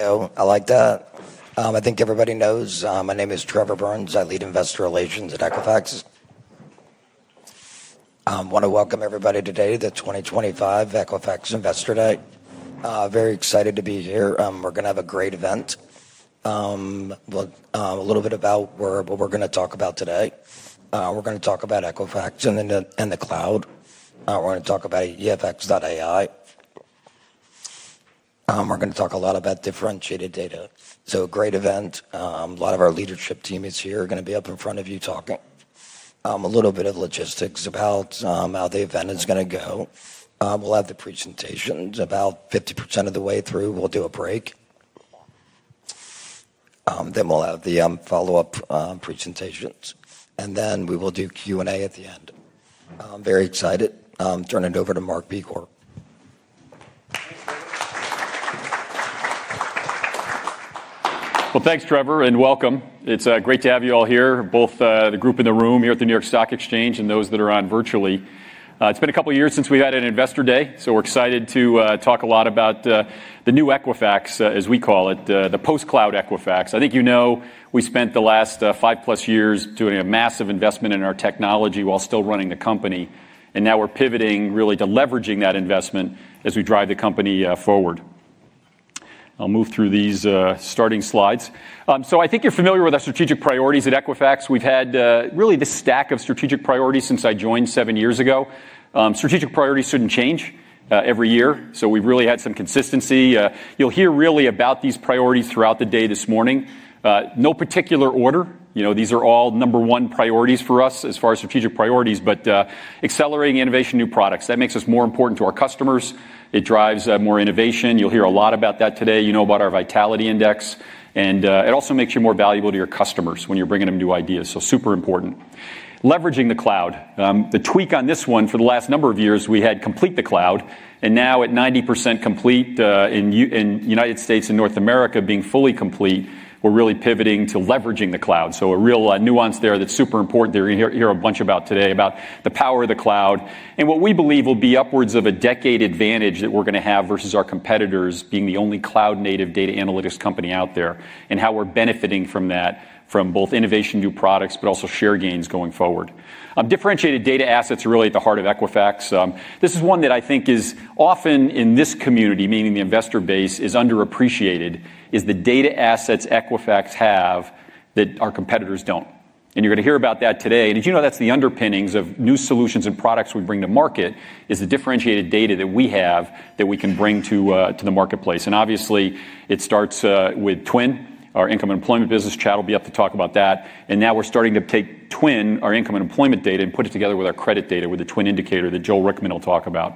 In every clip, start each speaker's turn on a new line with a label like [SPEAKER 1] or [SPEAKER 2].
[SPEAKER 1] I like that. I think everybody knows my name is Trevor Burns. I lead investor relations at Equifax. I want to welcome everybody today to the 2025 Equifax Investor Day. Very excited to be here. We're going to have a great event. A little bit about what we're going to talk about today. We're going to talk about Equifax and the cloud. We're going to talk about EFX.AI. We're going to talk a lot about differentiated data. Great event. A lot of our leadership team is here. We're going to be up in front of you talking. A little bit of logistics about how the event is going to go. We'll have the presentations about 50% of the way through. We'll do a break, then we'll have the follow-up presentations. And then we will do Q&A at the end. Very excited. Turning it over to Mark Begor.
[SPEAKER 2] Thanks, Trevor, and welcome. It's great to have you all here, both the group in the room here at the New York Stock Exchange and those that are on virtually. It's been a couple of years since we've had an Investor Day, so we're excited to talk a lot about the new Equifax, as we call it, the post-cloud Equifax. I think you know we spent the last five-plus years doing a massive investment in our technology while still running the company. Now we're pivoting really to leveraging that investment as we drive the company forward. I'll move through these starting slides. I think you're familiar with our strategic priorities at Equifax. We've had really this stack of strategic priorities since I joined seven years ago. Strategic priorities shouldn't change every year. We've really had some consistency. You'll hear really about these priorities throughout the day this morning. No particular order. These are all number one priorities for us as far as strategic priorities, but accelerating innovation in new products. That makes us more important to our customers. It drives more innovation. You'll hear a lot about that today. You know about our vitality index and it also makes you more valuable to your customers when you're bringing them new ideas. Super important. Leveraging the cloud. The tweak on this one for the last number of years, we had complete the cloud. Now at 90% complete in the United States and North America being fully complete, we're really pivoting to leveraging the cloud. A real nuance there that's super important that you're going to hear a bunch about today about the power of the cloud. What we believe will be upwards of a decade advantage that we're going to have versus our competitors is being the only cloud-native data analytics company out there and how we're benefiting from that from both innovation in new products, but also share gains going forward. Differentiated data assets are really at the heart of Equifax. This is one that I think is often in this community, meaning the investor base, underappreciated, is the data assets Equifax has that our competitors do not. You're going to hear about that today. As you know, that's the underpinnings of new solutions and products we bring to market, the differentiated data that we have that we can bring to the marketplace. Obviously, it starts with Twin, our income and employment business. Chad will be up to talk about that. We are now starting to take Twin, our income and employment data, and put it together with our credit data with the Twin Indicator that Joel Rickman will talk about.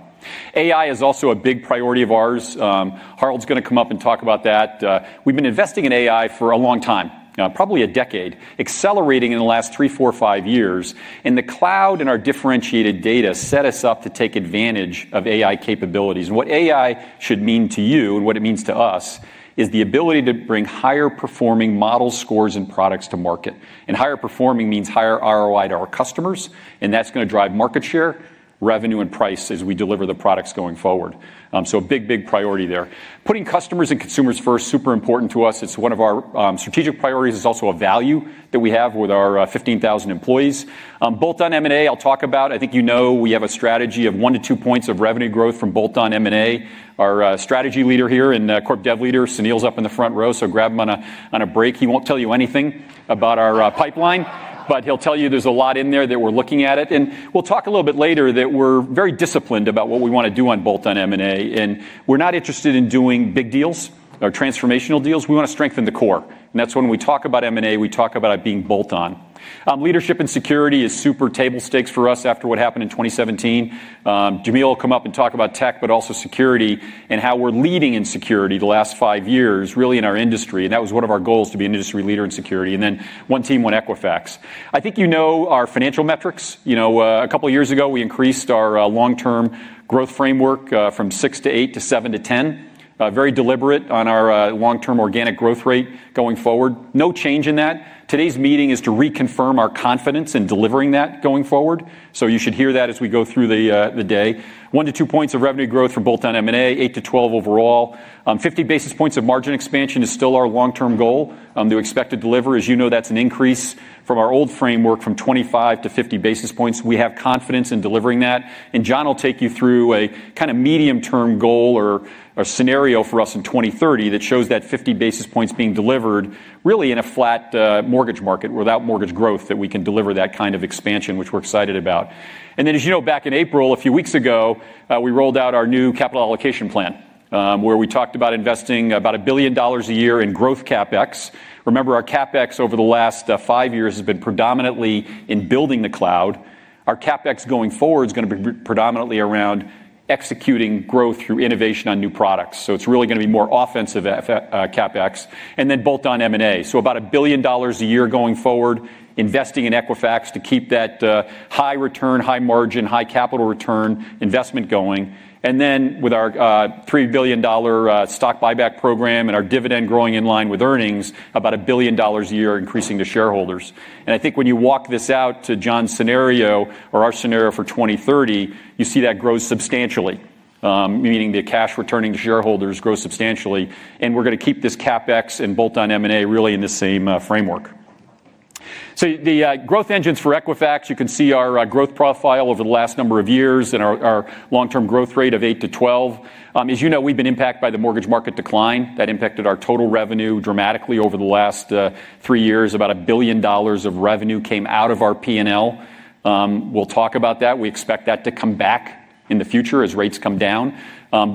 [SPEAKER 2] AI is also a big priority of ours. Harold is going to come up and talk about that. We have been investing in AI for a long time, probably a decade, accelerating in the last three, four, five years. The cloud and our differentiated data set us up to take advantage of AI capabilities. What AI should mean to you and what it means to us is the ability to bring higher-performing models, scores, and products to market. Higher performing means higher ROI to our customers. That is going to drive market share, revenue, and price as we deliver the products going forward. A big, big priority there. Putting customers and consumers first is super important to us. It's one of our strategic priorities. It's also a value that we have with our 15,000 employees. Bolt-on M&A I'll talk about. I think you know we have a strategy of one to two points of revenue growth from bolt-on M&A. Our strategy leader here and corp dev leader, Sunil's up in the front row, so grab him on a break. He won't tell you anything about our pipeline, but he'll tell you there's a lot in there that we're looking at. We'll talk a little bit later that we're very disciplined about what we want to do on bolt-on M&A. We're not interested in doing big deals or transformational deals. We want to strengthen the core. That's when we talk about M&A, we talk about it being bolt-on. Leadership and security is super table stakes for us after what happened in 2017. Jamil will come up and talk about tech, but also security and how we're leading in security the last five years really in our industry. That was one of our goals to be an industry leader in security and then one team, one Equifax. I think you know our financial metrics. A couple of years ago, we increased our long-term growth framework from 6%-8% to 7%-10%. Very deliberate on our long-term organic growth rate going forward. No change in that. Today's meeting is to reconfirm our confidence in delivering that going forward. You should hear that as we go through the day. One to two points of revenue growth from bolt-on M&A, 8%-12% overall. Fifty basis points of margin expansion is still our long-term goal. The expected delivery, as you know, that is an increase from our old framework from 25 to 50 basis points. We have confidence in delivering that. John will take you through a kind of medium-term goal or scenario for us in 2030 that shows that 50 basis points being delivered really in a flat mortgage market without mortgage growth that we can deliver that kind of expansion, which we are excited about. As you know, back in April, a few weeks ago, we rolled out our new capital allocation plan where we talked about investing about $1 billion a year in growth CapEx. Remember, our CapEx over the last five years has been predominantly in building the cloud. Our CapEx going forward is going to be predominantly around executing growth through innovation on new products. It is really going to be more offensive CapEx. And then bolt-on M&A. About $1 billion a year going forward, investing in Equifax to keep that high return, high margin, high capital return investment going. With our $3 billion stock buyback program and our dividend growing in line with earnings, about $1 billion a year increasing to shareholders. I think when you walk this out to John's scenario or our scenario for 2030, you see that grows substantially, meaning the cash returning to shareholders grows substantially. We're going to keep this CapEx and bolt-on M&A really in the same framework. The growth engines for Equifax, you can see our growth profile over the last number of years and our long-term growth rate of 8%-12%. As you know, we've been impacted by the mortgage market decline. That impacted our total revenue dramatically over the last three years. About $1 billion of revenue came out of our P&L. We'll talk about that. We expect that to come back in the future as rates come down.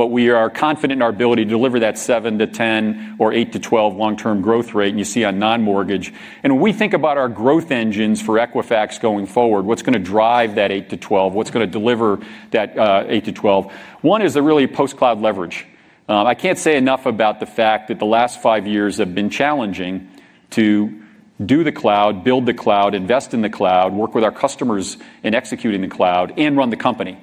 [SPEAKER 2] We are confident in our ability to deliver that 7%-10% or 8%-12% long-term growth rate you see on non-mortgage. When we think about our growth engines for Equifax going forward, what's going to drive that 8%-12%, what's going to deliver that 8%-12%? One is really post-cloud leverage. I can't say enough about the fact that the last five years have been challenging to do the cloud, build the cloud, invest in the cloud, work with our customers in executing the cloud, and run the company.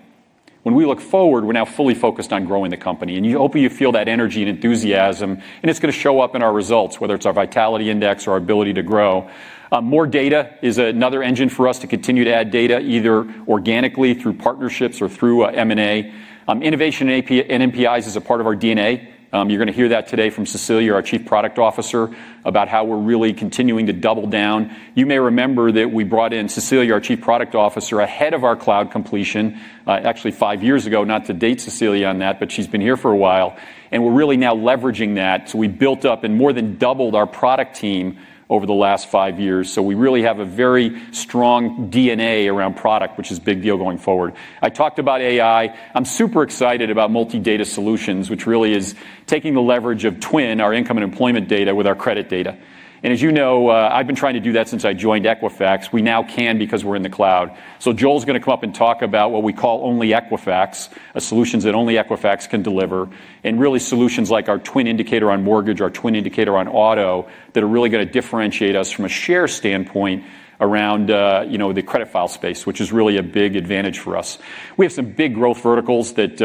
[SPEAKER 2] When we look forward, we are now fully focused on growing the company. You hope you feel that energy and enthusiasm. It is going to show up in our results, whether it is our vitality index or our ability to grow. More data is another engine for us to continue to add data, either organically through partnerships or through M&A. Innovation and NPIs is a part of our DNA. You are going to hear that today from Cecilia, our Chief Product Officer, about how we are really continuing to double down. You may remember that we brought in Cecilia, our Chief Product Officer, ahead of our cloud completion, actually five years ago. Not to date Cecilia on that, but she has been here for a while. We are really now leveraging that. We built up and more than doubled our product team over the last five years. We really have a very strong DNA around product, which is a big deal going forward. I talked about AI. I'm super excited about multi-data solutions, which really is taking the leverage of Twin, our income and employment data, with our credit data. And as you know, I've been trying to do that since I joined Equifax. We now can because we're in the cloud. Joel's going to come up and talk about what we call OnlyEquifax, solutions that only Equifax can deliver. Really, solutions like our Twin Indicator on mortgage, our Twin Indicator on auto that are really going to differentiate us from a share standpoint around the credit file space, which is really a big advantage for us. We have some big growth verticals that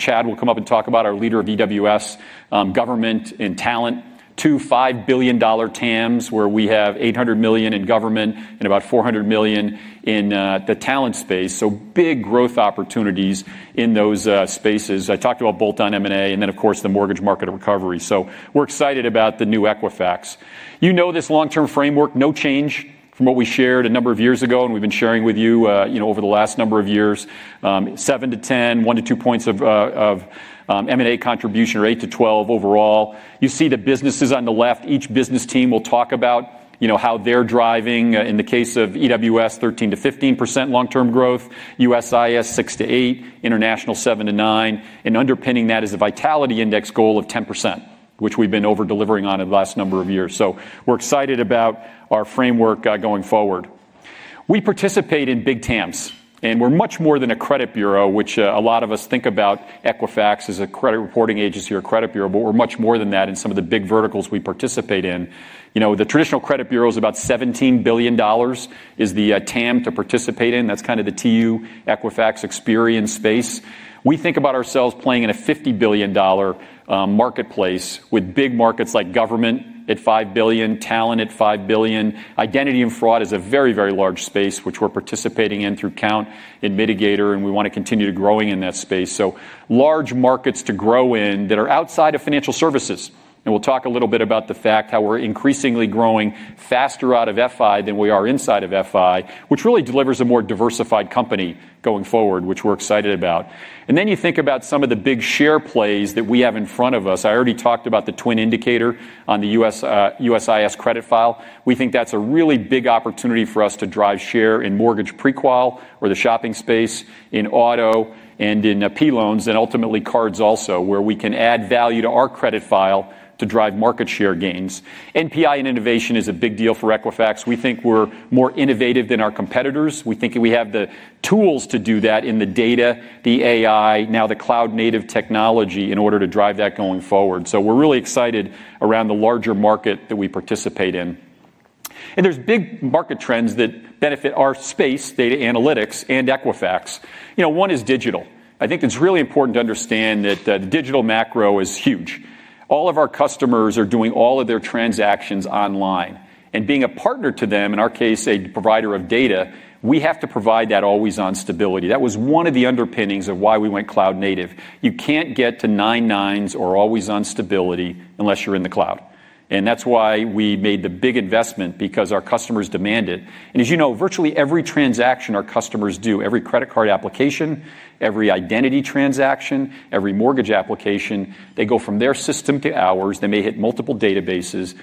[SPEAKER 2] Chad will come up and talk about, our leader of EWS, government and talent. Two-$5 billion TAMs where we have $800 million in government and about $400 million in the talent space. So, big growth opportunities in those spaces. I talked about bolt-on M&A and then, of course, the mortgage market recovery. So, we're excited about the new Equifax. You know this long-term framework, no change from what we shared a number of years ago, and we've been sharing with you over the last number of years. 7%-10%, one to two points of M&A contribution or 8%-12% overall. You see the businesses on the left. Each business team will talk about how they're driving. In the case of EWS, 13%-15% long-term growth. USIS, 6%-8%, international 7%-9%. And underpinning that is a vitality index goal of 10%, which we've been over-delivering on in the last number of years. So, we're excited about our framework going forward. We participate in big TAMs. We're much more than a credit bureau, which a lot of us think about Equifax as a credit reporting agency or credit bureau, but we're much more than that in some of the big verticals we participate in. The traditional credit bureau is about $17 billion is the TAM to participate in. That's kind of the TU Equifax Experian space. We think about ourselves playing in a $50 billion marketplace with big markets like government at $5 billion, talent at $5 billion. Identity and fraud is a very, very large space, which we're participating in through Count and Mitigator. We want to continue to grow in that space. Large markets to grow in that are outside of financial services. We'll talk a little bit about the fact how we're increasingly growing faster out of FI than we are inside of FI, which really delivers a more diversified company going forward, which we're excited about. You think about some of the big share plays that we have in front of us. I already talked about the Twin Indicator on the USIS credit file. We think that's a really big opportunity for us to drive share in mortgage prequel or the shopping space in auto and in P-loans and ultimately cards also where we can add value to our credit file to drive market share gains. NPI and innovation is a big deal for Equifax. We think we're more innovative than our competitors. We think we have the tools to do that in the data, the AI, now the cloud-native technology in order to drive that going forward. We are really excited around the larger market that we participate in. There are big market trends that benefit our space, data analytics and Equifax. One is digital. I think it is really important to understand that the digital macro is huge. All of our customers are doing all of their transactions online. Being a partner to them, in our case, a provider of data, we have to provide that always-on stability. That was one of the underpinnings of why we went cloud-native. You cannot get to nine-nines or always-on stability unless you are in the cloud. That is why we made the big investment because our customers demand it. As you know, virtually every transaction our customers do, every credit card application, every identity transaction, every mortgage application, they go from their system to ours. They may hit multiple databases.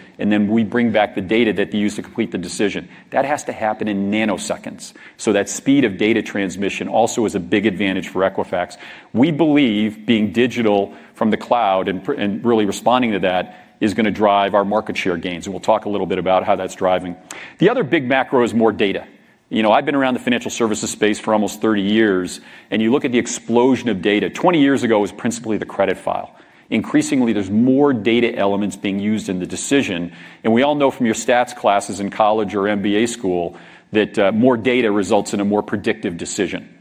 [SPEAKER 2] We bring back the data that they use to complete the decision. That has to happen in nanoseconds. That speed of data transmission also is a big advantage for Equifax. We believe being digital from the cloud and really responding to that is going to drive our market share gains. We will talk a little bit about how that is driving. The other big macro is more data. I have been around the financial services space for almost thirty years. You look at the explosion of data. Twenty years ago, it was principally the credit file. Increasingly, there are more data elements being used in the decision. We all know from your stats classes in college or MBA school that more data results in a more predictive decision.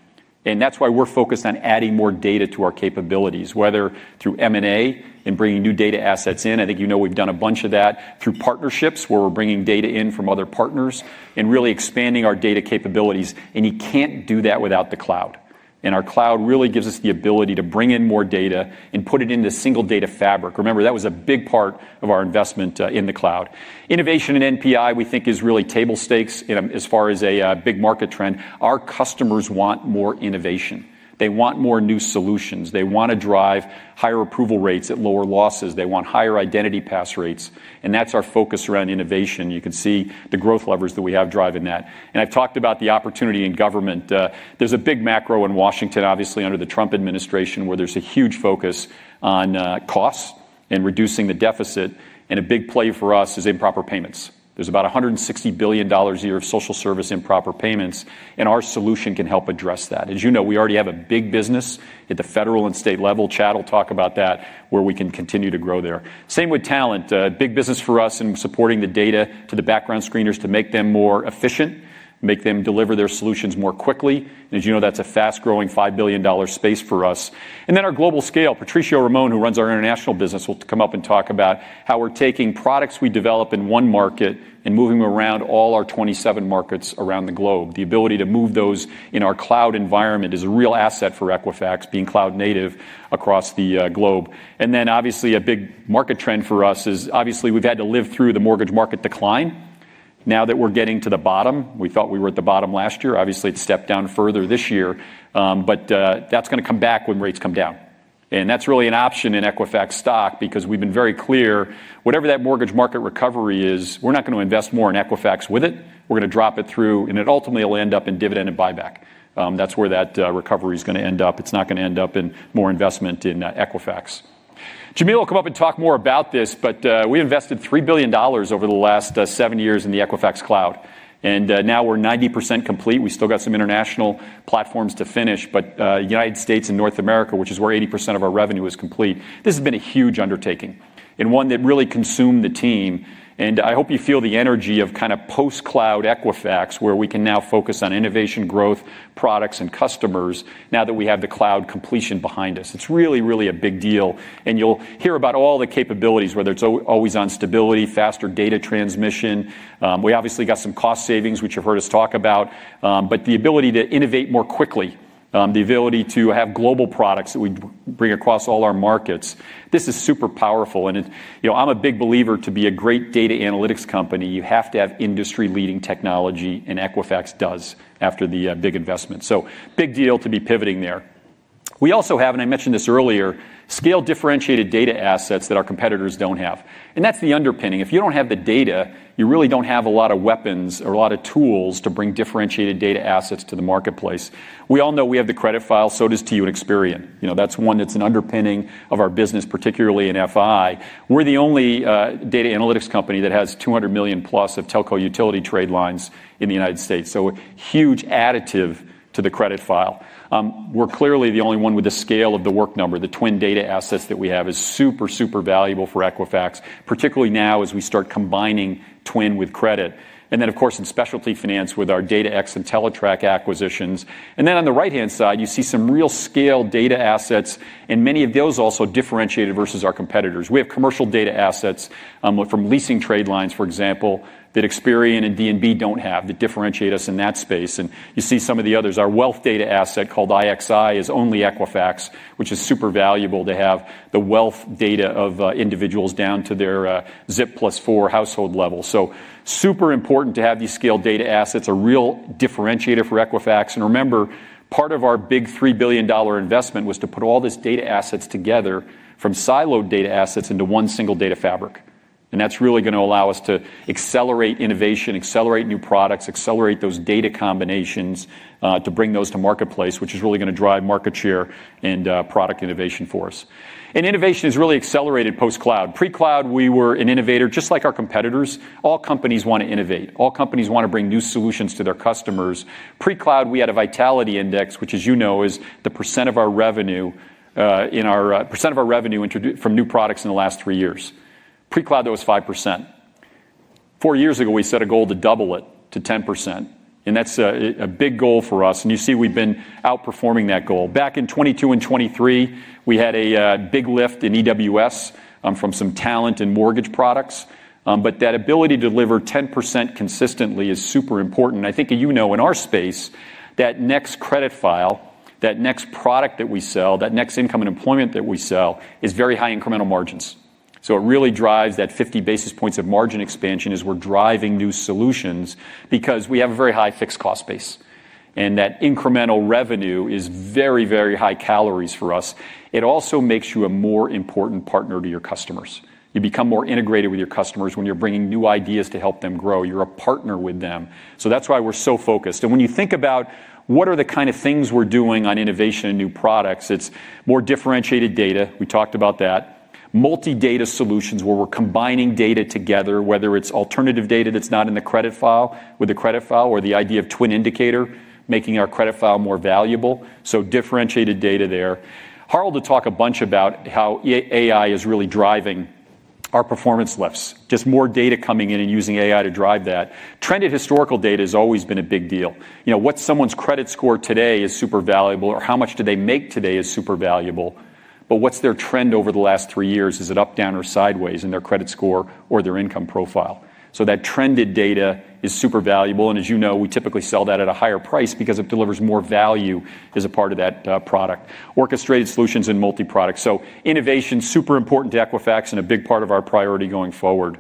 [SPEAKER 2] That is why we are focused on adding more data to our capabilities, whether through M&A and bringing new data assets in. I think you know we have done a bunch of that through partnerships where we are bringing data in from other partners and really expanding our data capabilities. You can't do that without the cloud. Our cloud really gives us the ability to bring in more data and put it into a single data fabric. Remember, that was a big part of our investment in the cloud. Innovation and NPI, we think, is really table stakes as far as a big market trend. Our customers want more innovation. They want more new solutions. They want to drive higher approval rates at lower losses. They want higher identity pass rates. That is our focus around innovation. You can see the growth levers that we have driving that. I have talked about the opportunity in government. There is a big macro in Washington, obviously, under the Trump administration where there is a huge focus on costs and reducing the deficit. A big play for us is improper payments. There is about $160 billion a year of social service improper payments. Our solution can help address that. As you know, we already have a big business at the federal and state level. Chad will talk about that where we can continue to grow there. Same with talent. Big business for us in supporting the data to the background screeners to make them more efficient, make them deliver their solutions more quickly. As you know, that's a fast-growing $5 billion space for us. Our global scale, Patricio Ramon, who runs our international business, will come up and talk about how we're taking products we develop in one market and moving them around all our 27 markets around the globe. The ability to move those in our cloud environment is a real asset for Equifax being cloud-native across the globe. Obviously, a big market trend for us is, obviously, we've had to live through the mortgage market decline. Now that we're getting to the bottom, we thought we were at the bottom last year. Obviously, it stepped down further this year. That's going to come back when rates come down. That is really an option in Equifax stock because we have been very clear whatever that mortgage market recovery is, we are not going to invest more in Equifax with it. We are going to drop it through. It ultimately will end up in dividend and buyback. That is where that recovery is going to end up. It is not going to end up in more investment in Equifax. Jamil will come up and talk more about this. We invested $3 billion over the last seven years in the Equifax Cloud. Now we are 90% complete. We still have some international platforms to finish. United States and North America, which is where 80% of our revenue is, are complete. This has been a huge undertaking and one that really consumed the team. I hope you feel the energy of kind of post-cloud Equifax where we can now focus on innovation, growth, products, and customers now that we have the cloud completion behind us. It is really, really a big deal. You will hear about all the capabilities, whether it is always-on stability, faster data transmission. We obviously got some cost savings, which you have heard us talk about. The ability to innovate more quickly, the ability to have global products that we bring across all our markets. This is super powerful. I am a big believer to be a great data analytics company. You have to have industry-leading technology. Equifax does after the big investment. Big deal to be pivoting there. We also have, and I mentioned this earlier, scale differentiated data assets that our competitors do not have. That is the underpinning. If you don't have the data, you really don't have a lot of weapons or a lot of tools to bring differentiated data assets to the marketplace. We all know we have the credit file. So does TU, Experian. That's one that's an underpinning of our business, particularly in FI. We're the only data analytics company that has 200+ million of telco utility trade lines in the United States. Huge additive to the credit file. We're clearly the only one with the scale of the work number. The Twin data assets that we have is super, super valuable for Equifax, particularly now as we start combining Twin with credit. And then, of course, in specialty finance with our DataX and Teletrack acquisitions. On the right-hand side, you see some real scale data assets. Many of those also differentiated versus our competitors. We have commercial data assets from leasing trade lines, for example, that Experian and D&B do not have that differentiate us in that space. You see some of the others. Our wealth data asset called IXI is only Equifax, which is super valuable to have the wealth data of individuals down to their ZIP+4 household level. Super important to have these scale data assets, a real differentiator for Equifax. Remember, part of our big $3 billion investment was to put all these data assets together from siloed data assets into one single data fabric. That is really going to allow us to accelerate innovation, accelerate new products, accelerate those data combinations to bring those to marketplace, which is really going to drive market share and product innovation for us. Innovation has really accelerated post-cloud. Pre-cloud, we were an innovator just like our competitors. All companies want to innovate. All companies want to bring new solutions to their customers. Pre-cloud, we had a vitality index, which, as you know, is the percent of our revenue from new products in the last three years. Pre-cloud, that was 5%. Four years ago, we set a goal to double it to 10%. That is a big goal for us. You see we have been outperforming that goal. Back in 2022 and 2023, we had a big lift in EWS from some talent and mortgage products. That ability to deliver 10% consistently is super important. I think, as you know, in our space, that next credit file, that next product that we sell, that next income and employment that we sell is very high incremental margins. It really drives that 50 basis points of margin expansion as we're driving new solutions because we have a very high fixed cost base. That incremental revenue is very, very high calories for us. It also makes you a more important partner to your customers. You become more integrated with your customers when you're bringing new ideas to help them grow. You're a partner with them. That's why we're so focused. When you think about what are the kind of things we're doing on innovation and new products, it's more differentiated data. We talked about that. Multi-data solutions where we're combining data together, whether it's alternative data that's not in the credit file with the credit file or the idea of Twin Indicator making our credit file more valuable. Differentiated data there. Harold will talk a bunch about how AI is really driving our performance lifts. Just more data coming in and using AI to drive that. Trend in historical data has always been a big deal. What's someone's credit score today is super valuable, or how much do they make today is super valuable. What's their trend over the last three years? Is it up, down, or sideways in their credit score or their income profile? That trend in data is super valuable. As you know, we typically sell that at a higher price because it delivers more value as a part of that product. Orchestrated solutions and multi-products. Innovation, super important to Equifax and a big part of our priority going forward.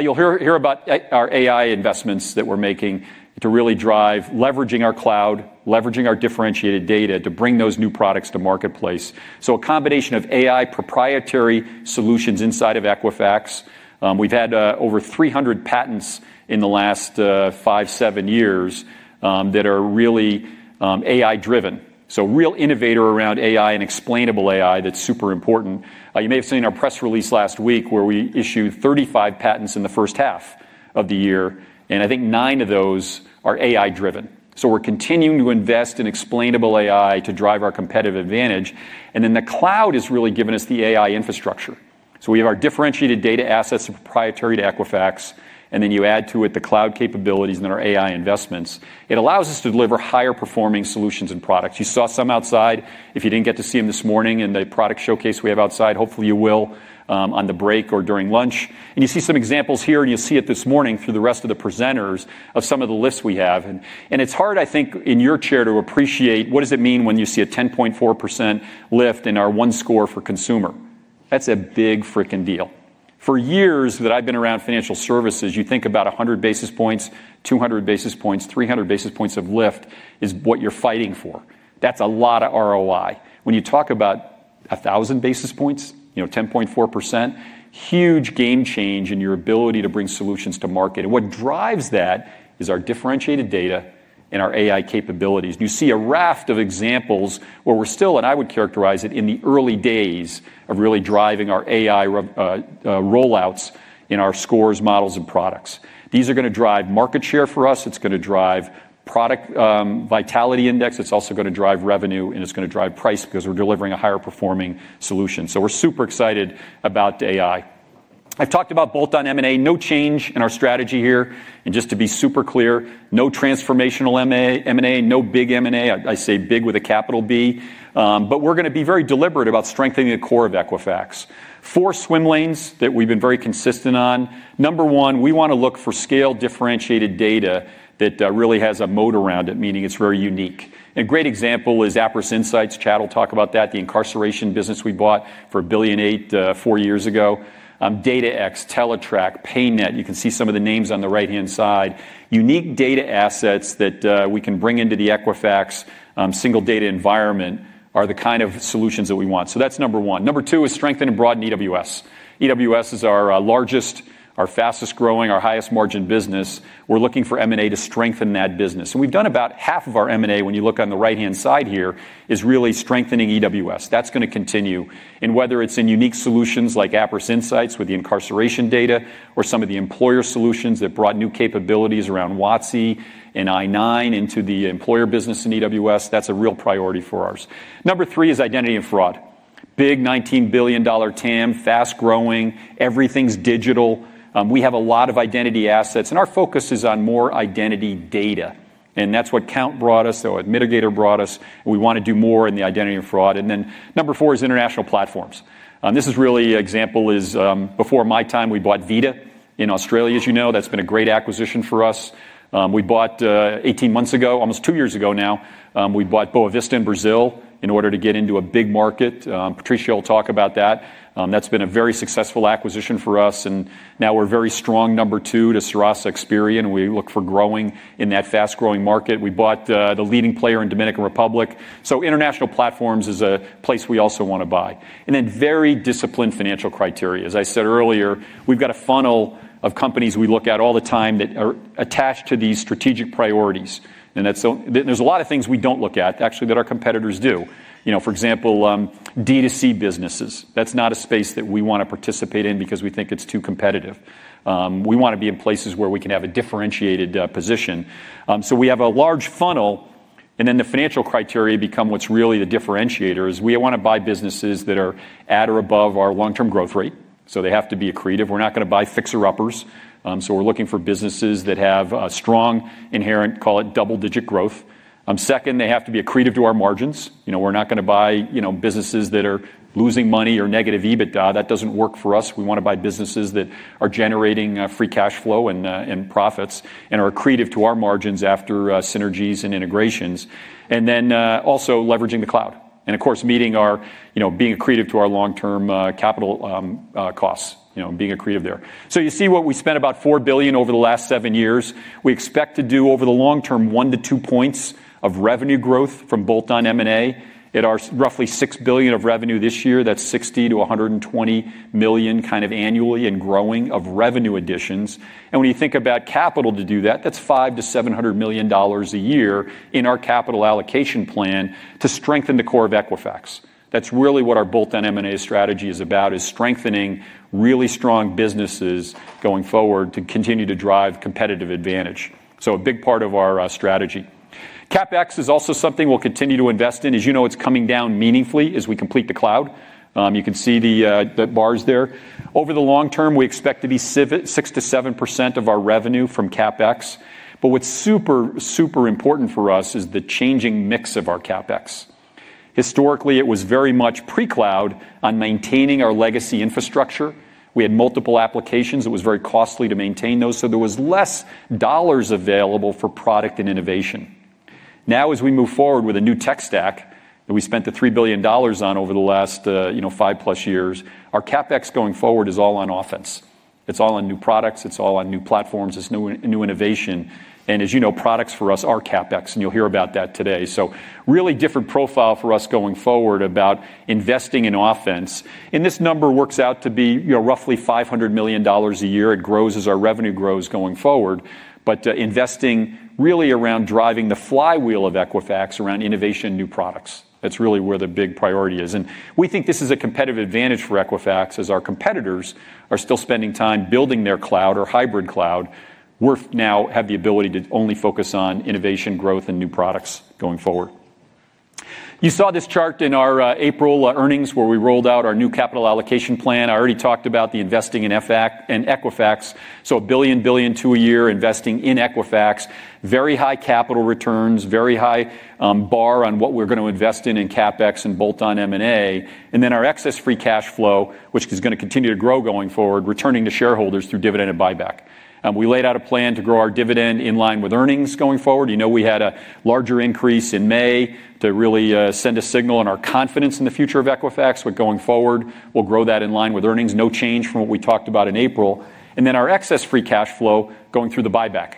[SPEAKER 2] You'll hear about our AI investments that we're making to really drive leveraging our cloud, leveraging our differentiated data to bring those new products to marketplace. A combination of AI proprietary solutions inside of Equifax. We've had over 300 patents in the last five, seven years that are really AI-driven. A real innovator around AI and explainable AI that's super important. You may have seen our press release last week where we issued 35 patents in the first half of the year. I think nine of those are AI-driven. We're continuing to invest in explainable AI to drive our competitive advantage. The cloud has really given us the AI infrastructure. We have our differentiated data assets proprietary to Equifax. You add to it the cloud capabilities and our AI investments. It allows us to deliver higher performing solutions and products. You saw some outside if you did not get to see them this morning in the product showcase we have outside. Hopefully, you will on the break or during lunch. You see some examples here. You will see it this morning through the rest of the presenters of some of the lifts we have. It is hard, I think, in your chair to appreciate what does it mean when you see a 10.4% lift in our One Score for consumer. That is a big freaking deal. For years that I have been around financial services, you think about 100 basis points, 200 basis points, 300 basis points of lift is what you are fighting for. That is a lot of ROI. When you talk about 1,000 basis points, 10.4%, huge game change in your ability to bring solutions to market. What drives that is our differentiated data and our AI capabilities. You see a raft of examples where we're still, and I would characterize it in the early days of really driving our AI rollouts in our scores, models, and products. These are going to drive market share for us. It's going to drive product vitality index. It's also going to drive revenue. It's going to drive price because we're delivering a higher performing solution. We're super excited about AI. I've talked about both on M&A. No change in our strategy here. Just to be super clear, no transformational M&A, no big M&A. I say big with a capital B. We're going to be very deliberate about strengthening the core of Equifax. Four swim lanes that we've been very consistent on. Number one, we want to look for scale differentiated data that really has a moat around it, meaning it's very unique. A great example is APRIS Insights. Chad will talk about that, the incarceration business we bought for $1 billion four years ago. DataX, Teletrack, PayNet. You can see some of the names on the right-hand side. Unique data assets that we can bring into the Equifax single data environment are the kind of solutions that we want. That's number one. Number two is strengthen and broaden EWS. EWS is our largest, our fastest growing, our highest margin business. We're looking for M&A to strengthen that business. We've done about half of our M&A, when you look on the right-hand side here, is really strengthening EWS. That's going to continue. Whether it is in unique solutions like APRIS Insights with the incarceration data or some of the employer solutions that brought new capabilities around WATSI and I-9 into the employer business in EWS, that is a real priority for ours. Number three is identity and fraud. Big $19 billion TAM, fast growing. Everything is digital. We have a lot of identity assets. Our focus is on more identity data. That is what Count brought us, or Mitigator brought us. We want to do more in the identity and fraud. Number four is international platforms. This is really an example is before my time, we bought Vida in Australia, as you know. That has been a great acquisition for us. We bought 18 months ago, almost two years ago now, we bought Boavista in Brazil in order to get into a big market. Patricio will talk about that. That's been a very successful acquisition for us. We are very strong, number two, to Serasa Experian. We look for growing in that fast-growing market. We bought the leading player in Dominican Republic. International platforms is a place we also want to buy. Very disciplined financial criteria. As I said earlier, we've got a funnel of companies we look at all the time that are attached to these strategic priorities. There are a lot of things we do not look at, actually, that our competitors do. For example, D2C businesses. That is not a space that we want to participate in because we think it is too competitive. We want to be in places where we can have a differentiated position. We have a large funnel. The financial criteria become what's really the differentiator is we want to buy businesses that are at or above our long-term growth rate. They have to be accretive. We're not going to buy fixer-uppers. We're looking for businesses that have strong inherent, call it double-digit growth. Second, they have to be accretive to our margins. We're not going to buy businesses that are losing money or negative EBITDA. That does not work for us. We want to buy businesses that are generating free cash flow and profits and are accretive to our margins after synergies and integrations. Also leveraging the cloud, and of course, meeting our being accretive to our long-term capital costs, being accretive there. You see what we spent about $4 billion over the last seven years. We expect to do, over the long-term, one to two points of revenue growth from bolt-on M&A. At our roughly $6 billion of revenue this year, that's $60 million-$120 million kind of annually and growing of revenue additions. When you think about capital to do that, that's $500 million-$700 million a year in our capital allocation plan to strengthen the core of Equifax. That's really what our bolt-on M&A strategy is about, is strengthening really strong businesses going forward to continue to drive competitive advantage. A big part of our strategy. CapEx is also something we'll continue to invest in. As you know, it's coming down meaningfully as we complete the cloud. You can see the bars there. Over the long-term, we expect to be 6%-7% of our revenue from CapEx. What is super, super important for us is the changing mix of our CapEx. Historically, it was very much pre-cloud on maintaining our legacy infrastructure. We had multiple applications. It was very costly to maintain those. There was less dollars available for product and innovation. Now, as we move forward with a new tech stack that we spent $3 billion on over the last five-plus years, our CapEx going forward is all on offense. It is all on new products. It is all on new platforms. It is new innovation. As you know, products for us are CapEx. You will hear about that today. It is really a different profile for us going forward about investing in offense. This number works out to be roughly $500 million a year. It grows as our revenue grows going forward. Investing really around driving the flywheel of Equifax around innovation and new products. That's really where the big priority is. We think this is a competitive advantage for Equifax as our competitors are still spending time building their cloud or hybrid cloud. We now have the ability to only focus on innovation, growth, and new products going forward. You saw this chart in our April earnings where we rolled out our new capital allocation plan. I already talked about the investing in Equifax. A billion, billion to a year investing in Equifax. Very high capital returns, very high bar on what we're going to invest in in CapEx and both on M&A. Our excess free cash flow, which is going to continue to grow going forward, returning to shareholders through dividend and buyback. We laid out a plan to grow our dividend in line with earnings going forward. You know we had a larger increase in May to really send a signal on our confidence in the future of Equifax. Going forward, we'll grow that in line with earnings. No change from what we talked about in April. Our excess free cash flow going through the buyback.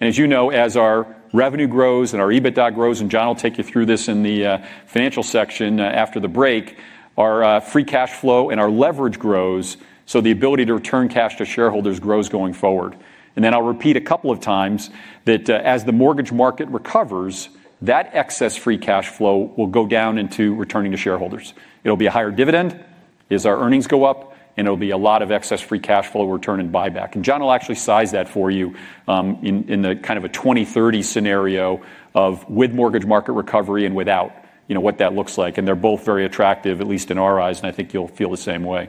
[SPEAKER 2] As you know, as our revenue grows and our EBITDA grows, and John will take you through this in the financial section after the break, our free cash flow and our leverage grows. The ability to return cash to shareholders grows going forward. I'll repeat a couple of times that as the mortgage market recovers, that excess free cash flow will go down into returning to shareholders. It'll be a higher dividend as our earnings go up. It'll be a lot of excess free cash flow return and buyback. John will actually size that for you in the kind of a 2030 scenario of with mortgage market recovery and without, what that looks like. They're both very attractive, at least in our eyes. I think you'll feel the same way.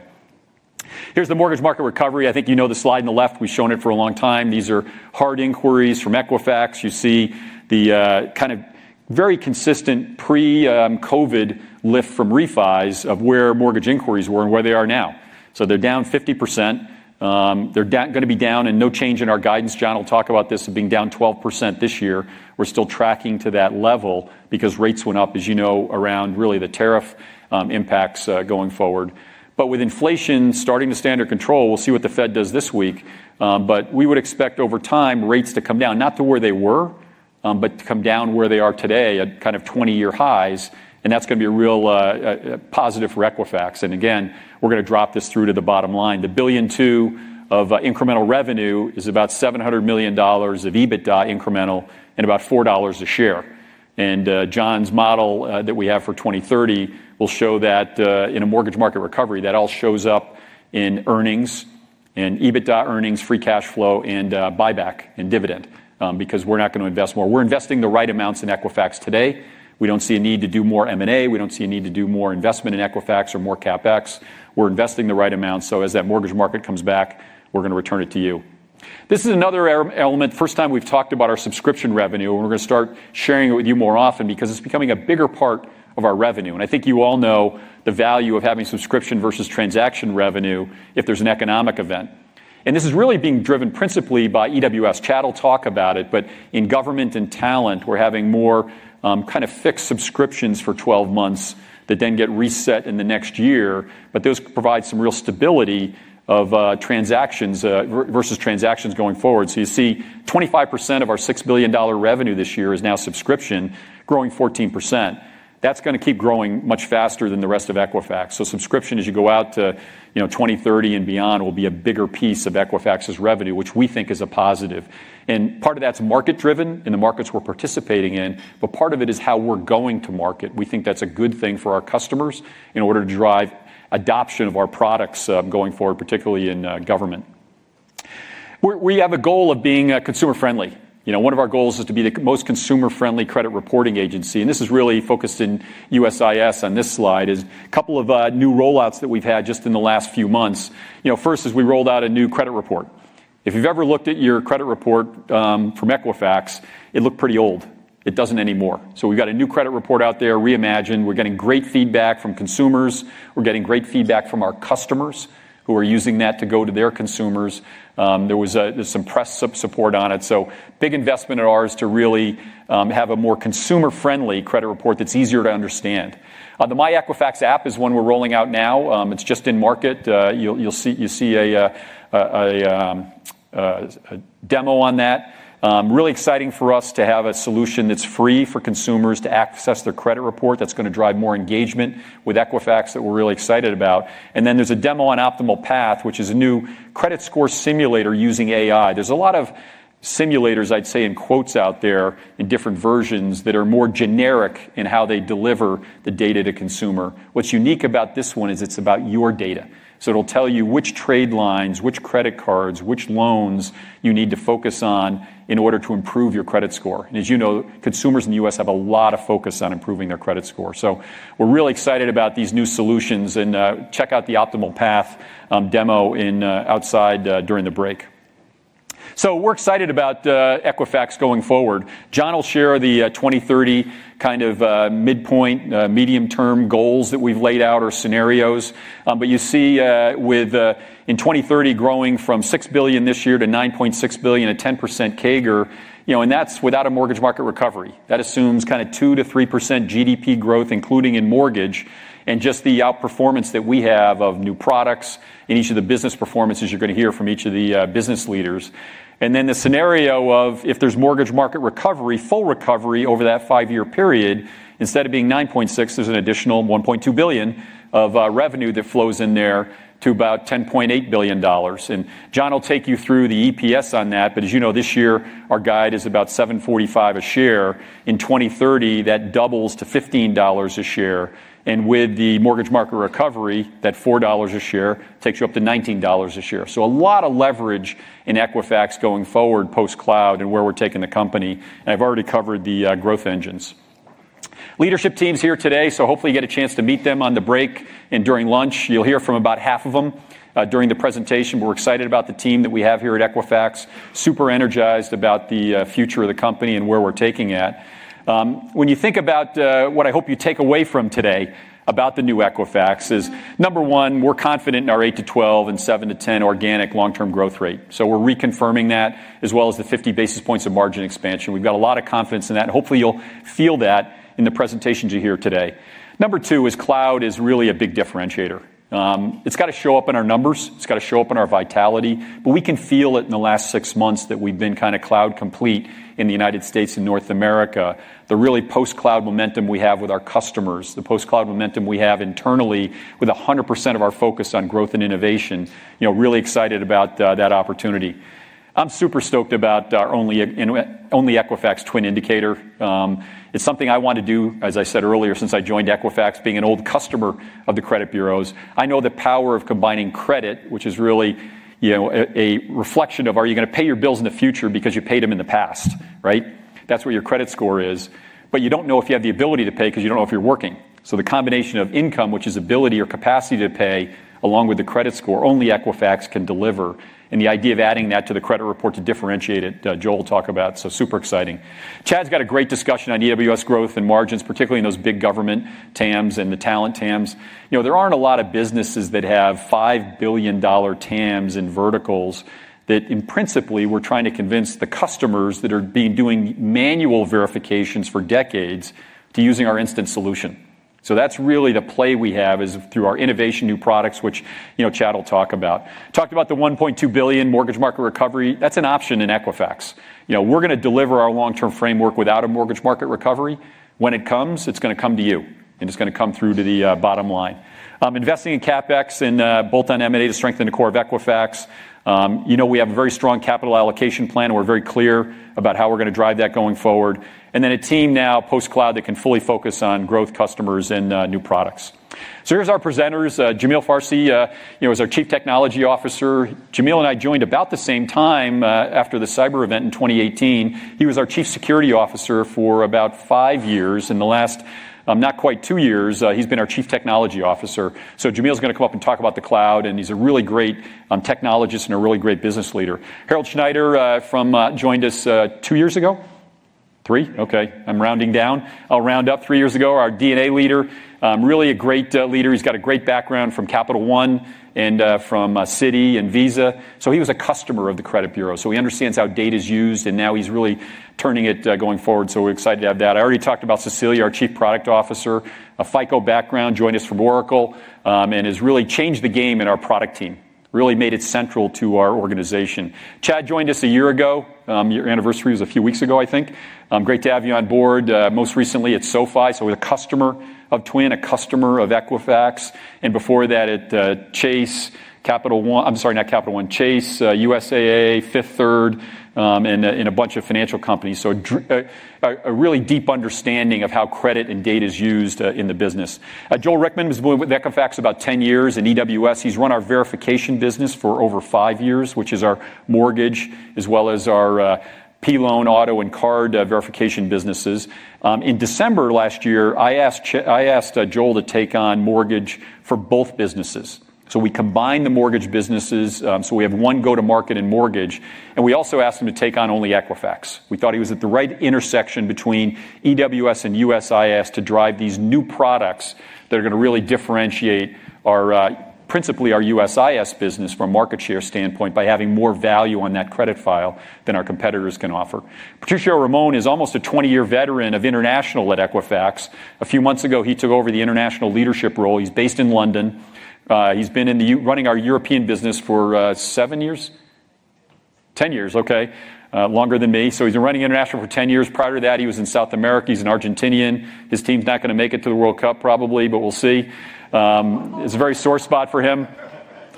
[SPEAKER 2] Here's the mortgage market recovery. I think you know the slide on the left. We've shown it for a long time. These are hard inquiries from Equifax. You see the kind of very consistent pre-COVID lift from Refis of where mortgage inquiries were and where they are now. They're down 50%. They're going to be down and no change in our guidance. John will talk about this being down 12% this year. We're still tracking to that level because rates went up, as you know, around really the tariff impacts going forward. With inflation starting to stand in control, we'll see what the Fed does this week. We would expect over time rates to come down, not to where they were, but to come down where they are today at kind of 20-year highs. That's going to be a real positive for Equifax. Again, we're going to drop this through to the bottom line. The billion two of incremental revenue is about $700 million of EBITDA incremental and about $4 a share. John's model that we have for 2030 will show that in a mortgage market recovery, that all shows up in earnings and EBITDA earnings, free cash flow, and buyback and dividend because we're not going to invest more. We're investing the right amounts in Equifax today. We don't see a need to do more M&A. We don't see a need to do more investment in Equifax or more CapEx. We're investing the right amount. As that mortgage market comes back, we're going to return it to you. This is another element, first time we've talked about our subscription revenue. We're going to start sharing it with you more often because it's becoming a bigger part of our revenue. I think you all know the value of having subscription versus transaction revenue if there's an economic event. This is really being driven principally by EWS. Chad will talk about it. In government and talent, we're having more kind of fixed subscriptions for twelve months that then get reset in the next year. Those provide some real stability of transactions versus transactions going forward. You see 25% of our $6 billion revenue this year is now subscription, growing 14%. That is going to keep growing much faster than the rest of Equifax. Subscription as you go out to 2030 and beyond will be a bigger piece of Equifax's revenue, which we think is a positive. Part of that is market-driven in the markets we are participating in. Part of it is how we are going to market. We think that is a good thing for our customers in order to drive adoption of our products going forward, particularly in government. We have a goal of being consumer-friendly. One of our goals is to be the most consumer-friendly credit reporting agency. This is really focused in USIS on this slide. It is a couple of new rollouts that we have had just in the last few months. First is we rolled out a new credit report. If you've ever looked at your credit report from Equifax, it looked pretty old. It doesn't anymore. We've got a new credit report out there, reimagined. We're getting great feedback from consumers. We're getting great feedback from our customers who are using that to go to their consumers. There was some press support on it. Big investment of ours to really have a more consumer-friendly credit report that's easier to understand. The My Equifax app is one we're rolling out now. It's just in market. You'll see a demo on that. Really exciting for us to have a solution that's free for consumers to access their credit report. That's going to drive more engagement with Equifax that we're really excited about. There is a demo on Optimal Path, which is a new credit score simulator using AI. There's a lot of simulators, I'd say, in quotes out there in different versions that are more generic in how they deliver the data to consumer. What's unique about this one is it's about your data. It will tell you which trade lines, which credit cards, which loans you need to focus on in order to improve your credit score. As you know, consumers in the U.S. have a lot of focus on improving their credit score. We're really excited about these new solutions. Check out the Optimal Path demo outside during the break. We're excited about Equifax going forward. John will share the 2030 kind of midpoint, medium-term goals that we've laid out or scenarios. You see with in 2030 growing from $6 billion this year to $9.6 billion, a 10% CAGR. That's without a mortgage market recovery. That assumes kind of 2%-3% GDP growth, including in mortgage, and just the outperformance that we have of new products in each of the business performances you're going to hear from each of the business leaders. In the scenario of if there's mortgage market recovery, full recovery over that five-year period, instead of being $9.6 billion, there's an additional $1.2 billion of revenue that flows in there to about $10.8 billion. John will take you through the EPS on that. As you know, this year our guide is about $7.45 a share in 2030, that doubles to $15 a share. With the mortgage market recovery, that $4 a share takes you up to $19 a share. A lot of leverage in Equifax going forward post-cloud and where we're taking the company. I've already covered the growth engines. Leadership team's here today. Hopefully you get a chance to meet them on the break and during lunch. You'll hear from about half of them during the presentation. We're excited about the team that we have here at Equifax, super energized about the future of the company and where we're taking it. When you think about what I hope you take away from today about the new Equifax is, number one, we're confident in our 8%-12% and 7%-10% organic long-term growth rate. We're reconfirming that as well as the 50 basis points of margin expansion. We've got a lot of confidence in that. Hopefully you'll feel that in the presentations you hear today. Number two is cloud is really a big differentiator. It's got to show up in our numbers. It's got to show up in our vitality. We can feel it in the last six months that we've been kind of cloud complete in the United States and North America. The really post-cloud momentum we have with our customers, the post-cloud momentum we have internally with 100% of our focus on growth and innovation. Really excited about that opportunity. I'm super stoked about OnlyEquifax Twin Indicator. It's something I want to do, as I said earlier, since I joined Equifax, being an old customer of the credit bureaus. I know the power of combining credit, which is really a reflection of are you going to pay your bills in the future because you paid them in the past, right? That's where your credit score is. You don't know if you have the ability to pay because you don't know if you're working. The combination of income, which is ability or capacity to pay, along with the credit score, only Equifax can deliver. The idea of adding that to the credit report to differentiate it, Joel will talk about. Super exciting. Chad's got a great discussion on EWS growth and margins, particularly in those big government TAMs and the talent TAMs. There aren't a lot of businesses that have $5 billion TAMs and verticals that in principle we're trying to convince the customers that have been doing manual verifications for decades to using our instant solution. That's really the play we have is through our innovation new products, which Chad will talk about. Talked about the $1.2 billion mortgage market recovery. That's an option in Equifax. We're going to deliver our long-term framework without a mortgage market recovery. When it comes, it is going to come to you. And it is going to come through to the bottom line. Investing in CapEx and both on M&A to strengthen the core of Equifax. We have a very strong capital allocation plan. We are very clear about how we are going to drive that going forward. And then a team now post-cloud that can fully focus on growth customers and new products. Here is our presenters. Jamil Farsi is our Chief Technology Officer. Jamil and I joined about the same time after the cyber event in 2018. He was our Chief Security Officer for about five years. In the last not quite two years, he has been our Chief Technology Officer. Jamil is going to come up and talk about the cloud. He is a really great technologist and a really great business leader. Harold Schneider joined us two years ago. Three? Okay. I'm rounding down. I'll round up. Three years ago, our DNA leader, really a great leader. He's got a great background from Capital One and from Citi and Visa. He was a customer of the credit bureau. He understands how data is used. Now he's really turning it going forward. We're excited to have that. I already talked about Cecilia, our Chief Product Officer. A FICO background, joined us from Oracle and has really changed the game in our product team. Really made it central to our organization. Chad joined us a year ago. Your anniversary was a few weeks ago, I think. Great to have you on board. Most recently at SoFi. We're a customer of Twin, a customer of Equifax. Before that at Chase, USAA, Fifth Third, and a bunch of financial companies. A really deep understanding of how credit and data is used in the business. Joel Rickman has been with Equifax about ten years in EWS. He's run our verification business for over five years, which is our mortgage as well as our PLON, auto, and card verification businesses. In December last year, I asked Joel to take on mortgage for both businesses. We combined the mortgage businesses. We have one go-to-market in mortgage. We also asked him to take on OnlyEquifax. We thought he was at the right intersection between EWS and USIS to drive these new products that are going to really differentiate principally our USIS business from a market share standpoint by having more value on that credit file than our competitors can offer. Patricio Ramon is almost a 20-year veteran of international at Equifax. A few months ago, he took over the international leadership role. He's based in London. He's been running our European business for 10 years. Okay. Longer than me. So, he's been running international for ten years. Prior to that, he was in South America. He's an Argentinian. His team's not going to make it to the World Cup probably, but we'll see. It's a very sore spot for him.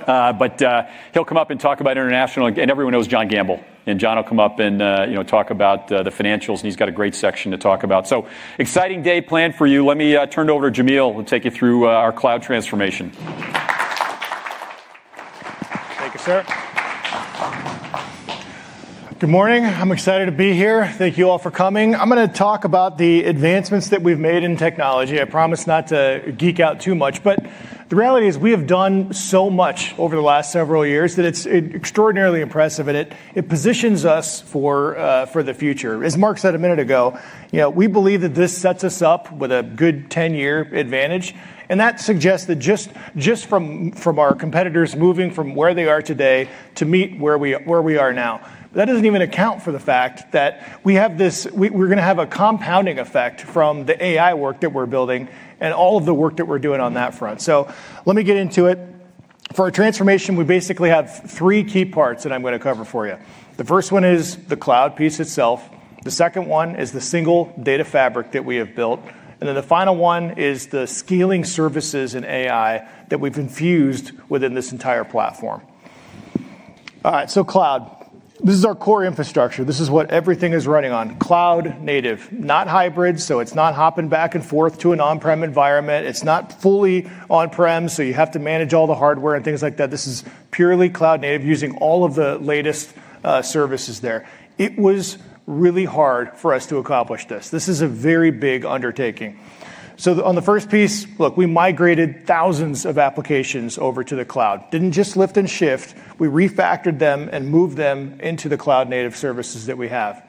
[SPEAKER 2] He'll come up and talk about international. Everyone knows John Gamble. John will come up and talk about the financials. He's got a great section to talk about. Exciting day planned for you. Let me turn it over to Jamil and take you through our cloud transformation.
[SPEAKER 3] Thank you, sir. Good morning. I'm excited to be here. Thank you all for coming. I'm going to talk about the advancements that we've made in technology. I promise not to geek out too much. The reality is we have done so much over the last several years that it's extraordinarily impressive. It positions us for the future. As Mark said a minute ago, we believe that this sets us up with a good 10-year advantage. That suggests that just from our competitors moving from where they are today to meet where we are now. That does not even account for the fact that we have this, we are going to have a compounding effect from the AI work that we are building and all of the work that we are doing on that front. Let me get into it. For our transformation, we basically have three key parts that I am going to cover for you. The first one is the cloud piece itself. The second one is the single data fabric that we have built. The final one is the scaling services and AI that we've infused within this entire platform. All right. Cloud. This is our core infrastructure. This is what everything is running on. Cloud native, not hybrid. It is not hopping back and forth to an on-prem environment. It is not fully on-prem, so you have to manage all the hardware and things like that. This is purely cloud native using all of the latest services there. It was really hard for us to accomplish this. This is a very big undertaking. On the first piece, look, we migrated thousands of applications over to the cloud. Did not just lift and shift. We refactored them and moved them into the cloud native services that we have.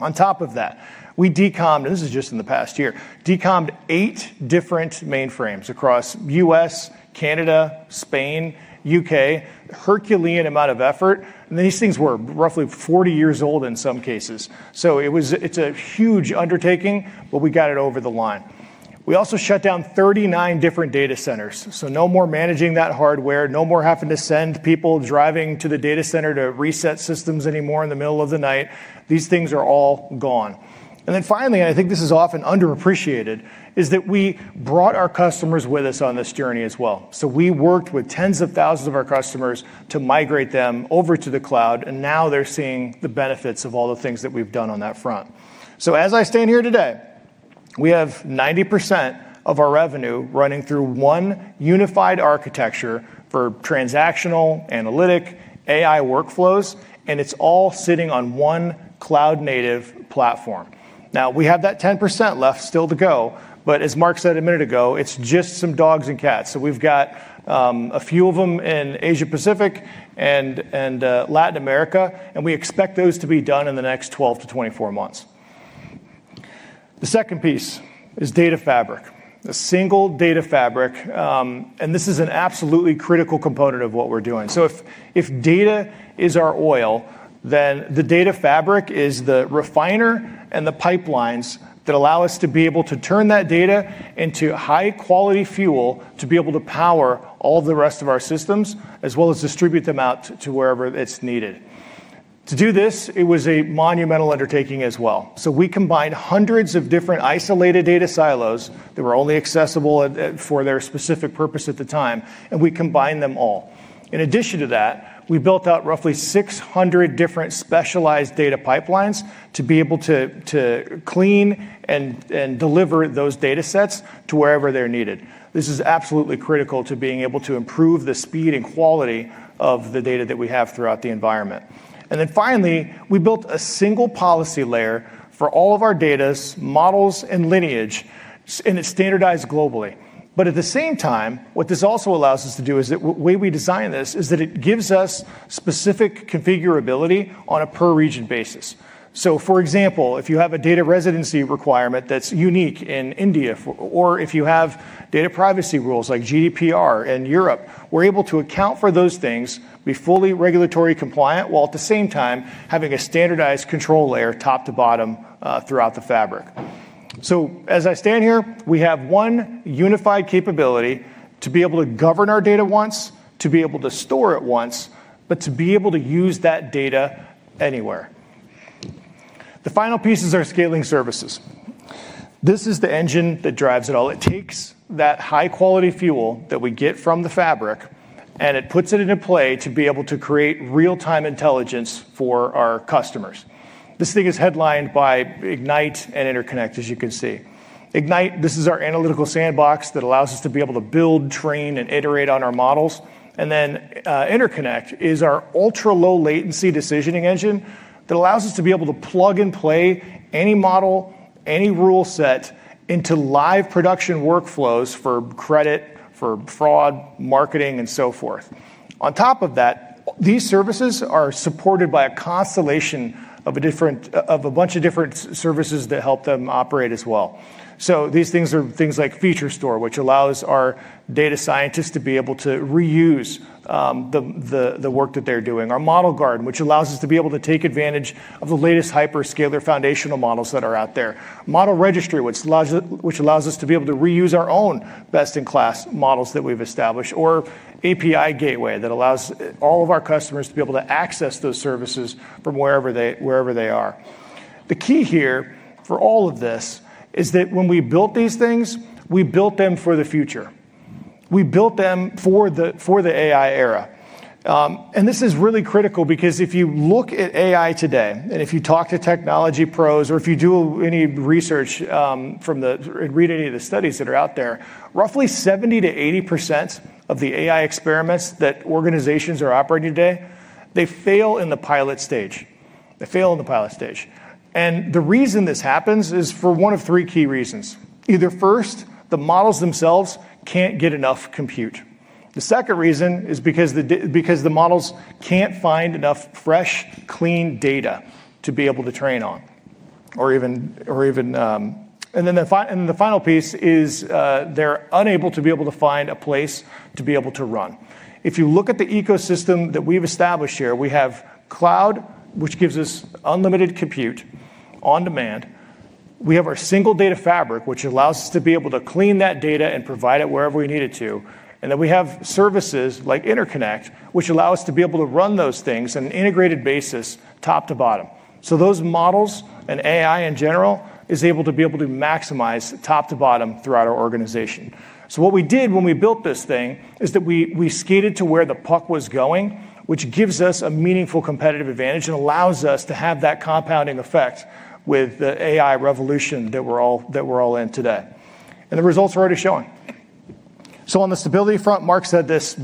[SPEAKER 3] On top of that, we decombed, and this is just in the past year, decombed eight different mainframes across U.S., Canada, Spain, U.K., a Herculean amount of effort. These things were roughly 40 years old in some cases. It is a huge undertaking, but we got it over the line. We also shut down thirty-nine different data centers. No more managing that hardware, no more having to send people driving to the data center to reset systems anymore in the middle of the night. These things are all gone. Finally, and I think this is often underappreciated, is that we brought our customers with us on this journey as well. We worked with tens of thousands of our customers to migrate them over to the cloud. Now they are seeing the benefits of all the things that we have done on that front. As I stand here today, we have 90% of our revenue running through one unified architecture for transactional, analytic, AI workflows. It is all sitting on one cloud native platform. We have that 10% left still to go. As Mark said a minute ago, it is just some dogs and cats. We have a few of them in Asia Pacific and Latin America and we expect those to be done in the next 12-24 months. The second piece is data fabric. A single data fabric. This is an absolutely critical component of what we are doing. If data is our oil, then the data fabric is the refiner and the pipelines that allow us to be able to turn that data into high-quality fuel to be able to power all the rest of our systems as well as distribute them out to wherever it's needed. To do this, it was a monumental undertaking as well. We combined hundreds of different isolated data silos that were only accessible for their specific purpose at the time. We combined them all. In addition to that, we built out roughly 600 different specialized data pipelines to be able to clean and deliver those data sets to wherever they're needed. This is absolutely critical to being able to improve the speed and quality of the data that we have throughout the environment. Finally, we built a single policy layer for all of our data, models, and lineage. It is standardized globally. At the same time, what this also allows us to do is that the way we designed this is that it gives us specific configurability on a per-region basis. For example, if you have a data residency requirement that is unique in India, or if you have data privacy rules like GDPR in Europe, we are able to account for those things, be fully regulatory compliant, while at the same time having a standardized control layer top to bottom throughout the fabric. As I stand here, we have one unified capability to be able to govern our data once, to be able to store it once, but to be able to use that data anywhere. The final piece is our scaling services. This is the engine that drives it all. It takes that high-quality fuel that we get from the fabric, and it puts it into play to be able to create real-time intelligence for our customers. This thing is headlined by Ignite and Interconnect, as you can see. Ignite, this is our analytical sandbox that allows us to be able to build, train, and iterate on our models. Interconnect is our ultra-low-latency decisioning engine that allows us to be able to plug and play any model, any rule set into live production workflows for credit, for fraud, marketing, and so forth. On top of that, these services are supported by a constellation of a bunch of different services that help them operate as well. These things are things like Feature Store, which allows our data scientists to be able to reuse the work that they're doing. Our Model Guard, which allows us to be able to take advantage of the latest hyperscaler foundational models that are out there. Model Registry, which allows us to be able to reuse our own best-in-class models that we've established. Our API Gateway that allows all of our customers to be able to access those services from wherever they are. The key here for all of this is that when we built these things, we built them for the future. We built them for the AI era. This is really critical because if you look at AI today, and if you talk to technology pros, or if you do any research and read any of the studies that are out there, roughly 70%-80% of the AI experiments that organizations are operating today, they fail in the pilot stage. They fail in the pilot stage. The reason this happens is for one of three key reasons. Either first, the models themselves cannot get enough compute. The second reason is because the models cannot find enough fresh, clean data to be able to train on. The final piece is they are unable to be able to find a place to be able to run. If you look at the ecosystem that we have established here, we have cloud, which gives us unlimited compute on demand. We have our single data fabric, which allows us to be able to clean that data and provide it wherever we need it to. We have services like Interconnect, which allow us to be able to run those things on an integrated basis top to bottom. Those models and AI in general are able to be able to maximize top to bottom throughout our organization. What we did when we built this thing is that we skated to where the puck was going, which gives us a meaningful competitive advantage and allows us to have that compounding effect with the AI revolution that we're all in today. The results are already showing. On the stability front, Mark said this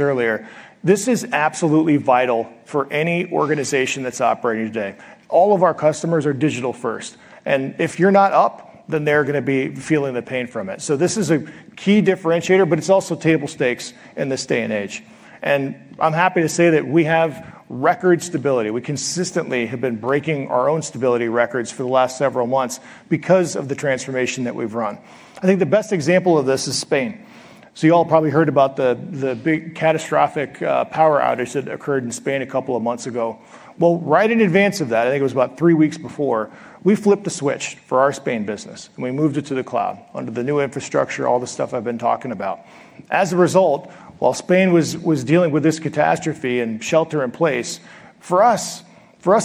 [SPEAKER 3] earlier. This is absolutely vital for any organization that's operating today. All of our customers are digital first. If you're not up, then they're going to be feeling the pain from it. This is a key differentiator, but it's also table stakes in this day and age. I'm happy to say that we have record stability. We consistently have been breaking our own stability records for the last several months because of the transformation that we've run. I think the best example of this is Spain. You all probably heard about the big catastrophic power outage that occurred in Spain a couple of months ago. Right in advance of that, I think it was about three weeks before, we flipped the switch for our Spain business. We moved it to the cloud under the new infrastructure, all the stuff I've been talking about. As a result, while Spain was dealing with this catastrophe and shelter in place, for us,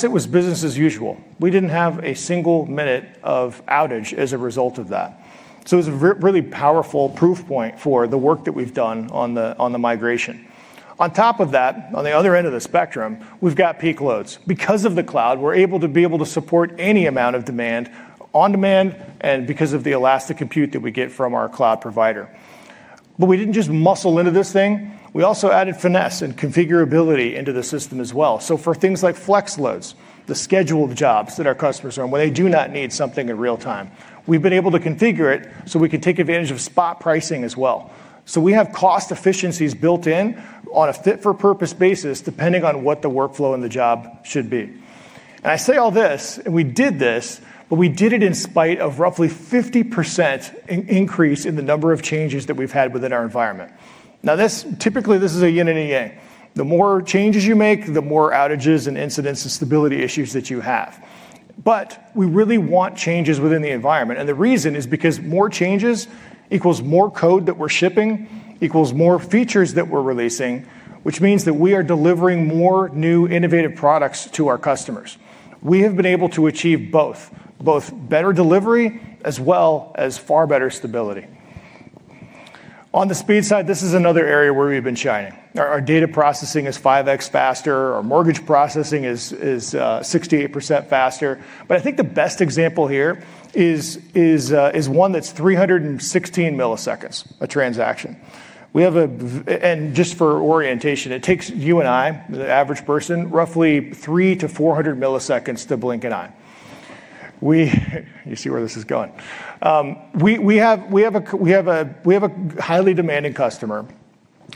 [SPEAKER 3] it was business as usual. We did not have a single minute of outage as a result of that. It was a really powerful proof point for the work that we've done on the migration. On top of that, on the other end of the spectrum, we've got peak loads. Because of the cloud, we're able to be able to support any amount of demand on demand and because of the elastic compute that we get from our cloud provider. We didn't just muscle into this thing. We also added finesse and configurability into the system as well. For things like flex loads, the schedule of jobs that our customers are on, where they do not need something in real time, we've been able to configure it so we can take advantage of spot pricing as well. We have cost efficiencies built in on a fit-for-purpose basis depending on what the workflow and the job should be. I say all this, and we did this, but we did it in spite of roughly 50% increase in the number of changes that we've had within our environment. Now, typically, this is a yin and a yang. The more changes you make, the more outages and incidents and stability issues that you have. We really want changes within the environment. The reason is because more changes equals more code that we're shipping, equals more features that we're releasing, which means that we are delivering more new innovative products to our customers. We have been able to achieve both, both better delivery as well as far better stability. On the speed side, this is another area where we've been shining. Our data processing is 5x faster. Our mortgage processing is 68% faster. I think the best example here is one that's 316 milliseconds, a transaction. We have a, and just for orientation, it takes you and I, the average person, roughly 300-400 milliseconds to blink an eye. You see where this is going. We have a highly demanding customer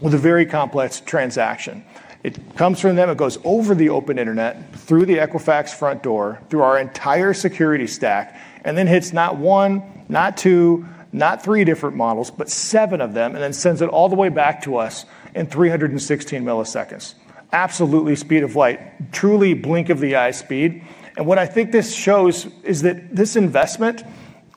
[SPEAKER 3] with a very complex transaction. It comes from them, it goes over the open internet, through the Equifax front door, through our entire security stack, and then hits not one, not two, not three different models, but seven of them, and then sends it all the way back to us in 316 milliseconds. Absolutely speed of light, truly blink of the eye speed. What I think this shows is that this investment,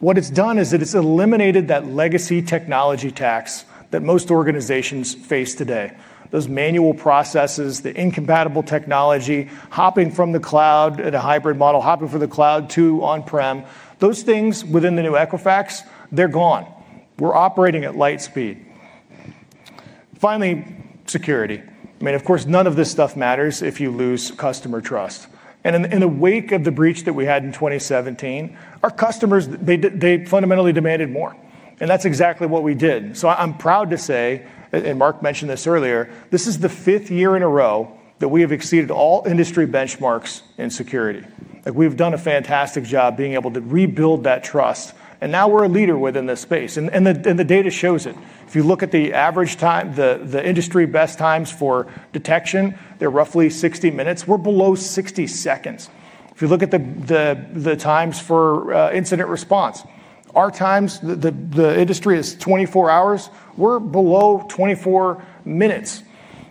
[SPEAKER 3] what it's done is that it's eliminated that legacy technology tax that most organizations face today. Those manual processes, the incompatible technology, hopping from the cloud at a hybrid model, hopping from the cloud to on-prem, those things within the new Equifax, they're gone. We're operating at light speed. Finally, security. I mean, of course, none of this stuff matters if you lose customer trust. In the wake of the breach that we had in 2017, our customers, they fundamentally demanded more. That is exactly what we did. I'm proud to say, and Mark mentioned this earlier, this is the fifth year in a row that we have exceeded all industry benchmarks in security. Like, we've done a fantastic job being able to rebuild that trust. Now we're a leader within this space. The data shows it. If you look at the average time, the industry best times for detection, they're roughly 60 minutes. We're below 60 seconds. If you look at the times for incident response, our times, the industry is 24 hours. We're below 24 minutes.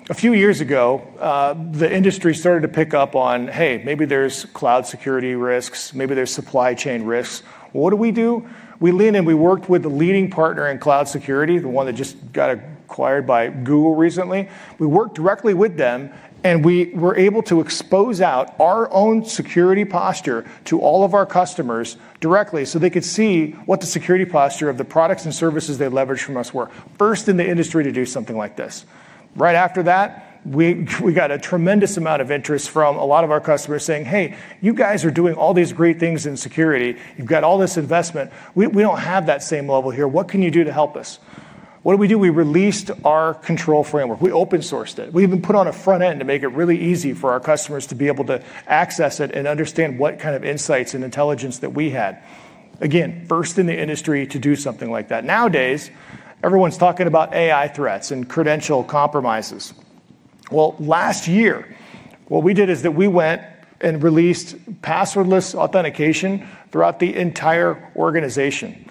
[SPEAKER 3] A few years ago, the industry started to pick up on, hey, maybe there's cloud security risks, maybe there's supply chain risks. What do we do? We leaned and we worked with the leading partner in cloud security, the one that just got acquired by Google recently. We worked directly with them, and we were able to expose out our own security posture to all of our customers directly so they could see what the security posture of the products and services they leverage from us were. First in the industry to do something like this. Right after that, we got a tremendous amount of interest from a lot of our customers saying, hey, you guys are doing all these great things in security. You've got all this investment. We don't have that same level here. What can you do to help us? What did we do? We released our control framework. We open sourced it. We even put on a front end to make it really easy for our customers to be able to access it and understand what kind of insights and intelligence that we had. Again, first in the industry to do something like that. Nowadays, everyone's talking about AI threats and credential compromises. Last year, what we did is that we went and released passwordless authentication throughout the entire organization.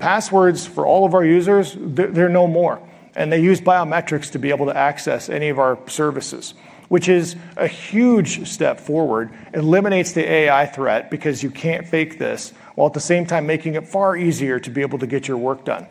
[SPEAKER 3] Passwords for all of our users, they're no more. They use biometrics to be able to access any of our services, which is a huge step forward. It eliminates the AI threat because you can't fake this, while at the same time making it far easier to be able to get your work done.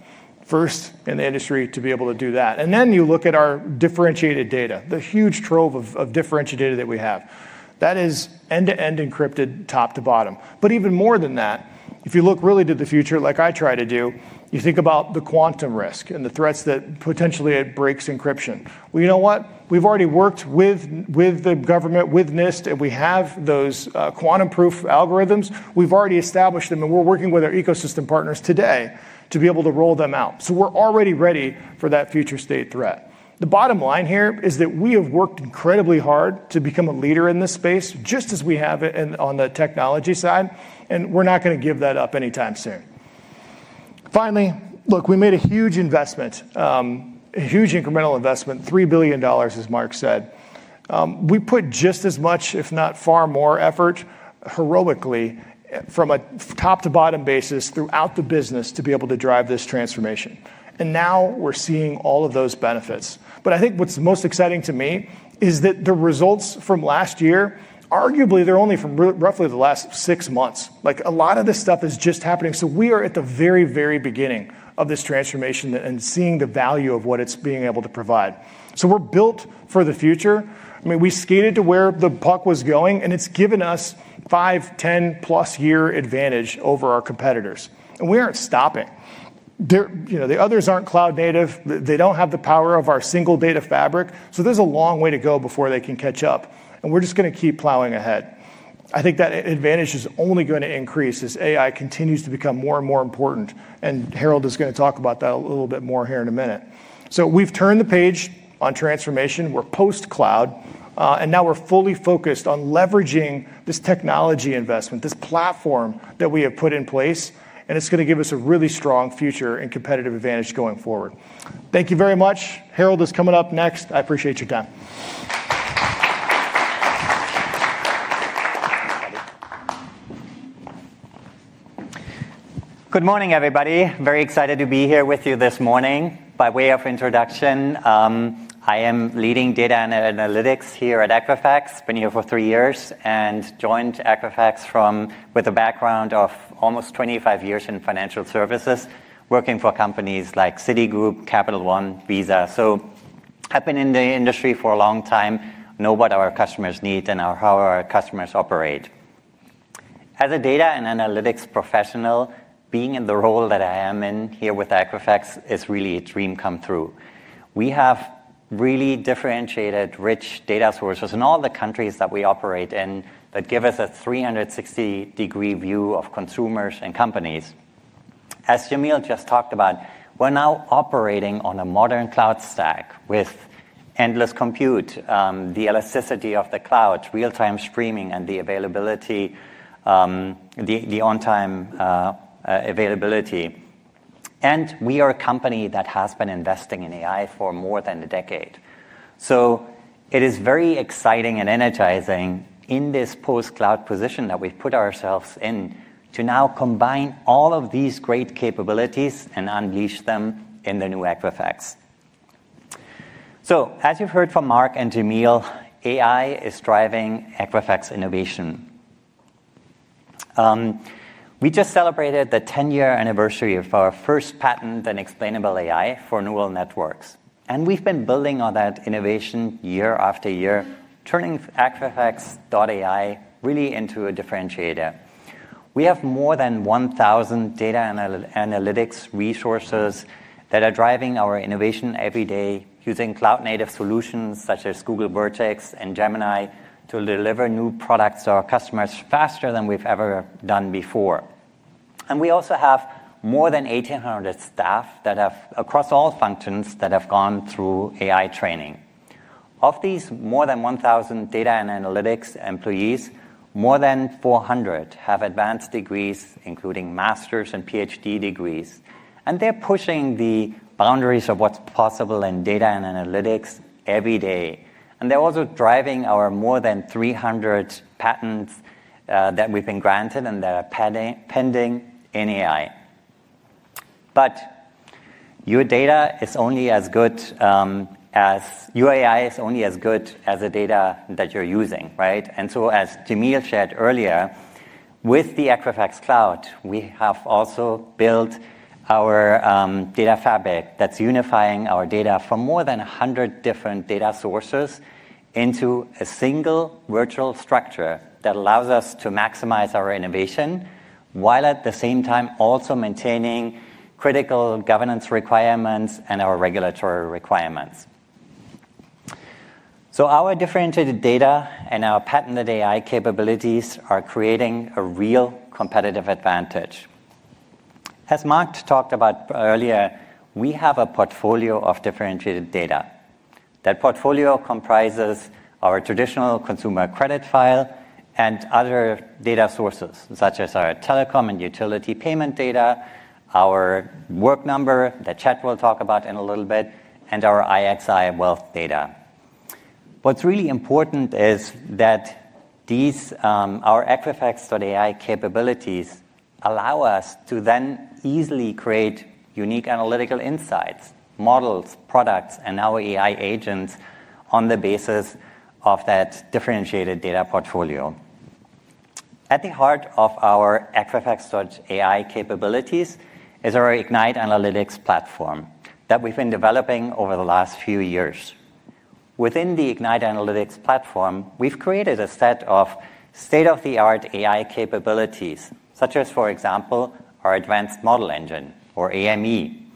[SPEAKER 3] First in the industry to be able to do that. You look at our differentiated data, the huge trove of differentiated data that we have. That is end-to-end encrypted top to bottom. Even more than that, if you look really to the future, like I try to do, you think about the quantum risk and the threats that potentially it breaks encryption. You know what? We've already worked with the government, with NIST, and we have those quantum proof algorithms. We've already established them, and we're working with our ecosystem partners today to be able to roll them out. We're already ready for that future state threat. The bottom line here is that we have worked incredibly hard to become a leader in this space, just as we have it on the technology side. We're not going to give that up anytime soon. Finally, look, we made a huge investment, a huge incremental investment, $3 billion, as Mark said. We put just as much, if not far more effort, heroically, from a top-to-bottom basis throughout the business to be able to drive this transformation. Now we're seeing all of those benefits. I think what's most exciting to me is that the results from last year, arguably they're only from roughly the last six months. Like, a lot of this stuff is just happening. We are at the very, very beginning of this transformation and seeing the value of what it's being able to provide. We're built for the future. I mean, we skated to where the puck was going, and it's given us five- to 10+ year advantage over our competitors. We aren't stopping. The others aren't cloud native. They do not have the power of our single data fabric. There is a long way to go before they can catch up. We are just going to keep plowing ahead. I think that advantage is only going to increase as AI continues to become more and more important. Harold is going to talk about that a little bit more here in a minute. We have turned the page on transformation. We are post-cloud. Now we are fully focused on leveraging this technology investment, this platform that we have put in place. It is going to give us a really strong future and competitive advantage going forward. Thank you very much. Harold is coming up next. I appreciate your time.
[SPEAKER 4] Good morning, everybody. Very excited to be here with you this morning. By way of introduction, I am leading data and analytics here at Equifax. Been here for three years and joined Equifax with a background of almost 25 years in financial services, working for companies like Citigroup, Capital One, Visa. I have been in the industry for a long time, know what our customers need and how our customers operate. As a data and analytics professional, being in the role that I am in here with Equifax is really a dream come true. We have really differentiated, rich data sources in all the countries that we operate in that give us a 360 degree view of consumers and companies. As Jamil just talked about, we are now operating on a modern cloud stack with endless compute, the elasticity of the cloud, real-time streaming, and the availability, the on-time availability. We are a company that has been investing in AI for more than a decade. It is very exciting and energizing in this post-cloud position that we have put ourselves in to now combine all of these great capabilities and unleash them in the new Equifax. As you have heard from Mark and Jamil, AI is driving Equifax innovation. We just celebrated the 10-year anniversary of our first patent, an explainable AI for neural networks. We have been building on that innovation year after year, turning Equifax.ai really into a differentiator. We have more than 1,000 data and analytics resources that are driving our innovation every day using cloud-native solutions such as Google Vertex and Gemini to deliver new products to our customers faster than we have ever done before. We also have more than 1,800 staff that have, across all functions, gone through AI training. Of these more than 1,000 data and analytics employees, more than 400 have advanced degrees, including master's and PhD degrees. They are pushing the boundaries of what is possible in data and analytics every day. They are also driving our more than 300 patents that we have been granted and that are pending in AI. Your data is only as good as your AI is only as good as the data that you are using, right? As Jamil shared earlier, with the Equifax Cloud, we have also built our data fabric that is unifying our data from more than 100 different data sources into a single virtual structure that allows us to maximize our innovation while at the same time also maintaining critical governance requirements and our regulatory requirements. Our differentiated data and our patented AI capabilities are creating a real competitive advantage. As Mark talked about earlier, we have a portfolio of differentiated data. That portfolio comprises our traditional consumer credit file and other data sources such as our telecom and utility payment data, our Work Number, that Chad will talk about in a little bit, and our IXI wealth data. What's really important is that our Equifax.ai capabilities allow us to then easily create unique analytical insights, models, products, and our AI agents on the basis of that differentiated data portfolio. At the heart of our Equifax.ai capabilities is our Ignite analytics platform that we've been developing over the last few years. Within the Ignite analytics platform, we've created a set of state-of-the-art AI capabilities, such as, for example, our advanced model engine or AME.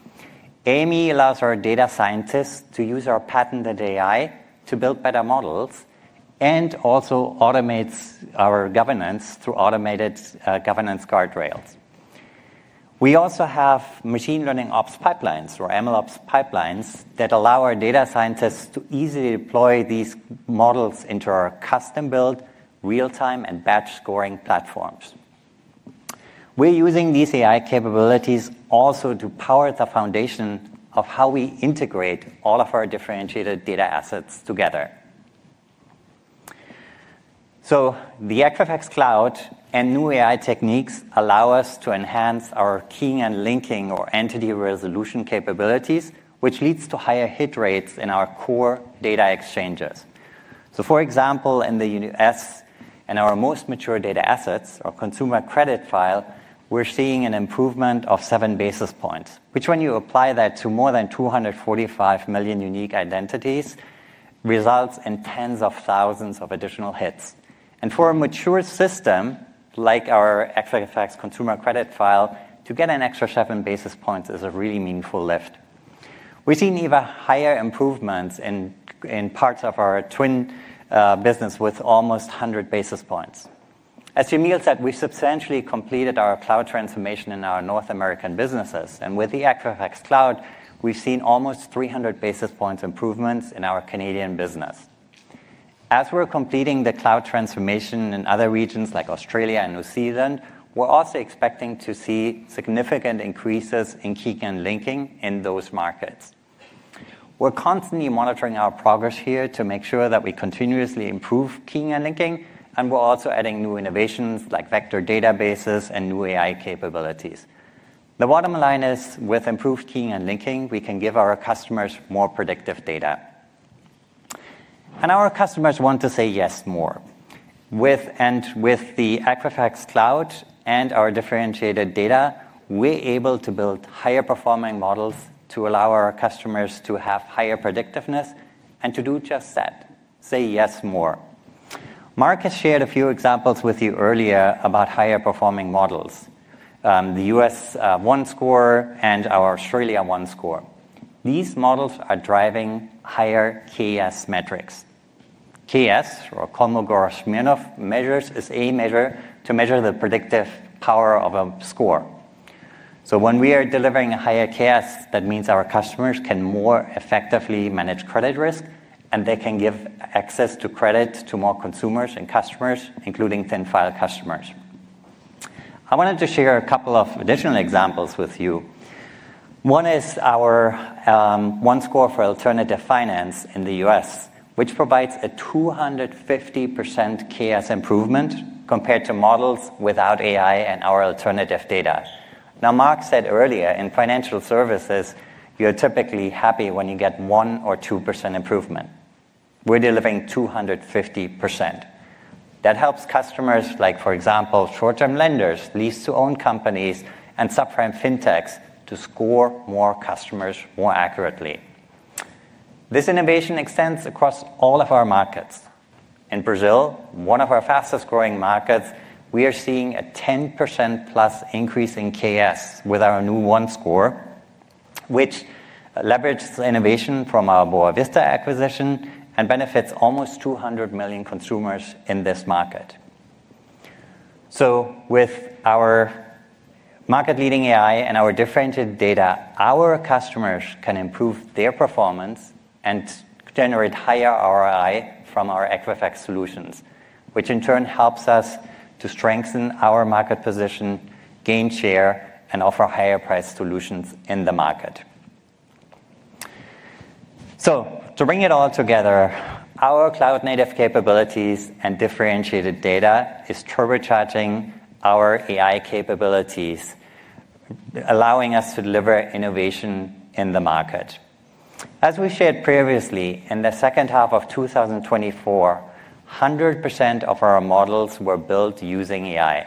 [SPEAKER 4] AME allows our data scientists to use our patented AI to build better models and also automates our governance through automated governance guardrails. We also have machine learning ops pipelines or MLOps pipelines that allow our data scientists to easily deploy these models into our custom-built, real-time, and batch scoring platforms. We're using these AI capabilities also to power the foundation of how we integrate all of our differentiated data assets together. The Equifax Cloud and new AI techniques allow us to enhance our keying and linking or entity resolution capabilities, which leads to higher hit rates in our core data exchanges. For example, in the U.S., in our most mature data assets, our consumer credit file, we're seeing an improvement of seven basis points, which, when you apply that to more than 245 million unique identities, results in tens of thousands of additional hits. For a mature system like our Equifax consumer credit file, to get an extra seven basis points is a really meaningful lift. We've seen even higher improvements in parts of our Twin business with almost 100 basis points. As Jamil said, we've substantially completed our cloud transformation in our North American businesses. With the Equifax Cloud, we've seen almost 300 basis points improvements in our Canadian business. As we're completing the cloud transformation in other regions like Australia and New Zealand, we're also expecting to see significant increases in keying and linking in those markets. We're constantly monitoring our progress here to make sure that we continuously improve keying and linking. We're also adding new innovations like vector databases and new AI capabilities. The bottom line is, with improved keying and linking, we can give our customers more predictive data. Our customers want to say yes more. With the Equifax Cloud and our differentiated data, we're able to build higher-performing models to allow our customers to have higher predictiveness and to do just that, say yes more. Mark has shared a few examples with you earlier about higher-performing models, the U.S. One Score and our Australia One Score. These models are driving higher KS metrics. KS, or Kolmogorov-Smirnov, is a measure to measure the predictive power of a score. When we are delivering a higher KS, that means our customers can more effectively manage credit risk, and they can give access to credit to more consumers and customers, including thin file customers. I wanted to share a couple of additional examples with you. One is our One Score for Alternative Finance in the U.S., which provides a 250% KS improvement compared to models without AI and our alternative data. Now, Mark said earlier, in financial services, you're typically happy when you get 1% or 2% improvement. We're delivering 250%. That helps customers, like, for example, short-term lenders, lease-to-own companies, and subprime fintechs to score more customers more accurately. This innovation extends across all of our markets. In Brazil, one of our fastest-growing markets, we are seeing a 10%+ increase in KS with our new One Score, which leverages the innovation from our Boavista acquisition and benefits almost 200 million consumers in this market. With our market-leading AI and our differentiated data, our customers can improve their performance and generate higher ROI from our Equifax solutions, which in turn helps us to strengthen our market position, gain share, and offer higher-priced solutions in the market. To bring it all together, our cloud-native capabilities and differentiated data are turbocharging our AI capabilities, allowing us to deliver innovation in the market. As we shared previously, in the second half of 2024, 100% of our models were built using AI.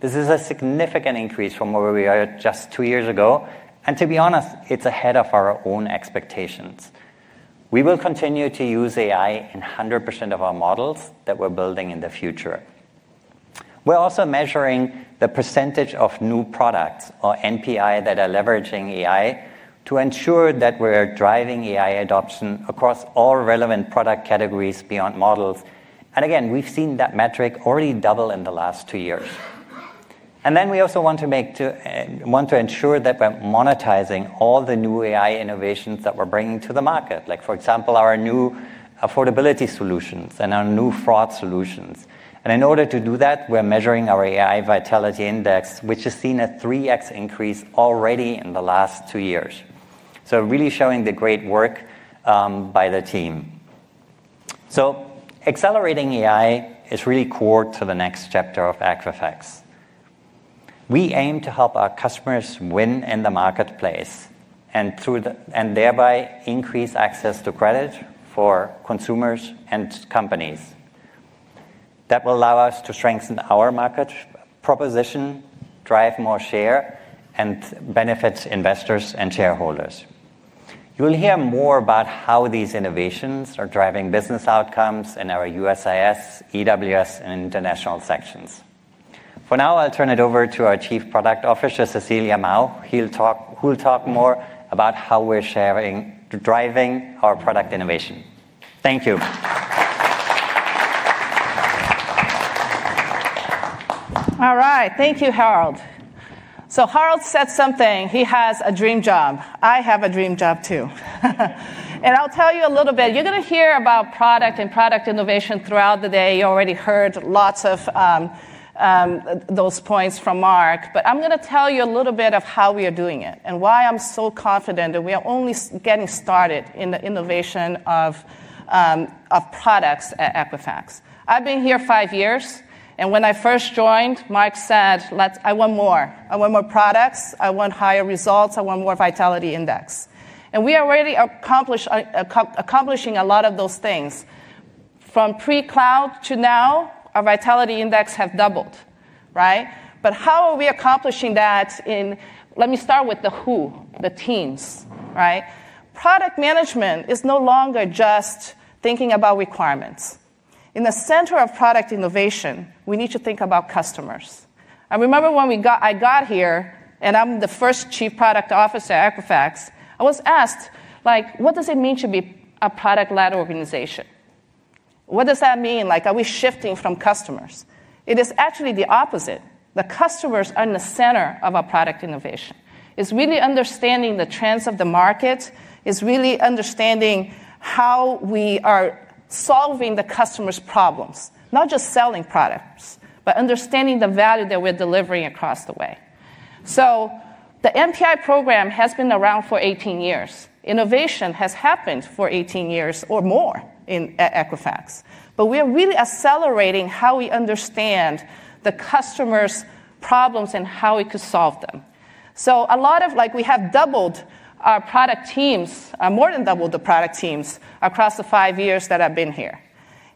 [SPEAKER 4] This is a significant increase from where we were just two years ago. To be honest, it's ahead of our own expectations. We will continue to use AI in 100% of our models that we're building in the future. We're also measuring the percentage of new products or NPI that are leveraging AI to ensure that we're driving AI adoption across all relevant product categories beyond models. Again, we've seen that metric already double in the last two years. We also want to ensure that we're monetizing all the new AI innovations that we're bringing to the market, like, for example, our new affordability solutions and our new fraud solutions. In order to do that, we're measuring our AI vitality index, which has seen a 3x increase already in the last two years. Really showing the great work by the team. Accelerating AI is really core to the next chapter of Equifax. We aim to help our customers win in the marketplace and thereby increase access to credit for consumers and companies. That will allow us to strengthen our market proposition, drive more share, and benefit investors and shareholders. You'll hear more about how these innovations are driving business outcomes in our USIS, EWS, and international sections. For now, I'll turn it over to our Chief Product Officer, Cecilia Mao. He'll talk more about how we're sharing, driving our product innovation. Thank you.
[SPEAKER 5] All right. Thank you, Harold. Harold said something. He has a dream job. I have a dream job too. I'll tell you a little bit. You're going to hear about product and product innovation throughout the day. You already heard lots of those points from Mark. I'm going to tell you a little bit of how we are doing it and why I'm so confident that we are only getting started in the innovation of products at Equifax. I've been here five years. When I first joined, Mark said, "Let's, I want more. I want more products. I want higher results. I want more vitality index." We are already accomplishing a lot of those things. From pre-cloud to now, our vitality index has doubled, right? How are we accomplishing that? Let me start with the who, the teams, right? Product management is no longer just thinking about requirements. In the center of product innovation, we need to think about customers. I remember when I got here, and I'm the first Chief Product Officer at Equifax, I was asked, like, "What does it mean to be a product-led organization? What does that mean? Like, are we shifting from customers?" It is actually the opposite. The customers are in the center of our product innovation. It's really understanding the trends of the market. It's really understanding how we are solving the customer's problems, not just selling products, but understanding the value that we're delivering across the way. The NPI program has been around for eighteen years. Innovation has happened for eighteen years or more at Equifax. We are really accelerating how we understand the customer's problems and how we could solve them. A lot of, like, we have doubled our product teams, more than doubled the product teams across the five years that I've been here.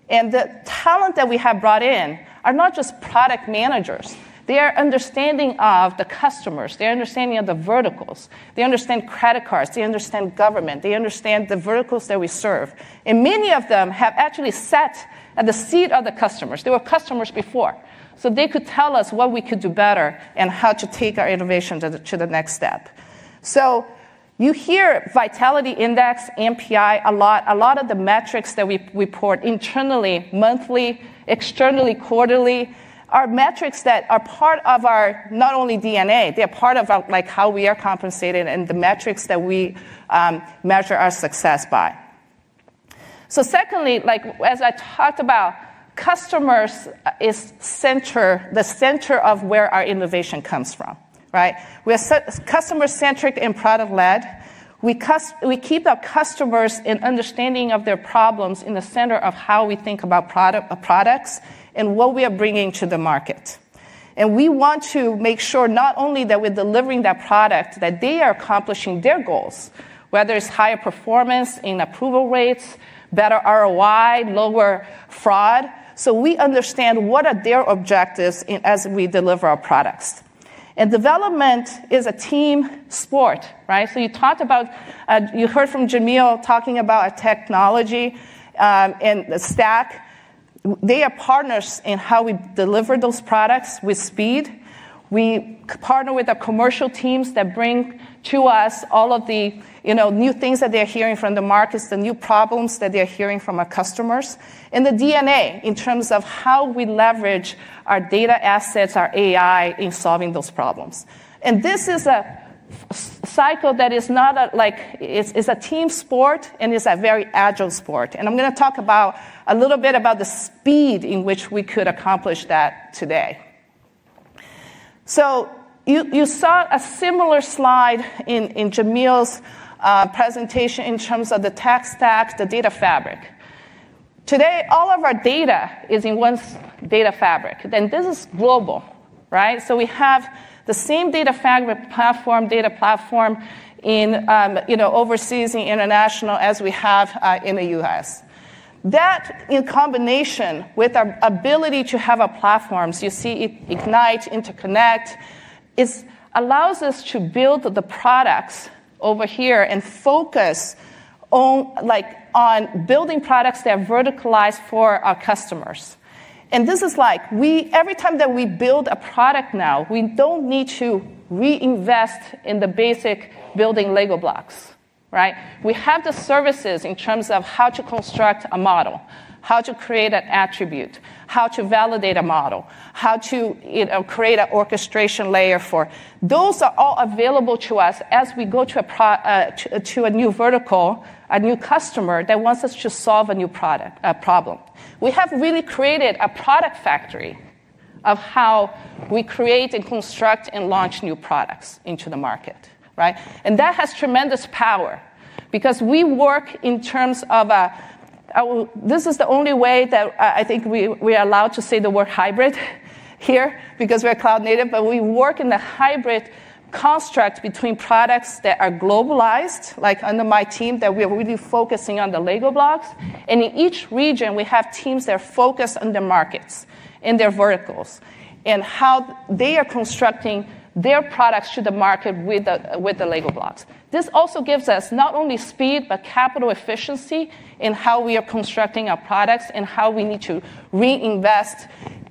[SPEAKER 5] The talent that we have brought in are not just product managers. They are understanding of the customers. They're understanding of the verticals. They understand credit cards. They understand government. They understand the verticals that we serve. Many of them have actually sat at the seat of the customers. They were customers before. They could tell us what we could do better and how to take our innovation to the next step. You hear vitality index, NPI, a lot. A lot of the metrics that we report internally, monthly, externally, quarterly, are metrics that are part of our not only DNA. They are part of, like, how we are compensated and the metrics that we measure our success by. Secondly, like, as I talked about, customers is center the center of where our innovation comes from, right? We are customer-centric and product-led. We keep our customers in understanding of their problems in the center of how we think about products and what we are bringing to the market. We want to make sure not only that we are delivering that product, that they are accomplishing their goals, whether it is higher performance in approval rates, better ROI, lower fraud. We understand what are their objectives as we deliver our products. Development is a team sport, right? You talked about you heard from Jamil talking about a technology and the stack. They are partners in how we deliver those products with speed. We partner with the commercial teams that bring to us all of the, you know, new things that they're hearing from the markets, the new problems that they're hearing from our customers, and the DNA in terms of how we leverage our data assets, our AI in solving those problems. This is a cycle that is not, like, it's a team sport, and it's a very agile sport. I'm going to talk about a little bit about the speed in which we could accomplish that today. You saw a similar slide in Jamil's presentation in terms of the tech stack, the data fabric. Today, all of our data is in one data fabric. This is global, right? We have the same data fabric platform, data platform in, you know, overseas and international as we have in the U.S. That, in combination with our ability to have our platforms, you see Ignite, Interconnect, it allows us to build the products over here and focus on, like, on building products that are verticalized for our customers. This is, like, every time that we build a product now, we do not need to reinvest in the basic building Lego blocks, right? We have the services in terms of how to construct a model, how to create an attribute, how to validate a model, how to create an orchestration layer for those are all available to us as we go to a new vertical, a new customer that wants us to solve a new product problem. We have really created a product factory of how we create and construct and launch new products into the market, right? That has tremendous power because we work in terms of a this is the only way that I think we are allowed to say the word hybrid here because we're cloud-native. We work in the hybrid construct between products that are globalized, like under my team that we are really focusing on the Lego blocks. In each region, we have teams that are focused on the markets and their verticals and how they are constructing their products to the market with the Lego blocks. This also gives us not only speed but capital efficiency in how we are constructing our products and how we need to reinvest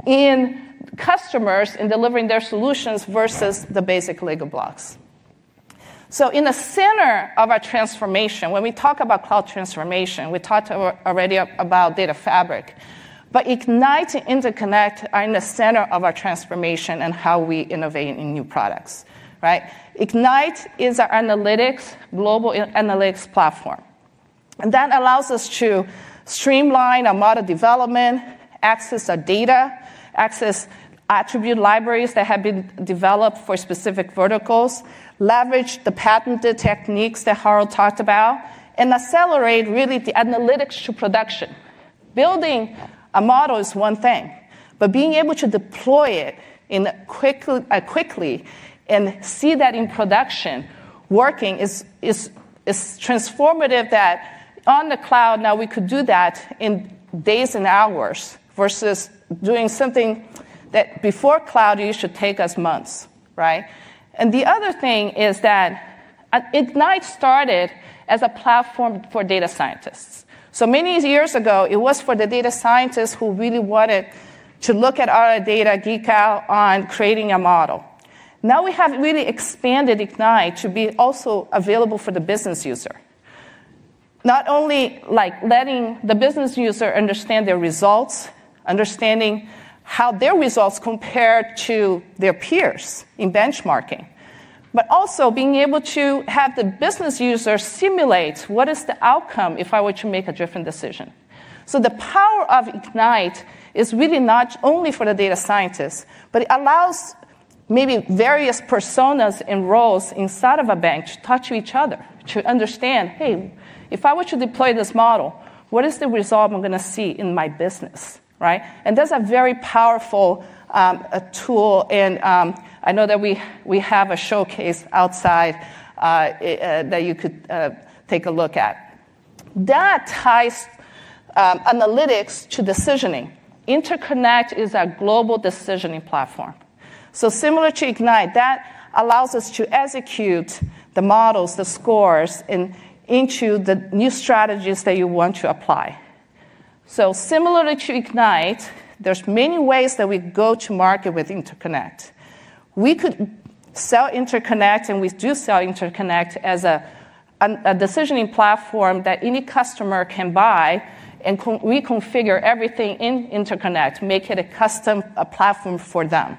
[SPEAKER 5] in customers and delivering their solutions versus the basic Lego blocks. In the center of our transformation, when we talk about cloud transformation, we talked already about data fabric. Ignite and Interconnect are in the center of our transformation and how we innovate in new products, right? Ignite is our analytics, global analytics platform. That allows us to streamline our model development, access our data, access attribute libraries that have been developed for specific verticals, leverage the patented techniques that Harold talked about, and accelerate really the analytics to production. Building a model is one thing, but being able to deploy it quickly and see that in production working is transformative. On the cloud now we could do that in days and hours versus doing something that before cloud used to take us months, right? The other thing is that Ignite started as a platform for data scientists. Many years ago, it was for the data scientists who really wanted to look at our data, geek out on creating a model. Now we have really expanded Ignite to be also available for the business user. Not only, like, letting the business user understand their results, understanding how their results compare to their peers in benchmarking, but also being able to have the business user simulate what is the outcome if I were to make a different decision. The power of Ignite is really not only for the data scientists, but it allows maybe various personas and roles inside of a bench to talk to each other to understand, "Hey, if I were to deploy this model, what is the result I'm going to see in my business?" Right? That's a very powerful tool. I know that we have a showcase outside that you could take a look at. That ties analytics to decisioning. Interconnect is a global decisioning platform. Similar to Ignite, that allows us to execute the models, the scores, and into the new strategies that you want to apply. Similarly to Ignite, there are many ways that we go to market with Interconnect. We could sell Interconnect, and we do sell Interconnect as a decisioning platform that any customer can buy and reconfigure everything in Interconnect, make it a custom platform for them.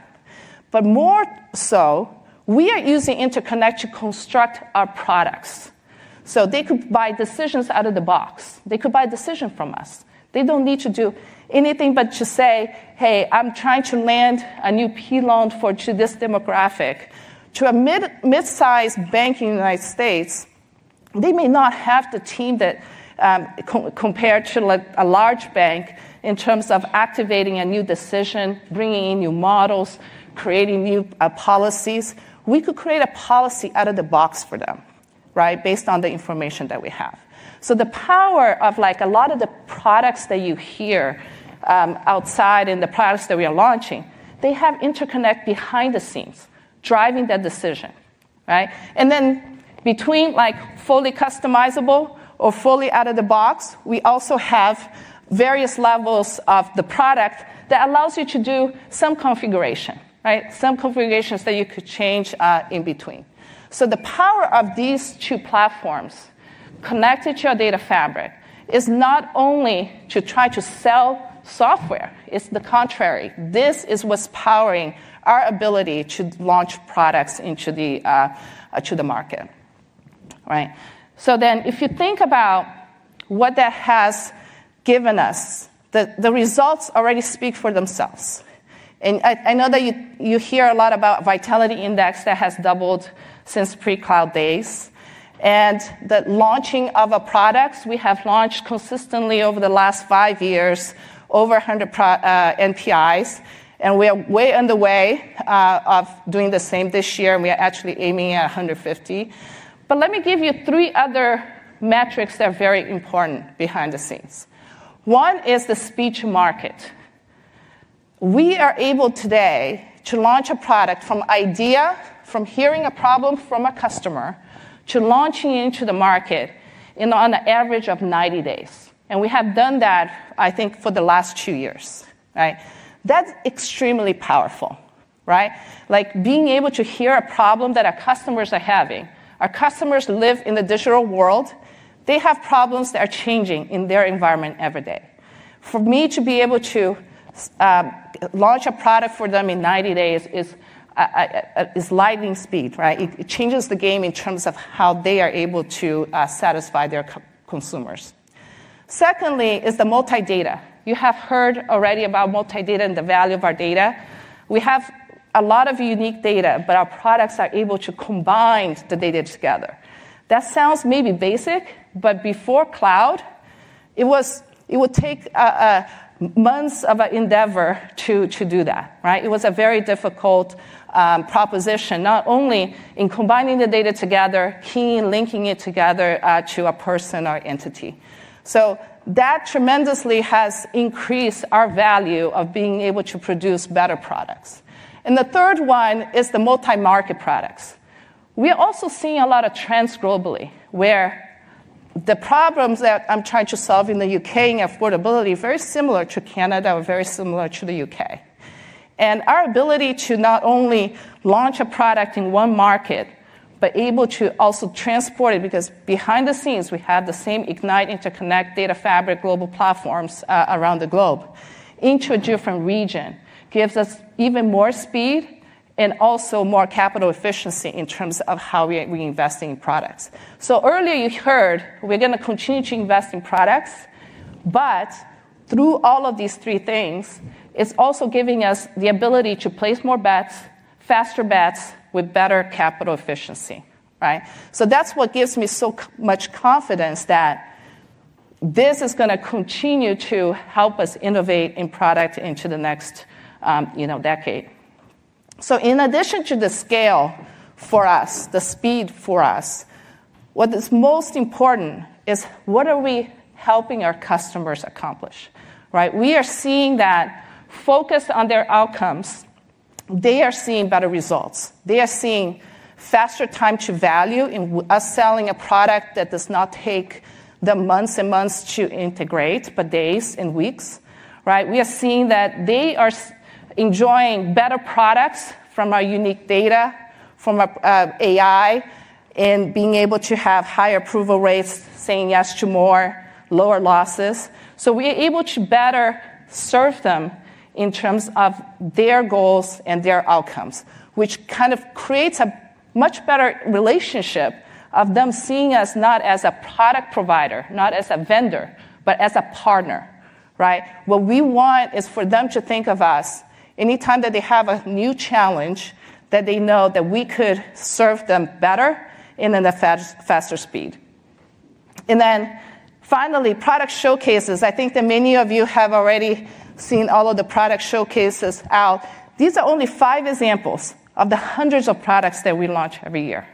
[SPEAKER 5] More so, we are using Interconnect to construct our products. They could buy decisions out of the box. They could buy decisions from us. They don't need to do anything but to say, "Hey, I'm trying to land a new P-loan for this demographic." To a mid-sized bank in the United States, they may not have the team that compare to a large bank in terms of activating a new decision, bringing in new models, creating new policies. We could create a policy out of the box for them, right, based on the information that we have. The power of, like, a lot of the products that you hear outside and the products that we are launching, they have Interconnect behind the scenes driving that decision, right? Then between, like, fully customizable or fully out of the box, we also have various levels of the product that allows you to do some configuration, right? Some configurations that you could change in between. The power of these two platforms connected to our data fabric is not only to try to sell software. It's the contrary. This is what's powering our ability to launch products into the market, right? If you think about what that has given us, the results already speak for themselves. I know that you hear a lot about vitality index that has doubled since pre-cloud days. The launching of our products, we have launched consistently over the last five years, over 100 NPIs. We are way on the way of doing the same this year. We are actually aiming at 150. Let me give you three other metrics that are very important behind the scenes. One is the speech market. We are able today to launch a product from idea, from hearing a problem from a customer to launching into the market in, on an average of 90 days. We have done that, I think, for the last two years, right? That is extremely powerful, right? Like, being able to hear a problem that our customers are having. Our customers live in the digital world. They have problems that are changing in their environment every day. For me to be able to launch a product for them in 90 days is lightning speed, right? It changes the game in terms of how they are able to satisfy their consumers. Secondly is the multi-data. You have heard already about multi-data and the value of our data. We have a lot of unique data, but our products are able to combine the data together. That sounds maybe basic, but before cloud, it would take months of an endeavor to do that, right? It was a very difficult proposition, not only in combining the data together, keying, linking it together to a person or entity. That tremendously has increased our value of being able to produce better products. The third one is the multi-market products. We are also seeing a lot of trends globally where the problems that I'm trying to solve in the U.K. and affordability are very similar to Canada or very similar to the U.K. Our ability to not only launch a product in one market, but able to also transport it because behind the scenes, we have the same Ignite, Interconnect, data fabric, global platforms around the globe into a different region gives us even more speed and also more capital efficiency in terms of how we are reinvesting in products. Earlier you heard we're going to continue to invest in products, but through all of these three things, it's also giving us the ability to place more bets, faster bets with better capital efficiency, right? That is what gives me so much confidence that this is going to continue to help us innovate in product into the next, you know, decade. In addition to the scale for us, the speed for us, what is most important is what are we helping our customers accomplish, right? We are seeing that focused on their outcomes, they are seeing better results. They are seeing faster time to value in us selling a product that does not take the months and months to integrate, but days and weeks, right? We are seeing that they are enjoying better products from our unique data, from our AI, and being able to have higher approval rates, saying yes to more, lower losses. We are able to better serve them in terms of their goals and their outcomes, which kind of creates a much better relationship of them seeing us not as a product provider, not as a vendor, but as a partner, right? What we want is for them to think of us anytime that they have a new challenge that they know that we could serve them better and at a faster speed. Finally, product showcases. I think that many of you have already seen all of the product showcases out. These are only five examples of the hundreds of products that we launch every year,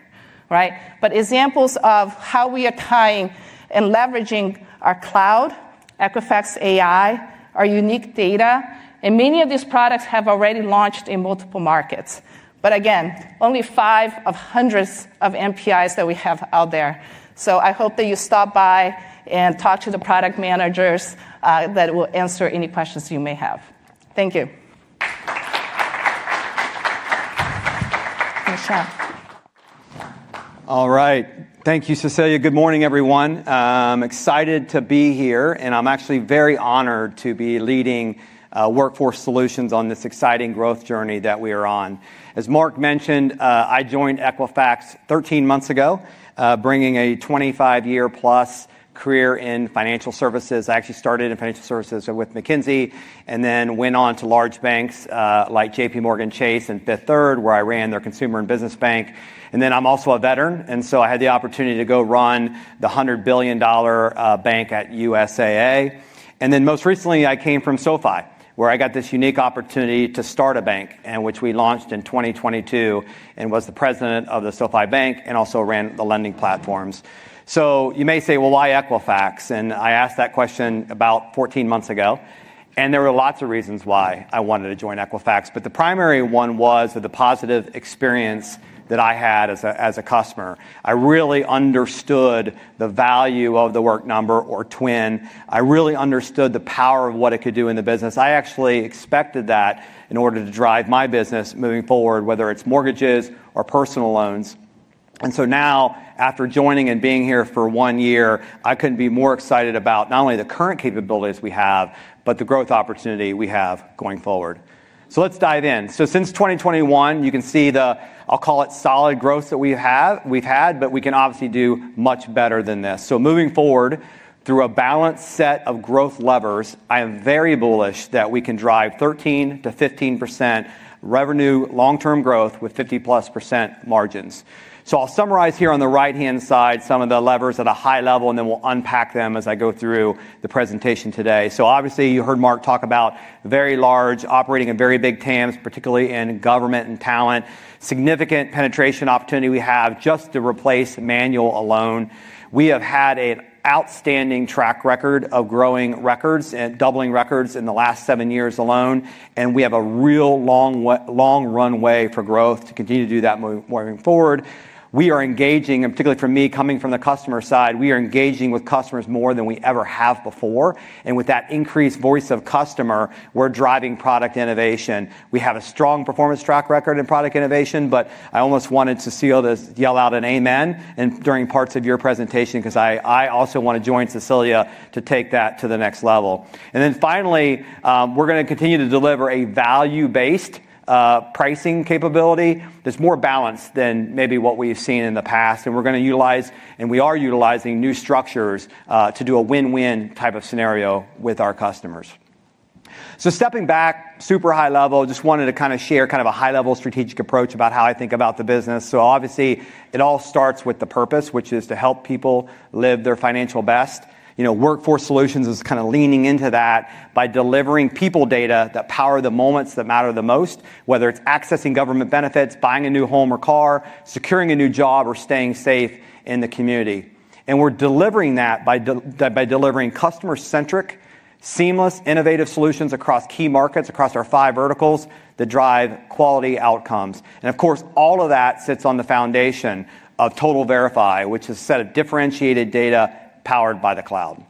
[SPEAKER 5] right? Examples of how we are tying and leveraging our cloud, Equifax AI, our unique data. Many of these products have already launched in multiple markets. Again, only five of hundreds of NPIs that we have out there. I hope that you stop by and talk to the product managers that will answer any questions you may have. Thank you. Michelle.
[SPEAKER 6] All right. Thank you, Cecilia. Good morning, everyone. I'm excited to be here, and I'm actually very honored to be leading Workforce Solutions on this exciting growth journey that we are on. As Mark mentioned, I joined Equifax 13 months ago, bringing a 25-year-plus career in financial servces. I actually started in financial services with McKinsey and then went on to large banks like JPMorgan Chase and Fifth Third, where I ran their consumer and business bank. I am also a veteran, and I had the opportunity to go run the $100 billion bank at USAA. Most recently, I came from SoFi, where I got this unique opportunity to start a bank, which we launched in 2022 and was the president of the SoFi Bank and also ran the lending platforms. You may say, "Why Equifax?" I asked that question about 14 months ago, and there were lots of reasons why I wanted to join Equifax. The primary one was the positive experience that I had as a customer. I really understood the value of the work number or Twin. I really understood the power of what it could do in the business. I actually expected that in order to drive my business moving forward, whether it's mortgages or personal loans. Now, after joining and being here for one year, I couldn't be more excited about not only the current capabilities we have, but the growth opportunity we have going forward. Let's dive in. Since 2021, you can see the, I'll call it solid growth that we have, but we can obviously do much better than this. Moving forward through a balanced set of growth levers, I am very bullish that we can drive 13%-15% revenue long-term growth with 50%+ margins. I'll summarize here on the right-hand side some of the levers at a high level, and then we'll unpack them as I go through the presentation today. Obviously, you heard Mark talk about very large operating in very big TAMs, particularly in government and talent, significant penetration opportunity we have just to replace manual alone. We have had an outstanding track record of growing records and doubling records in the last seven years alone, and we have a real long runway for growth to continue to do that moving forward. We are engaging, and particularly for me coming from the customer side, we are engaging with customers more than we ever have before. With that increased voice of customer, we're driving product innovation. We have a strong performance track record in product innovation, but I almost wanted Cecilia to yell out an amen during parts of your presentation because I also want to join Cecilia to take that to the next level. Finally, we're going to continue to deliver a value-based pricing capability that's more balanced than maybe what we've seen in the past. We're going to utilize, and we are utilizing, new structures to do a win-win type of scenario with our customers. Stepping back super high level, I just wanted to kind of share kind of a high-level strategic approach about how I think about the business. Obviously, it all starts with the purpose, which is to help people live their financial best. You know, Workforce Solutions is kind of leaning into that by delivering people data that power the moments that matter the most, whether it's accessing government benefits, buying a new home or car, securing a new job, or staying safe in the community. We are delivering that by delivering customer-centric, seamless, innovative solutions across key markets, across our five verticals that drive quality outcomes. Of course, all of that sits on the foundation of Total Verify, which is a set of differentiated data powered by the cloud.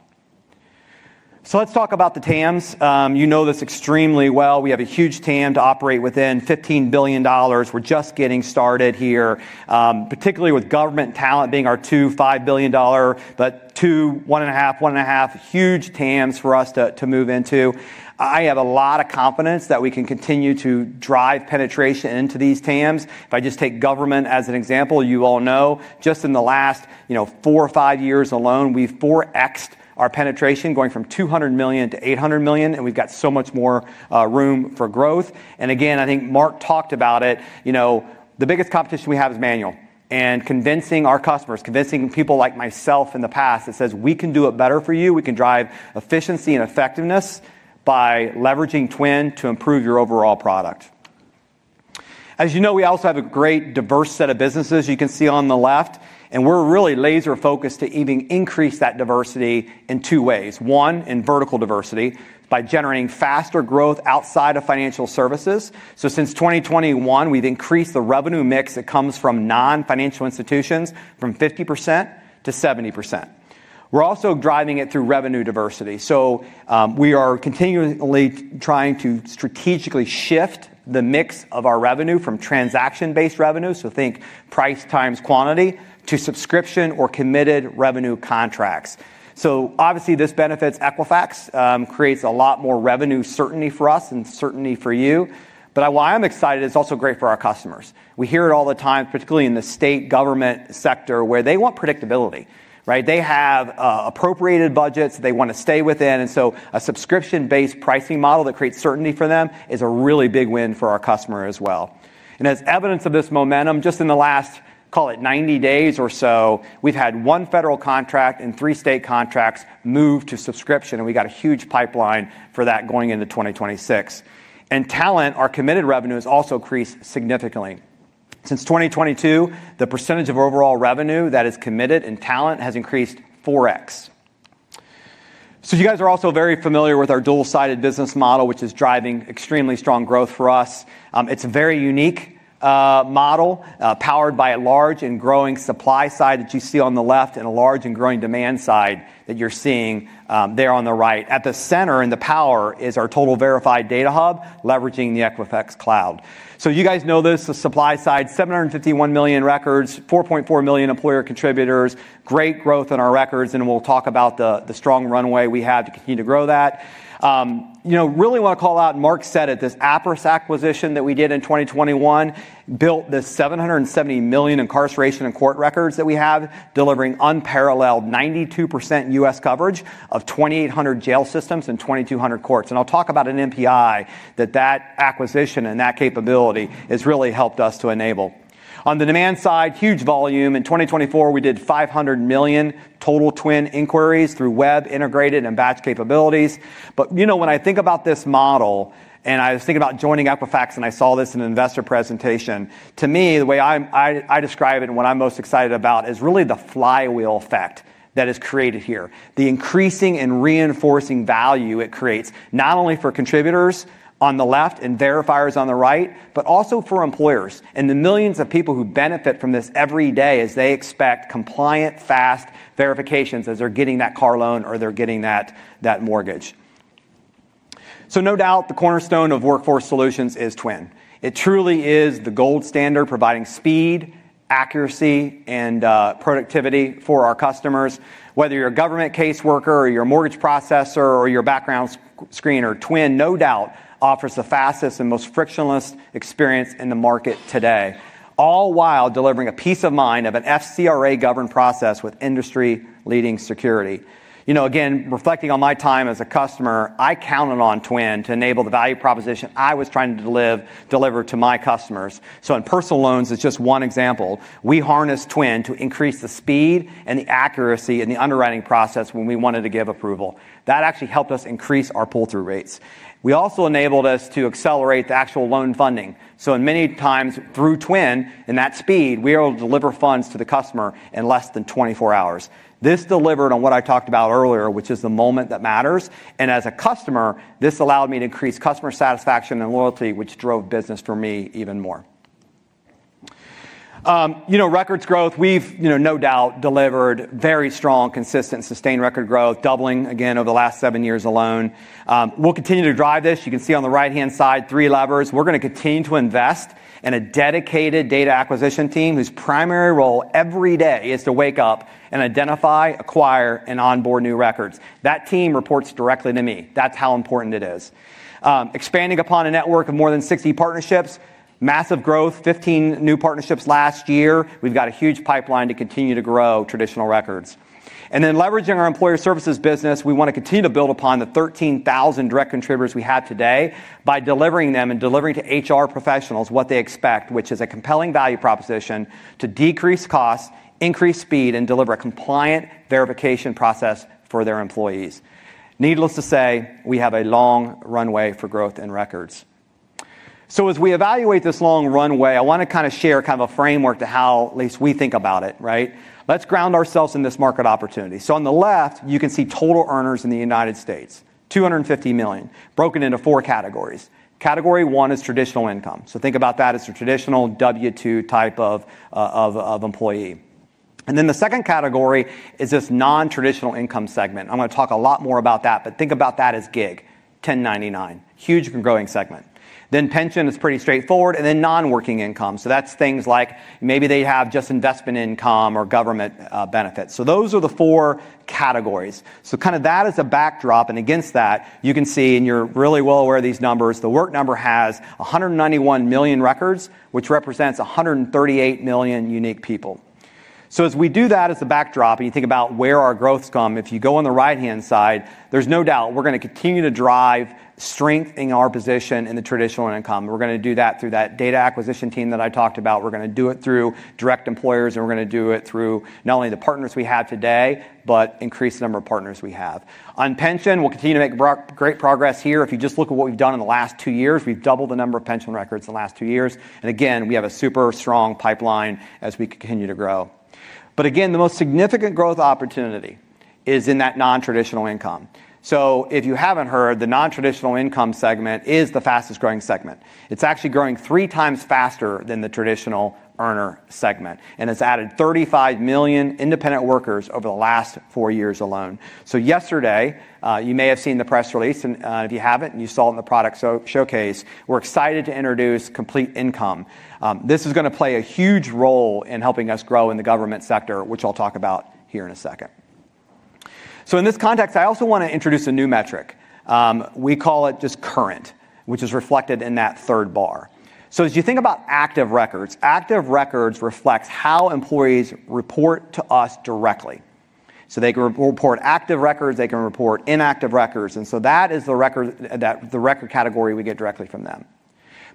[SPEAKER 6] Let's talk about the TAMs. You know this extremely well. We have a huge TAM to operate within, $15 billion. We are just getting started here, particularly with government talent being our two $5 billion, but two, one and a half, one and a half huge TAMs for us to move into. I have a lot of confidence that we can continue to drive penetration into these TAMs. If I just take government as an example, you all know, just in the last, you know, four or five years alone, we have 4x our penetration going from $200 million to $800 million, and we have so much more room for growth. I think Mark talked about it. You know, the biggest competition we have is manual and convincing our customers, convincing people like myself in the past that says we can do it better for you. We can drive efficiency and effectiveness by leveraging Twin to improve your overall product. As you know, we also have a great diverse set of businesses you can see on the left, and we are really laser-focused to even increase that diversity in two ways. One, in vertical diversity by generating faster growth outside of financial services. Since 2021, we've increased the revenue mix that comes from non-financial institutions from 50% to 70%. We're also driving it through revenue diversity. We are continually trying to strategically shift the mix of our revenue from transaction-based revenue, so think price times quantity, to subscription or committed revenue contracts. Obviously, this benefits Equifax, creates a lot more revenue certainty for us and certainty for you. Why I'm excited is also great for our customers. We hear it all the time, particularly in the state government sector, where they want predictability, right? They have appropriated budgets they want to stay within. A subscription-based pricing model that creates certainty for them is a really big win for our customer as well. As evidence of this momentum, just in the last, call it 90 days or so, we have had one federal contract and three state contracts move to subscription, and we have a huge pipeline for that going into 2026. In talent, our committed revenue has also increased significantly. Since 2022, the percentage of overall revenue that is committed in talent has increased 4x. You guys are also very familiar with our dual-sided business model, which is driving extremely strong growth for us. It is a very unique model powered by a large and growing supply side that you see on the left and a large and growing demand side that you are seeing there on the right. At the center in the power is our Total Verify Data Hub leveraging the Equifax Cloud. You guys know this, the supply side, 751 million records, 4.4 million employer contributors, great growth in our records, and we'll talk about the strong runway we have to continue to grow that. You know, really want to call out, and Mark said it, this APRIS acquisition that we did in 2021 built the 770 million incarceration and court records that we have, delivering unparalleled 92% U.S. coverage of 2,800 jail systems and 2,200 courts. I'll talk about an NPI that that acquisition and that capability has really helped us to enable. On the demand side, huge volume. In 2024, we did 500 million total Twin inquiries through web integrated and batch capabilities. You know, when I think about this model and I was thinking about joining Equifax and I saw this in an investor presentation, to me, the way I describe it and what I'm most excited about is really the flywheel effect that is created here, the increasing and reinforcing value it creates not only for contributors on the left and verifiers on the right, but also for employers and the millions of people who benefit from this every day as they expect compliant, fast verifications as they're getting that car loan or they're getting that mortgage. No doubt the cornerstone of Workforce Solutions is Twin. It truly is the gold standard providing speed, accuracy, and productivity for our customers. Whether you're a government case worker or you're a mortgage processor or you're a background screener, Twin no doubt offers the fastest and most frictionless experience in the market today, all while delivering a peace of mind of an FCRA-governed process with industry-leading security. You know, again, reflecting on my time as a customer, I counted on Twin to enable the value proposition I was trying to deliver to my customers. In personal loans, it's just one example. We harnessed Twin to increase the speed and the accuracy in the underwriting process when we wanted to give approval. That actually helped us increase our pull-through rates. It also enabled us to accelerate the actual loan funding. In many times through Twin and that speed, we were able to deliver funds to the customer in less than 24 hours. This delivered on what I talked about earlier, which is the moment that matters. And as a customer, this allowed me to increase customer satisfaction and loyalty, which drove business for me even more. You know, records growth, we've, you know, no doubt delivered very strong, consistent, sustained record growth, doubling again over the last seven years alone. We'll continue to drive this. You can see on the right-hand side, three levers. We're going to continue to invest in a dedicated data acquisition team whose primary role every day is to wake up and identify, acquire, and onboard new records. That team reports directly to me. That's how important it is. Expanding upon a network of more than 60 partnerships, massive growth, 15 new partnerships last year. We've got a huge pipeline to continue to grow traditional records. Then leveraging our employer services business, we want to continue to build upon the 13,000 direct contributors we have today by delivering them and delivering to HR professionals what they expect, which is a compelling value proposition to decrease costs, increase speed, and deliver a compliant verification process for their employees. Needless to say, we have a long runway for growth in records. As we evaluate this long runway, I want to kind of share kind of a framework to how at least we think about it, right? Let's ground ourselves in this market opportunity. On the left, you can see total earners in the United States, 250 million, broken into four categories. Category one is traditional income. Think about that as a traditional W-2 type of employee. The second category is this non-traditional income segment. I'm going to talk a lot more about that, but think about that as gig, 1099, huge growing segment. Pension is pretty straightforward, and then non-working income. That's things like maybe they have just investment income or government benefits. Those are the four categories. Kind of that is a backdrop. Against that, you can see, and you're really well aware of these numbers, the work number has 191 million records, which represents 138 million unique people. As we do that as a backdrop, and you think about where our growth's come, if you go on the right-hand side, there's no doubt we're going to continue to drive strength in our position in the traditional income. We're going to do that through that data acquisition team that I talked about. We're going to do it through direct employers, and we're going to do it through not only the partners we have today, but increase the number of partners we have. On pension, we'll continue to make great progress here. If you just look at what we've done in the last two years, we've doubled the number of pension records in the last two years. Again, we have a super strong pipeline as we continue to grow. The most significant growth opportunity is in that non-traditional income. If you haven't heard, the non-traditional income segment is the fastest growing segment. It's actually growing 3x faster than the traditional earner segment, and it's added 35 million independent workers over the last four years alone. Yesterday, you may have seen the press release, and if you haven't, and you saw it in the product showcase, we're excited to introduce Complete Income. This is going to play a huge role in helping us grow in the government sector, which I'll talk about here in a second. In this context, I also want to introduce a new metric. We call it just current, which is reflected in that third bar. As you think about active records, active records reflects how employees report to us directly. They can report active records, they can report inactive records, and so that is the record category we get directly from them.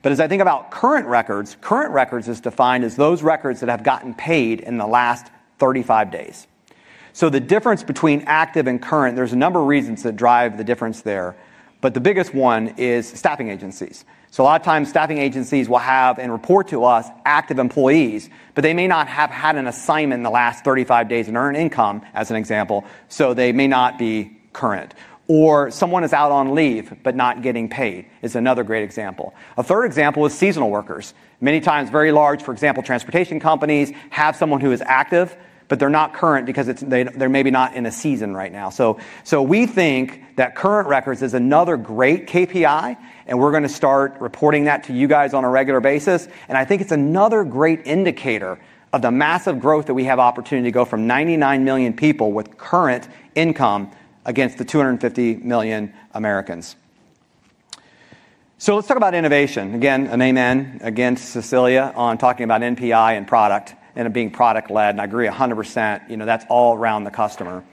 [SPEAKER 6] As I think about current records, current records is defined as those records that have gotten paid in the last 35 days. The difference between active and current, there's a number of reasons that drive the difference there, but the biggest one is staffing agencies. A lot of times staffing agencies will have and report to us active employees, but they may not have had an assignment in the last 35 days and earned income as an example, so they may not be current. Or someone is out on leave but not getting paid is another great example. A third example is seasonal workers. Many times, very large, for example, transportation companies have someone who is active, but they're not current because they're maybe not in a season right now. We think that current records is another great KPI, and we're going to start reporting that to you guys on a regular basis. I think it's another great indicator of the massive growth that we have opportunity to go from 99 million people with current income against the 250 million Americans. Let's talk about innovation. Again, an amen against Cecilia on talking about NPI and product and being product-led. I agree 100%, you know, that's all around the customer.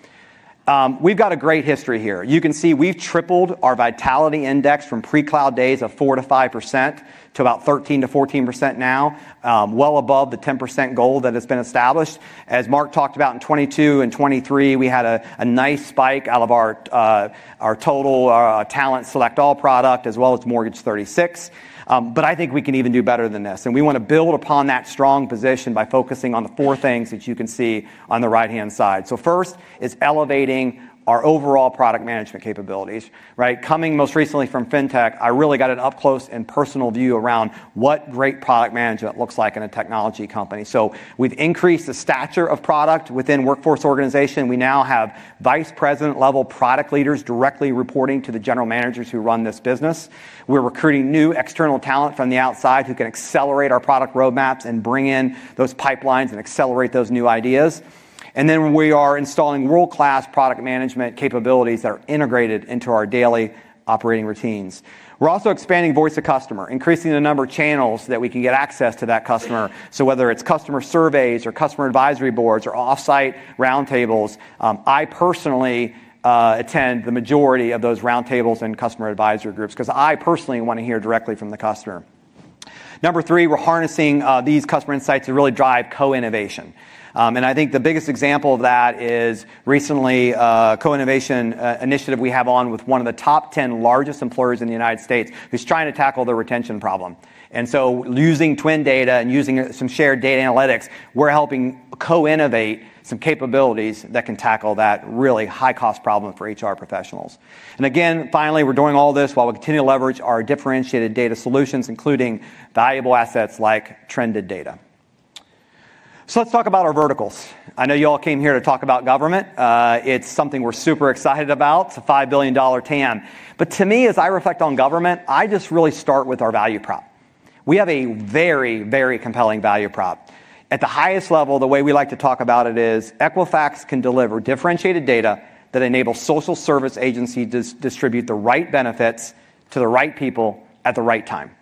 [SPEAKER 6] We've got a great history here. You can see we've tripled our vitality index from pre-cloud days of 4%-5% to about 13%-14% now, well above the 10% goal that has been established. As Mark talked about in 2022 and 2023, we had a nice spike out of our total talent select all product as well as mortgage 36. I think we can even do better than this. We want to build upon that strong position by focusing on the four things that you can see on the right-hand side. First is elevating our overall product management capabilities, right? Coming most recently from FinTech, I really got an up close and personal view around what great product management looks like in a technology company. We have increased the stature of product within workforce organization. We now have vice president level product leaders directly reporting to the general managers who run this business. We are recruiting new external talent from the outside who can accelerate our product roadmaps and bring in those pipelines and accelerate those new ideas. We are installing world-class product management capabilities that are integrated into our daily operating routines. We are also expanding voice to customer, increasing the number of channels that we can get access to that customer. Whether it's customer surveys or customer advisory boards or offsite round tables, I personally attend the majority of those round tables and customer advisory groups because I personally want to hear directly from the customer. Number three, we're harnessing these customer insights to really drive co-innovation. I think the biggest example of that is recently a co-innovation initiative we have on with one of the top 10 largest employers in the United States who's trying to tackle the retention problem. Using Twin data and using some shared data analytics, we're helping co-innovate some capabilities that can tackle that really high-cost problem for HR professionals. Again, finally, we're doing all this while we continue to leverage our differentiated data solutions, including valuable assets like trended data. Let's talk about our verticals. I know you all came here to talk about government. It's something we're super excited about, the $5 billion TAM. To me, as I reflect on government, I just really start with our value prop. We have a very, very compelling value prop. At the highest level, the way we like to talk about it is Equifax can deliver differentiated data that enables social service agencies to distribute the right benefits to the right people at the right time.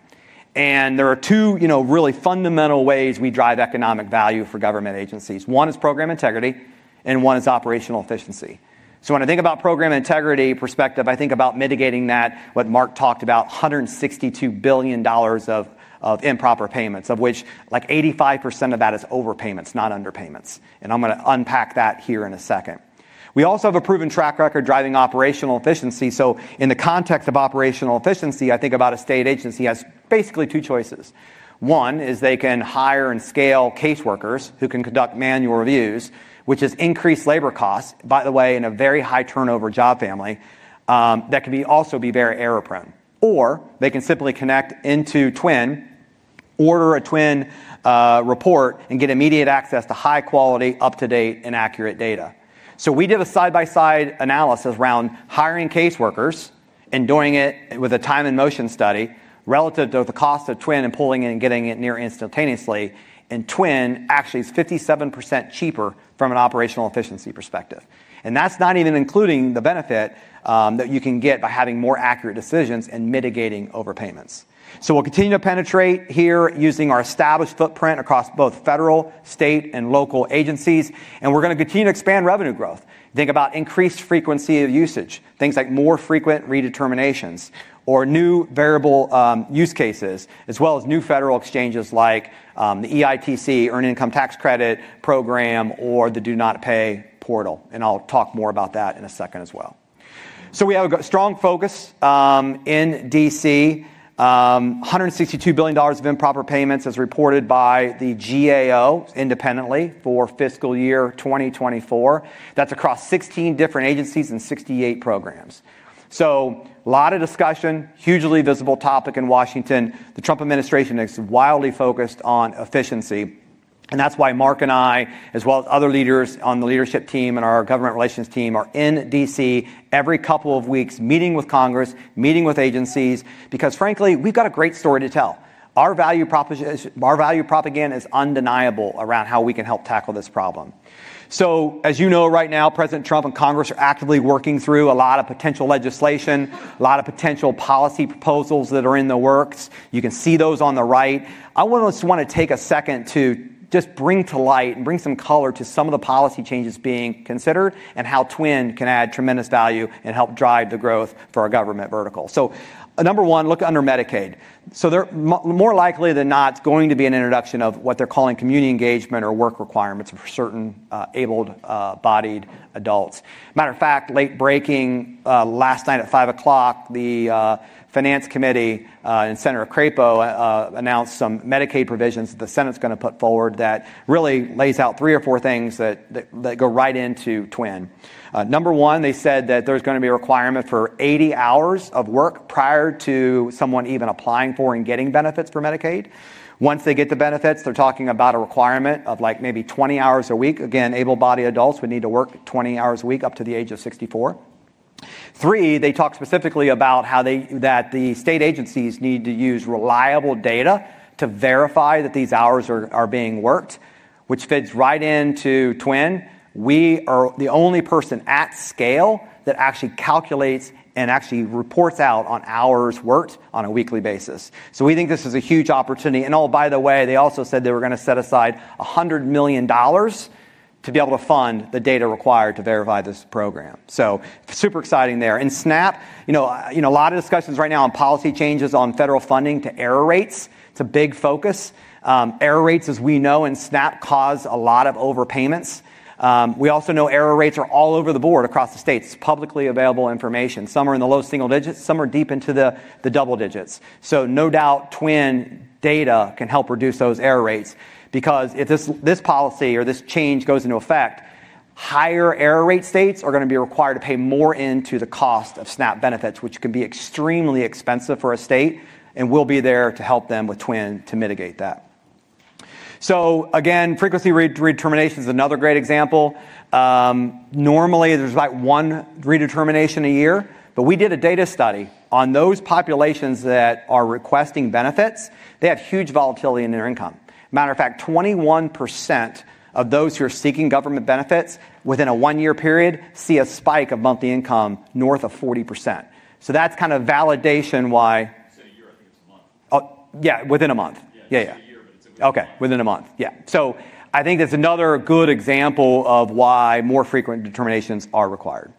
[SPEAKER 6] There are two, you know, really fundamental ways we drive economic value for government agencies. One is program integrity, and one is operational efficiency. When I think about program integrity perspective, I think about mitigating that, what Mark talked about, $162 billion of improper payments, of which like 85% of that is overpayments, not underpayments. I'm going to unpack that here in a second. We also have a proven track record driving operational efficiency. In the context of operational efficiency, I think about a state agency has basically two choices. One is they can hire and scale case workers who can conduct manual reviews, which is increased labor costs, by the way, in a very high turnover job family that can also be very error prone. Or they can simply connect into Twin, order a Twin report, and get immediate access to high quality, up-to-date, and accurate data. We did a side-by-side analysis around hiring case workers and doing it with a time-in-motion study relative to the cost of Twin and pulling in and getting it near instantaneously. Twin actually is 57% cheaper from an operational efficiency perspective. That is not even including the benefit that you can get by having more accurate decisions and mitigating overpayments. We'll continue to penetrate here using our established footprint across both federal, state, and local agencies. We're going to continue to expand revenue growth. Think about increased frequency of usage, things like more frequent redeterminations or new variable use cases, as well as new federal exchanges like the EITC, Earned Income Tax Credit program, or the Do Not Pay portal. I'll talk more about that in a second as well. We have a strong focus in D.C., $162 billion of improper payments as reported by the GAO independently for fiscal year 2024. That's across 16 different agencies and 68 programs. A lot of discussion, hugely visible topic in Washington. The Trump administration is wildly focused on efficiency. That is why Mark and I, as well as other leaders on the leadership team and our government relations team, are in D.C. every couple of weeks meeting with Congress, meeting with agencies, because frankly, we have got a great story to tell. Our value proposition is undeniable around how we can help tackle this problem. As you know, right now, President Trump and Congress are actively working through a lot of potential legislation, a lot of potential policy proposals that are in the works. You can see those on the right. I want to just take a second to bring to light and bring some color to some of the policy changes being considered and how Twin can add tremendous value and help drive the growth for our government vertical. Number one, look under Medicaid. They're more likely than not going to be an introduction of what they're calling community engagement or work requirements for certain able-bodied adults. Matter of fact, late breaking last night at 5:00 P.M., the Finance Committee and Senator Crapo announced some Medicaid provisions that the Senate's going to put forward that really lays out three or four things that go right into Twin. Number one, they said that there's going to be a requirement for 80 hours of work prior to someone even applying for and getting benefits for Medicaid. Once they get the benefits, they're talking about a requirement of like maybe 20 hours a week. Again, able-bodied adults would need to work 20 hours a week up to the age of 64. Three, they talk specifically about how the state agencies need to use reliable data to verify that these hours are being worked, which fits right into Twin. We are the only person at scale that actually calculates and actually reports out on hours worked on a weekly basis. We think this is a huge opportunity. Oh, by the way, they also said they were going to set aside $100 million to be able to fund the data required to verify this program. Super exciting there. SNAP, you know, a lot of discussions right now on policy changes on federal funding to error rates. It's a big focus. Error rates, as we know, in SNAP cause a lot of overpayments. We also know error rates are all over the board across the states. It's publicly available information. Some are in the low single digits, some are deep into the double digits. No doubt Twin data can help reduce those error rates because if this policy or this change goes into effect, higher error rate states are going to be required to pay more into the cost of SNAP benefits, which can be extremely expensive for a state and will be there to help them with Twin to mitigate that. Again, frequency redetermination is another great example. Normally, there is about one redetermination a year, but we did a data study on those populations that are requesting benefits. They have huge volatility in their income. Matter of fact, 21% of those who are seeking government benefits within a one-year period see a spike of monthly income north of 40%. That is kind of validation why.
[SPEAKER 7] Say a year, I think it is a month.
[SPEAKER 6] Oh, yeah, within a month. Yeah, yeah. It's a year, but it's a week. Okay, within a month. Yeah. I think that's another good example of why more frequent determinations are required.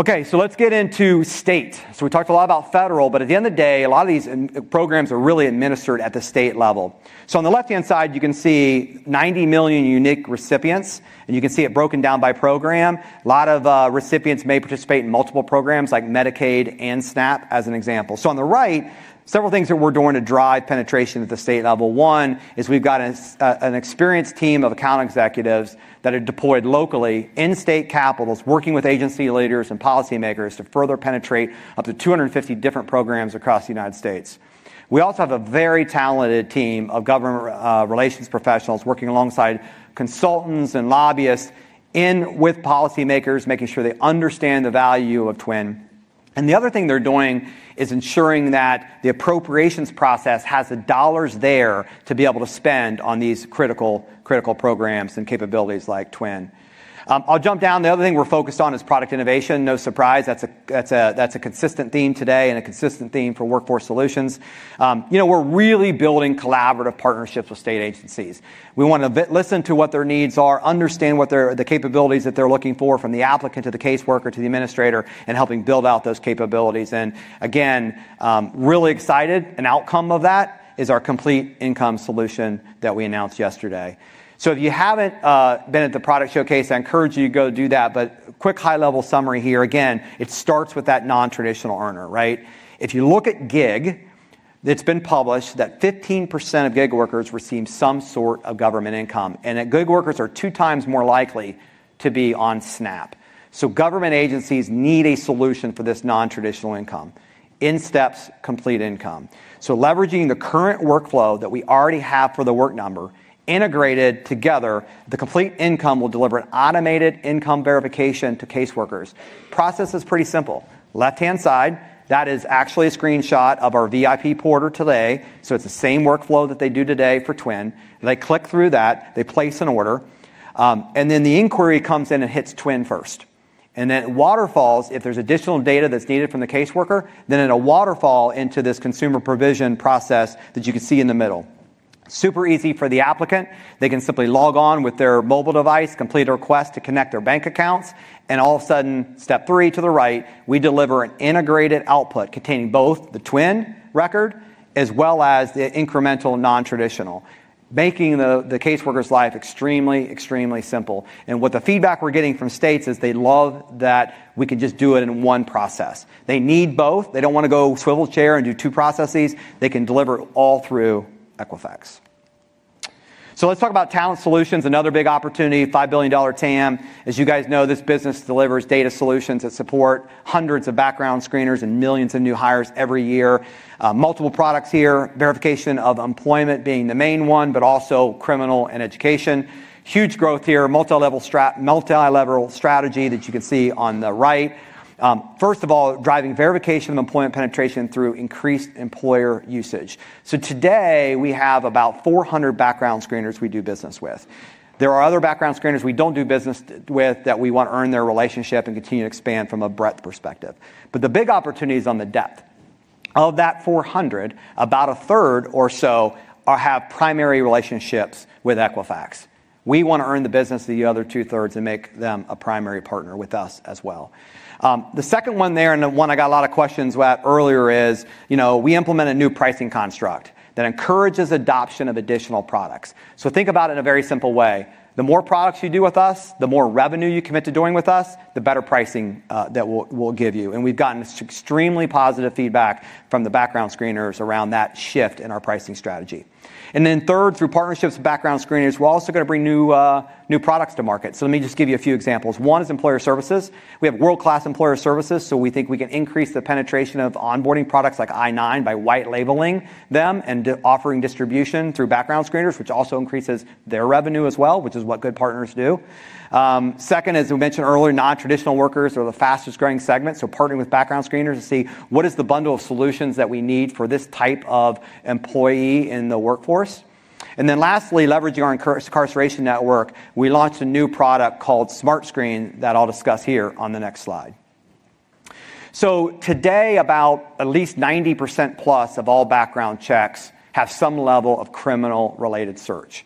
[SPEAKER 6] Okay, let's get into state. We talked a lot about federal, but at the end of the day, a lot of these programs are really administered at the state level. On the left-hand side, you can see 90 million unique recipients, and you can see it broken down by program. A lot of recipients may participate in multiple programs like Medicaid and SNAP as an example. On the right, several things that we're doing to drive penetration at the state level. One is we've got an experienced team of account executives that are deployed locally in state capitals working with agency leaders and policymakers to further penetrate up to 250 different programs across the United States. We also have a very talented team of government relations professionals working alongside consultants and lobbyists with policymakers, making sure they understand the value of Twin. The other thing they're doing is ensuring that the appropriations process has the dollars there to be able to spend on these critical programs and capabilities like Twin. I'll jump down. The other thing we're focused on is product innovation. No surprise. That's a consistent theme today and a consistent theme for Workforce Solutions. You know, we're really building collaborative partnerships with state agencies. We want to listen to what their needs are, understand what the capabilities that they're looking for from the applicant to the case worker to the administrator, and helping build out those capabilities. Again, really excited. An outcome of that is our Complete Income solution that we announced yesterday. If you haven't been at the product showcase, I encourage you to go do that. Quick high-level summary here. Again, it starts with that non-traditional earner, right? If you look at gig, it's been published that 15% of gig workers receive some sort of government income, and that gig workers are two times more likely to be on SNAP. Government agencies need a solution for this non-traditional income. In steps Complete Income. Leveraging the current workflow that we already have for the work number integrated together, the Complete Income will deliver an automated income verification to case workers. Process is pretty simple. Left-hand side, that is actually a screenshot of our VIP porter today. It is the same workflow that they do today for Twin. They click through that, they place an order, and then the inquiry comes in and hits Twin first. Then it waterfalls if there is additional data that is needed from the case worker, then it will waterfall into this consumer provision process that you can see in the middle. Super easy for the applicant. They can simply log on with their mobile device, complete a request to connect their bank accounts, and all of a sudden, step three to the right, we deliver an integrated output containing both the Twin record as well as the incremental non-traditional, making the case worker's life extremely, extremely simple. What the feedback we're getting from states is they love that we can just do it in one process. They need both. They do not want to go swivel chair and do two processes. They can deliver all through Equifax. Let's talk about talent solutions. Another big opportunity, $5 billion TAM. As you guys know, this business delivers data solutions that support hundreds of background screeners and millions of new hires every year. Multiple products here, verification of employment being the main one, but also criminal and education. Huge growth here, multilevel strategy that you can see on the right. First of all, driving verification of employment penetration through increased employer usage. Today we have about 400 background screeners we do business with. There are other background screeners we do not do business with that we want to earn their relationship and continue to expand from a breadth perspective. The big opportunity is on the depth. Of that 400, about1/3 or so have primary relationships with Equifax. We want to earn the business of the other two-thirds and make them a primary partner with us as well. The second one there, and the one I got a lot of questions about earlier is, you know, we implement a new pricing construct that encourages adoption of additional products. Think about it in a very simple way. The more products you do with us, the more revenue you commit to doing with us, the better pricing that we'll give you. We've gotten extremely positive feedback from the background screeners around that shift in our pricing strategy. Third, through partnerships with background screeners, we're also going to bring new products to market. Let me just give you a few examples. One is employer services. We have world-class employer services, so we think we can increase the penetration of onboarding products like [I-9] by white labeling them and offering distribution through background screeners, which also increases their revenue as well, which is what good partners do. Second, as we mentioned earlier, non-traditional workers are the fastest growing segment. Partnering with background screeners to see what is the bundle of solutions that we need for this type of employee in the workforce. Lastly, leveraging our incarceration network, we launched a new product called SmartScreen that I'll discuss here on the next slide. Today, about at least 90%+ of all background checks have some level of criminal-related search.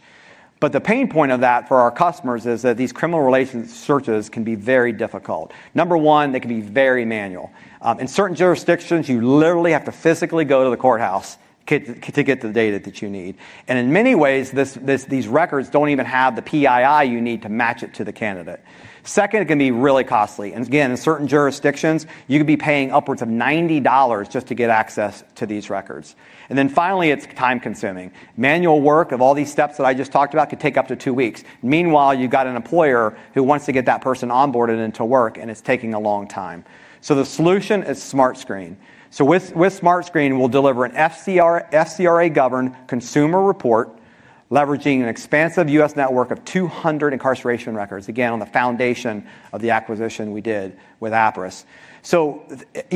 [SPEAKER 6] The pain point of that for our customers is that these criminal-related searches can be very difficult. Number one, they can be very manual. In certain jurisdictions, you literally have to physically go to the courthouse to get the data that you need. In many ways, these records do not even have the PII you need to match it to the candidate. Second, it can be really costly. Again, in certain jurisdictions, you could be paying upwards of $90 just to get access to these records. Finally, it is time-consuming. Manual work of all these steps that I just talked about could take up to two weeks. Meanwhile, you've got an employer who wants to get that person onboarded into work, and it's taking a long time. The solution is SmartScreen. With SmartScreen, we'll deliver an FCRA-governed consumer report leveraging an expansive U.S. network of 200 incarceration records, again, on the foundation of the acquisition we did with APRIS. You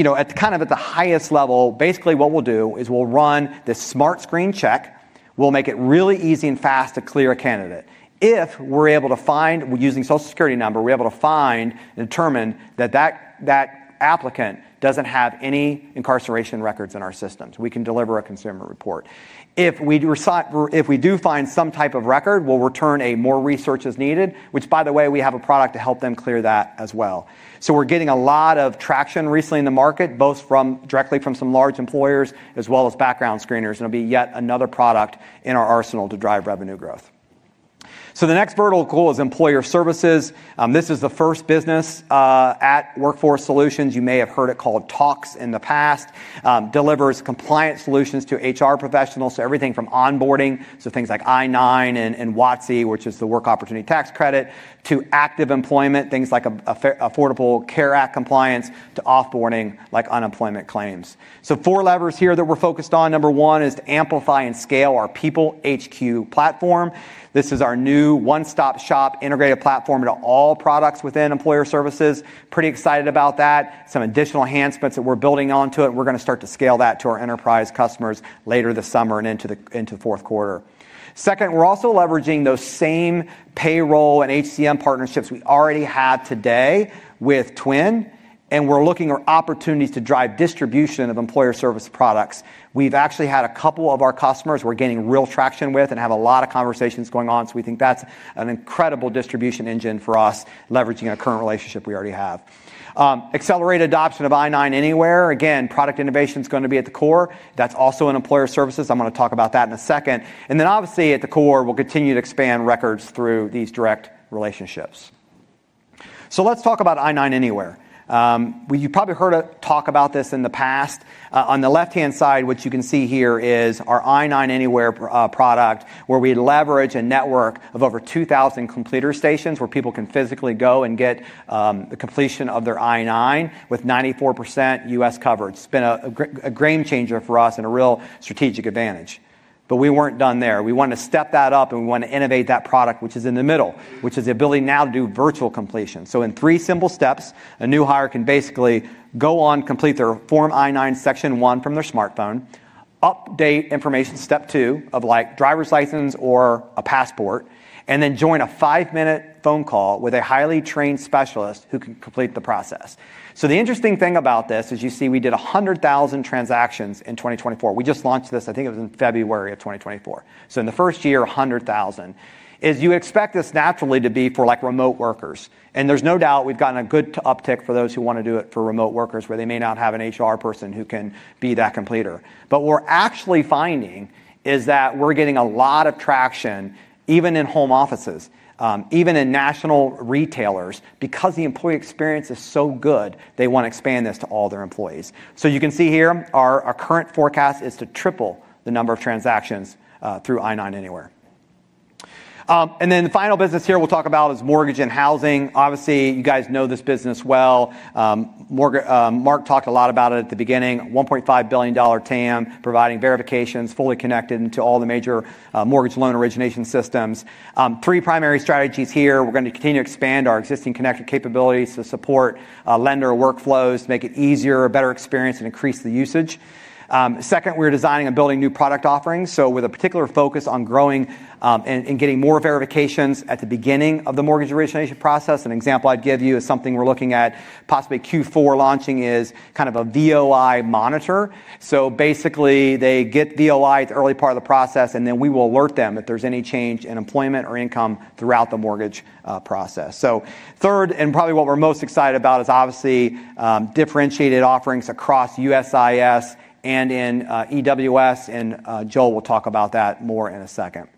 [SPEAKER 6] know, kind of at the highest level, basically what we'll do is we'll run this SmartScreen check. We'll make it really easy and fast to clear a candidate. If we're able to find, using Social Security number, we're able to find and determine that that applicant doesn't have any incarceration records in our systems, we can deliver a consumer report. If we do find some type of record, we'll return a more research as needed, which, by the way, we have a product to help them clear that as well. We're getting a lot of traction recently in the market, both directly from some large employers as well as background screeners. It'll be yet another product in our arsenal to drive revenue growth. The next vertical is employer services. This is the first business at Workforce Solutions. You may have heard it called TOX in the past. Delivers compliance solutions to HR professionals, so everything from onboarding, so things like I-9 and WATSI, which is the Work Opportunity Tax Credit, to active employment, things like Affordable Care Act compliance, to offboarding like unemployment claims. Four levers here that we're focused on. Number one is to amplify and scale our People HQ platform. This is our new one-stop shop integrated platform to all products within employer services. Pretty excited about that. Some additional enhancements that we're building onto it. We're going to start to scale that to our enterprise customers later this summer and into the fourth quarter. Second, we're also leveraging those same payroll and HCM partnerships we already have today with Twin, and we're looking for opportunities to drive distribution of employer service products. We've actually had a couple of our customers we're getting real traction with and have a lot of conversations going on. We think that's an incredible distribution engine for us, leveraging a current relationship we already have. Accelerated adoption of I-9 Anywhere. Again, product innovation is going to be at the core. That's also in employer services. I'm going to talk about that in a second. Obviously, at the core, we'll continue to expand records through these direct relationships. Let's talk about I-9 Anywhere. You've probably heard us talk about this in the past. On the left-hand side, what you can see here is our I-9 Anywhere product, where we leverage a network of over 2,000 completer stations where people can physically go and get the completion of their I-9 with 94% U.S. coverage. It's been a game changer for us and a real strategic advantage. We were not done there. We wanted to step that up and we wanted to innovate that product, which is in the middle, which is the ability now to do virtual completion. In three simple steps, a new hire can basically go on, complete their Form I-9 Section 1 from their smartphone, update information step two of like driver's license or a passport, and then join a five-minute phone call with a highly trained specialist who can complete the process. The interesting thing about this is you see we did 100,000 transactions in 2024. We just launched this, I think it was in February of 2024. In the first year, 100,000. As you expect, this naturally to be for like remote workers. There is no doubt we have gotten a good uptick for those who want to do it for remote workers where they may not have an HR person who can be that completer. What we are actually finding is that we are getting a lot of traction, even in home offices, even in national retailers, because the employee experience is so good, they want to expand this to all their employees. You can see here our current forecast is to triple the number of transactions through I-9 Anywhere. The final business here we will talk about is mortgage and housing. Obviously, you guys know this business well. Mark talked a lot about it at the beginning. $1.5 billion TAM providing verifications, fully connected into all the major mortgage loan origination systems. Three primary strategies here. We're going to continue to expand our existing connected capabilities to support lender workflows, make it easier, a better experience, and increase the usage. Second, we're designing and building new product offerings, with a particular focus on growing and getting more verifications at the beginning of the mortgage origination process. An example I'd give you is something we're looking at, possibly Q4 launching, is kind of a VOI Monitor. Basically, they get VOI at the early part of the process, and then we will alert them if there's any change in employment or income throughout the mortgage process. Third, and probably what we're most excited about, is obviously differentiated offerings across USIS and in EWS, and Joel will talk about that more in a second.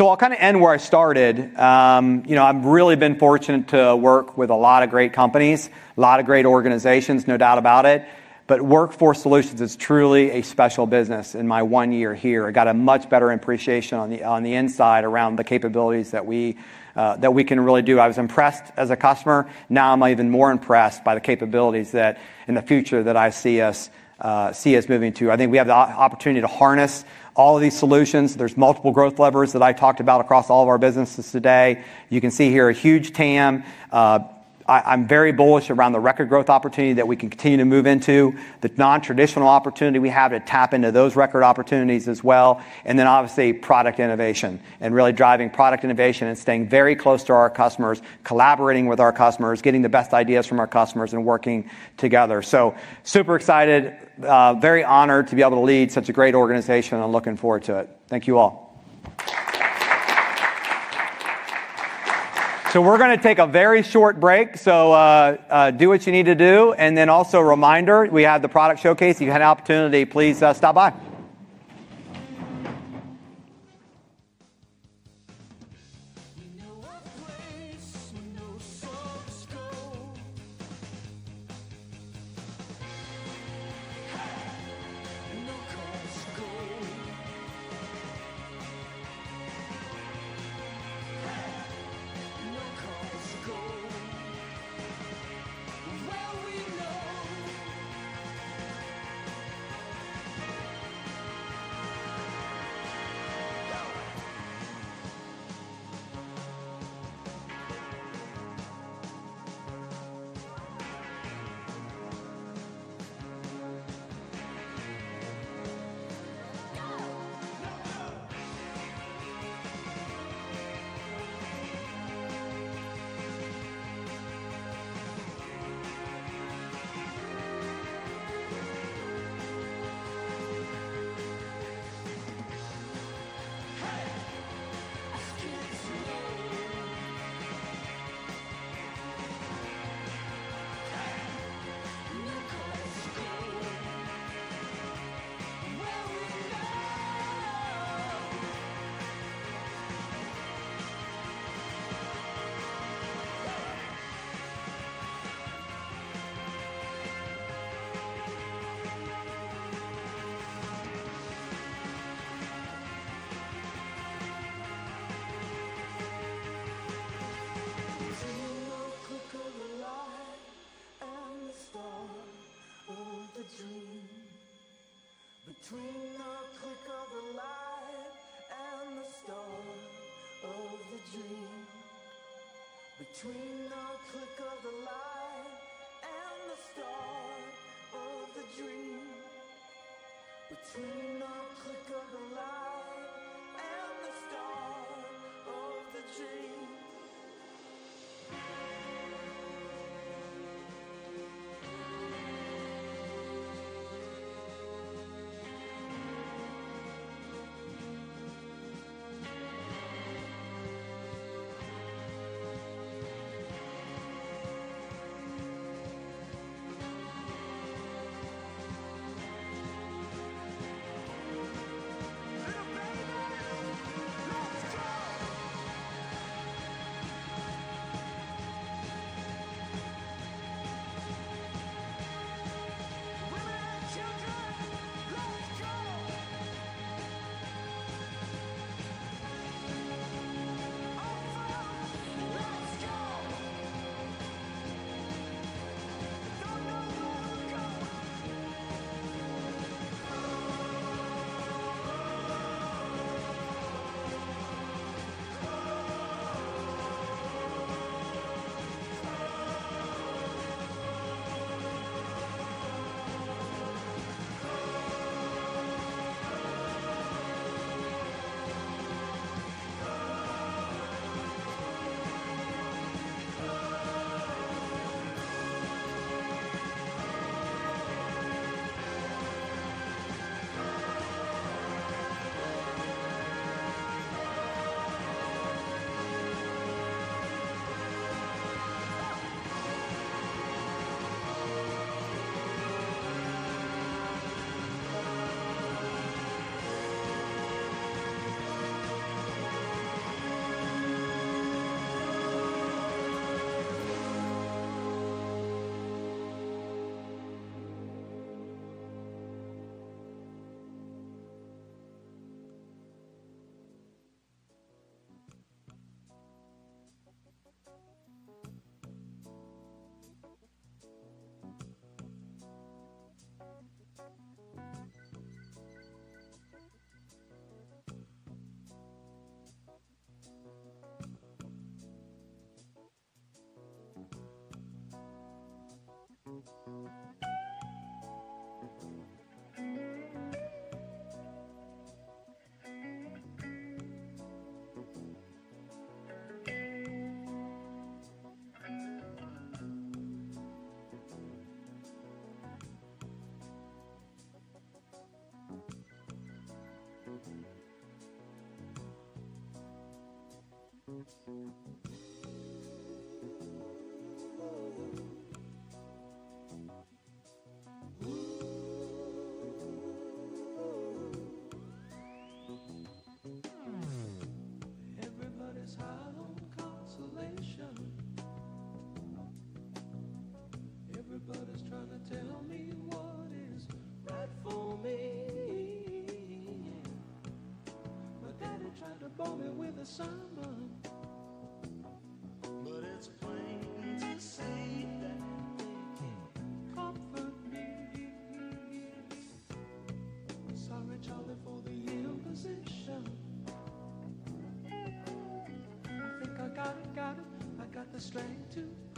[SPEAKER 6] I'll kind of end where I started. You know, I've really been fortunate to work with a lot of great companies, a lot of great organizations, no doubt about it. But Workforce Solutions is truly a special business. In my one year here, I got a much better appreciation on the inside around the capabilities that we can really do. I was impressed as a customer. Now I'm even more impressed by the capabilities that in the future that I see us moving to. I think we have the opportunity to harness all of these solutions. There's multiple growth levers that I talked about across all of our businesses today. You can see here a huge TAM. I'm very bullish around the record growth opportunity that we can continue to move into, the non-traditional opportunity we have to tap into those record opportunities as well. Obviously, product innovation and really driving product innovation and staying very close to our customers, collaborating with our customers, getting the best ideas from our customers and working together. Super excited, very honored to be able to lead such a great organization and looking forward to it. Thank you all. We are going to take a very short break. Do what you need to do. Also, a reminder, we have the product showcase. If you had an opportunity, please stop by.
[SPEAKER 2] Get started. Chad, if you want to sneak out, go ahead. He got trapped up here. I hope you enjoyed the morning. We're going to the second half of the presentation. I'm going to be up here on the USIS presentation. I think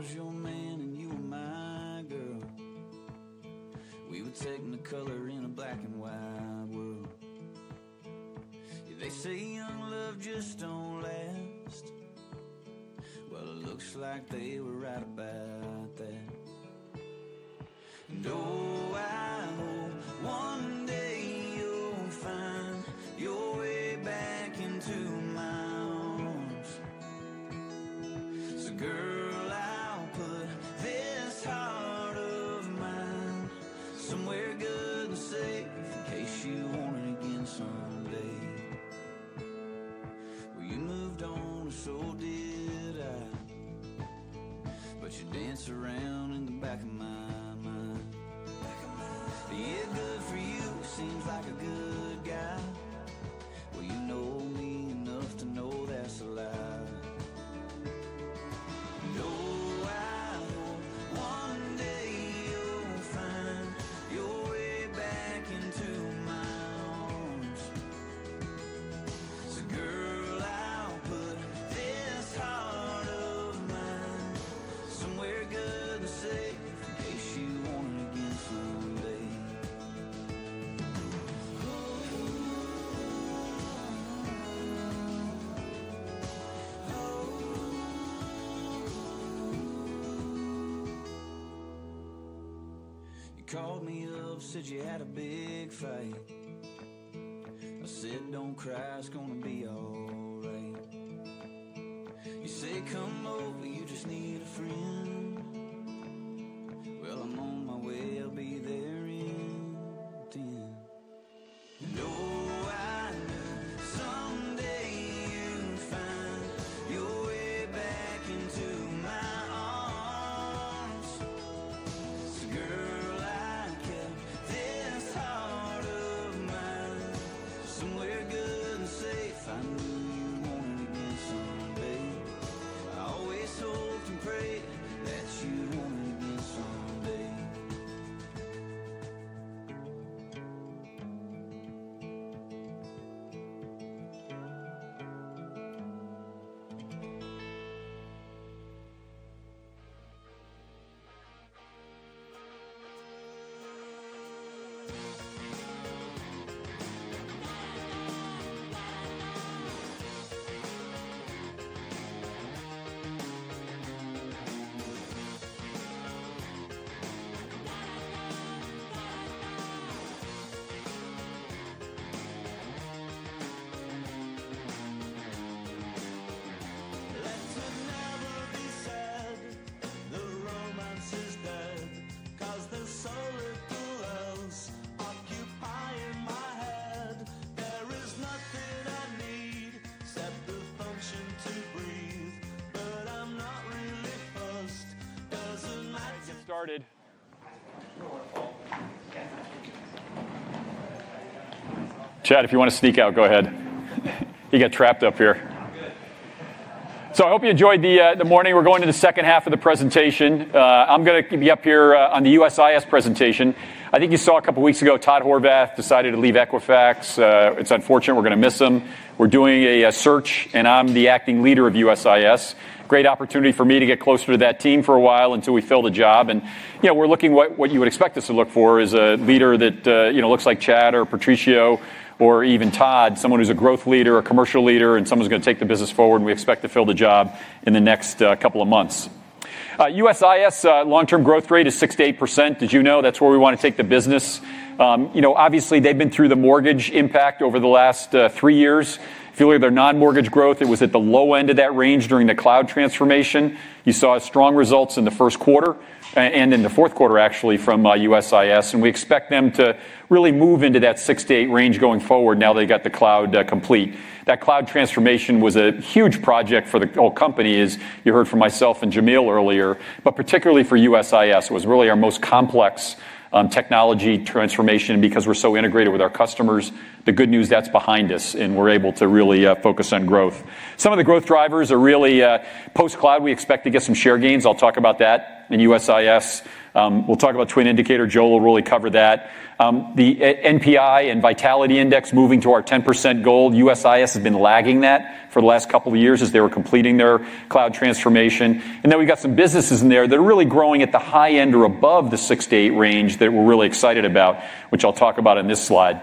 [SPEAKER 2] you saw a couple of weeks ago Todd Horvath decided to leave Equifax. It's unfortunate. We're going to miss him. We're doing a search, and I'm the acting leader of USIS. Great opportunity for me to get closer to that team for a while until we fill the job. We're looking at what you would expect us to look for is a leader that looks like Chad or Patricio or even Todd, someone who's a growth leader or a commercial leader, and someone who's going to take the business forward. We expect to fill the job in the next couple of months. USIS long-term growth rate is 6%-8%. Did you know that's where we want to take the business? Obviously, they've been through the mortgage impact over the last three years. If you look at their non-mortgage growth, it was at the low end of that range during the cloud transformation. You saw strong results in the first quarter and in the fourth quarter, actually, from USIS. We expect them to really move into that 6%-8% range going forward now that they got the cloud complete. That cloud transformation was a huge project for the whole company, as you heard from myself and Jamil earlier, but particularly for USIS. It was really our most complex technology transformation because we're so integrated with our customers. The good news is that's behind us, and we're able to really focus on growth. Some of the growth drivers are really post-cloud. We expect to get some share gains. I'll talk about that in USIS. We'll talk about Twin Indicator. Joel will really cover that. The NPI and Vitality Index moving to our 10% goal. USIS has been lagging that for the last couple of years as they were completing their cloud transformation. We have some businesses in there that are really growing at the high end or above the 6%-8% range that we are really excited about, which I will talk about in this slide.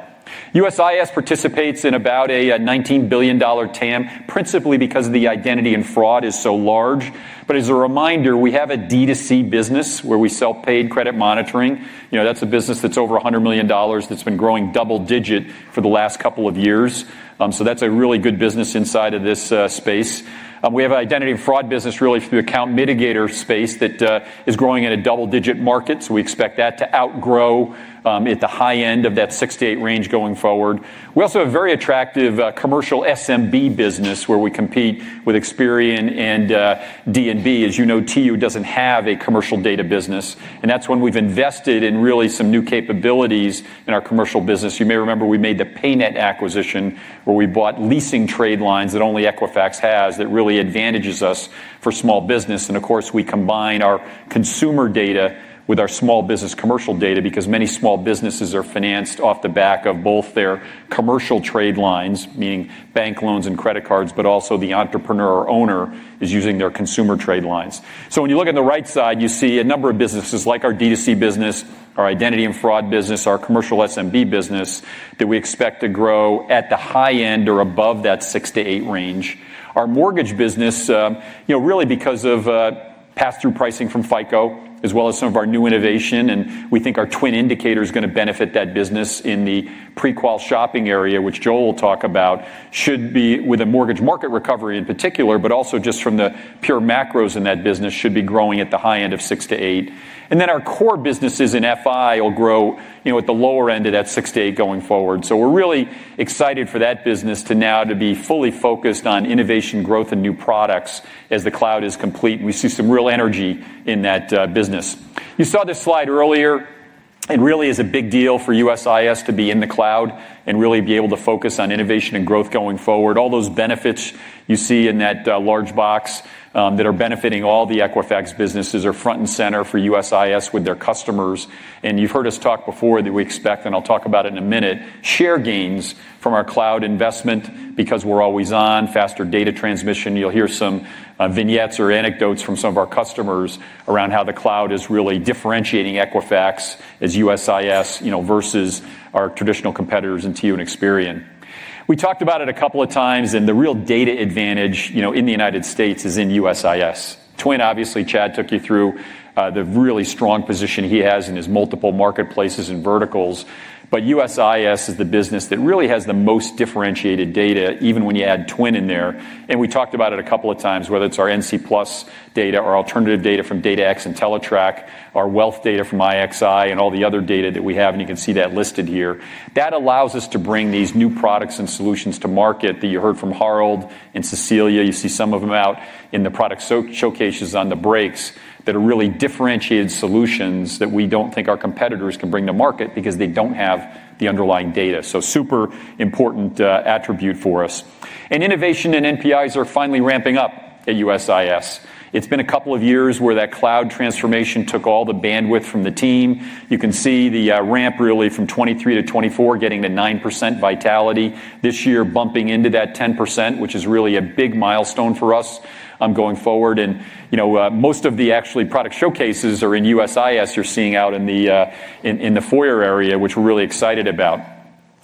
[SPEAKER 2] USIS participates in about a $19 billion TAM, principally because the identity and fraud is so large. As a reminder, we have a D2C business where we sell paid credit monitoring. That is a business that is over $100 million that has been growing double-digit for the last couple of years. That is a really good business inside of this space. We have an identity and fraud business really through the account mitigator space that is growing in a double-digit market. We expect that to outgrow at the high end of that 6%-8% range going forward. We also have a very attractive commercial SMB business where we compete with Experian and D&B. As you know, TU does not have a commercial data business. That is when we have invested in really some new capabilities in our commercial business. You may remember we made the PayNet acquisition where we bought leasing trade lines that only Equifax has that really advantages us for small business. Of course, we combine our consumer data with our small business commercial data because many small businesses are financed off the back of both their commercial trade lines, meaning bank loans and credit cards, but also the entrepreneur or owner is using their consumer trade lines. When you look on the right side, you see a number of businesses like our D2C business, our identity and fraud business, our commercial SMB business that we expect to grow at the high end or above that 6%-8% range. Our mortgage business, really because of pass-through pricing from FICO, as well as some of our new innovation, and we think our Twin Indicator is going to benefit that business in the pre-qual shopping area, which Joel will talk about, should be with a mortgage market recovery in particular, but also just from the pure macros in that business should be growing at the high end of 6%-8%. Our core businesses in FI will grow at the lower end of that 6%-8% going forward. We're really excited for that business to now be fully focused on innovation, growth, and new products as the cloud is complete. We see some real energy in that business. You saw this slide earlier. It really is a big deal for USIS to be in the cloud and really be able to focus on innovation and growth going forward. All those benefits you see in that large box that are benefiting all the Equifax businesses are front and center for USIS with their customers. You've heard us talk before that we expect, and I'll talk about it in a minute, share gains from our cloud investment because we're always on faster data transmission. You'll hear some vignettes or anecdotes from some of our customers around how the cloud is really differentiating Equifax as USIS versus our traditional competitors in TU and Experian. We talked about it a couple of times, and the real data advantage in the United States is in USIS. Twin, obviously, Chad took you through the really strong position he has in his multiple marketplaces and verticals. USIS is the business that really has the most differentiated data, even when you add Twin in there. We talked about it a couple of times, whether it is our NC Plus data or alternative data from DataX and Teletrack, our wealth data from IXI, and all the other data that we have. You can see that listed here. That allows us to bring these new products and solutions to market that you heard from Harold and Cecilia. You see some of them out in the product showcases on the breaks that are really differentiated solutions that we do not think our competitors can bring to market because they do not have the underlying data. Super important attribute for us. Innovation and NPIs are finally ramping up at USIS. It has been a couple of years where that cloud transformation took all the bandwidth from the team. You can see the ramp really from 2023 to 2024, getting to 9% vitality. This year, bumping into that 10%, which is really a big milestone for us going forward. Most of the actual product showcases are in USIS you are seeing out in the foyer area, which we are really excited about.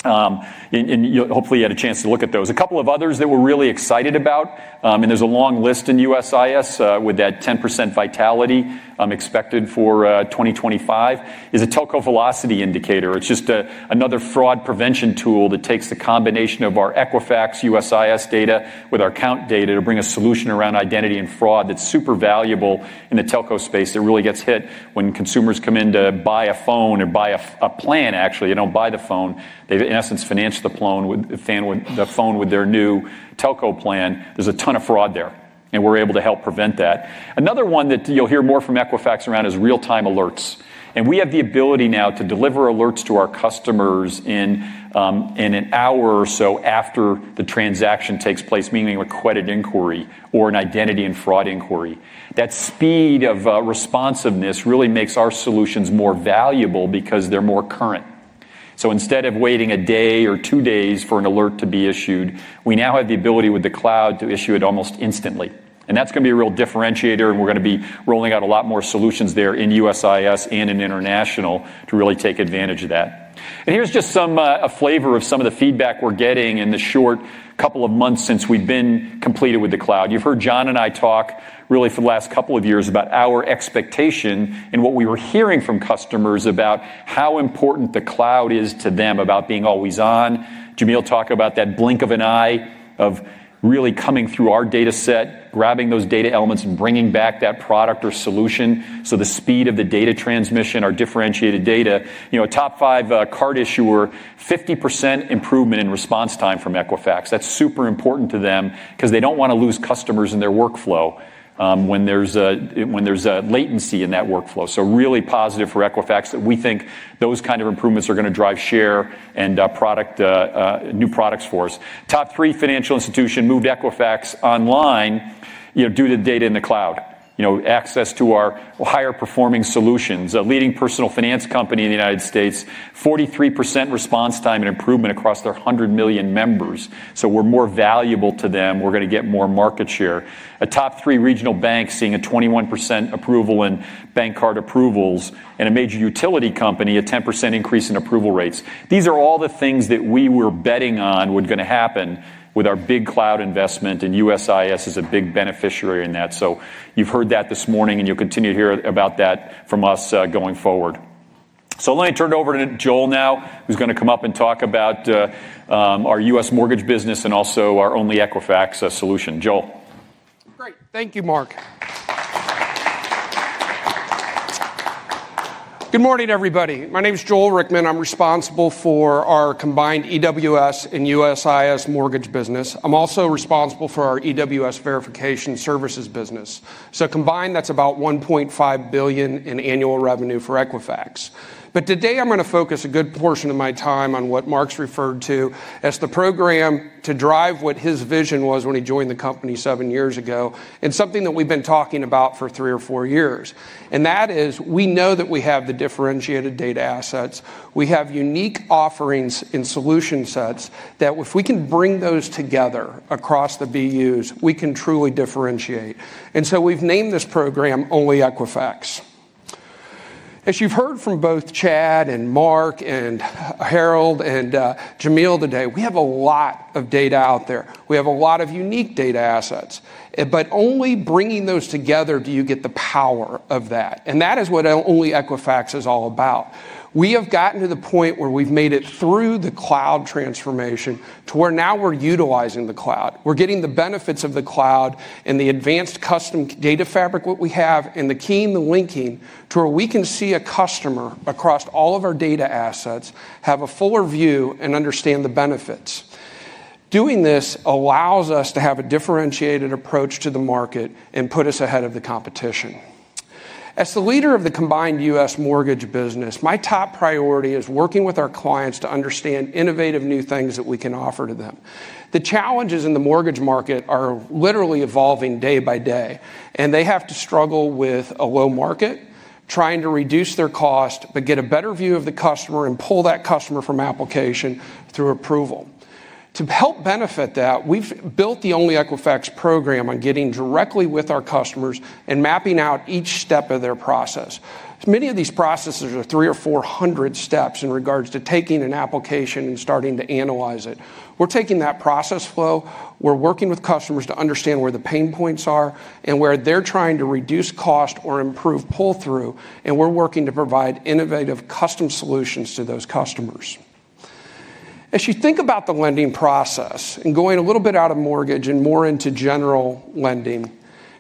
[SPEAKER 2] Hopefully, you had a chance to look at those. A couple of others that we're really excited about, and there's a long list in USIS with that 10% vitality expected for 2025, is a Telco Velocity Indicator. It's just another fraud prevention tool that takes the combination of our Equifax USIS data with our account data to bring a solution around identity and fraud that's super valuable in the telco space. It really gets hit when consumers come in to buy a phone or buy a plan, actually. They don't buy the phone. They've, in essence, financed the phone with their new telco plan. There's a ton of fraud there, and we're able to help prevent that. Another one that you'll hear more from Equifax around is real-time alerts. We have the ability now to deliver alerts to our customers in an hour or so after the transaction takes place, meaning a requested inquiry or an identity and fraud inquiry. That speed of responsiveness really makes our solutions more valuable because they are more current. Instead of waiting a day or two days for an alert to be issued, we now have the ability with the cloud to issue it almost instantly. That is going to be a real differentiator, and we are going to be rolling out a lot more solutions there in USIS and in international to really take advantage of that. Here is just a flavor of some of the feedback we are getting in the short couple of months since we have been completed with the cloud. You've heard John and I talk really for the last couple of years about our expectation and what we were hearing from customers about how important the cloud is to them about being always on. Jamil talked about that blink of an eye of really coming through our data set, grabbing those data elements and bringing back that product or solution. The speed of the data transmission, our differentiated data. Top five card issuer, 50% improvement in response time from Equifax. That's super important to them because they don't want to lose customers in their workflow when there's a latency in that workflow. Really positive for Equifax that we think those kinds of improvements are going to drive share and new products for us. Top three financial institutions moved Equifax online due to data in the cloud, access to our higher performing solutions. A leading personal finance company in the United States, 43% response time and improvement across their 100 million members. So we're more valuable to them. We're going to get more market share. A top three regional bank seeing a 21% approval in bank card approvals and a major utility company, a 10% increase in approval rates. These are all the things that we were betting on were going to happen with our big cloud investment, and USIS is a big beneficiary in that. So you've heard that this morning, and you'll continue to hear about that from us going forward. Let me turn it over to Joel now, who's going to come up and talk about our U.S. mortgage business and also our OnlyEquifax solution. Joel.
[SPEAKER 8] Great. Thank you, Mark. Good morning, everybody. My name is Joel Rickman. I'm responsible for our combined EWS and USIS mortgage business. I'm also responsible for our EWS verification services business. Combined, that's about $1.5 billion in annual revenue for Equifax. Today, I'm going to focus a good portion of my time on what Mark's referred to as the program to drive what his vision was when he joined the company seven years ago, and something that we've been talking about for three or four years. That is, we know that we have the differentiated data assets. We have unique offerings and solution sets that if we can bring those together across the BUs, we can truly differentiate. We have named this program OnlyEquifax. As you've heard from both Chad and Mark and Harold and Jamil today, we have a lot of data out there. We have a lot of unique data assets. Only bringing those together do you get the power of that. That is what OnlyEquifax is all about. We have gotten to the point where we've made it through the cloud transformation to where now we're utilizing the cloud. We're getting the benefits of the cloud and the advanced custom data fabric that we have and the key and the linking to where we can see a customer across all of our data assets, have a fuller view, and understand the benefits. Doing this allows us to have a differentiated approach to the market and put us ahead of the competition. As the leader of the combined U.S. mortgage business, my top priority is working with our clients to understand innovative new things that we can offer to them. The challenges in the mortgage market are literally evolving day by day, and they have to struggle with a low market, trying to reduce their cost, but get a better view of the customer and pull that customer from application through approval. To help benefit that, we've built the OnlyEquifax program on getting directly with our customers and mapping out each step of their process. Many of these processes are 300 or 400 steps in regards to taking an application and starting to analyze it. We're taking that process flow. We're working with customers to understand where the pain points are and where they're trying to reduce cost or improve pull-through, and we're working to provide innovative custom solutions to those customers. As you think about the lending process and going a little bit out of mortgage and more into general lending,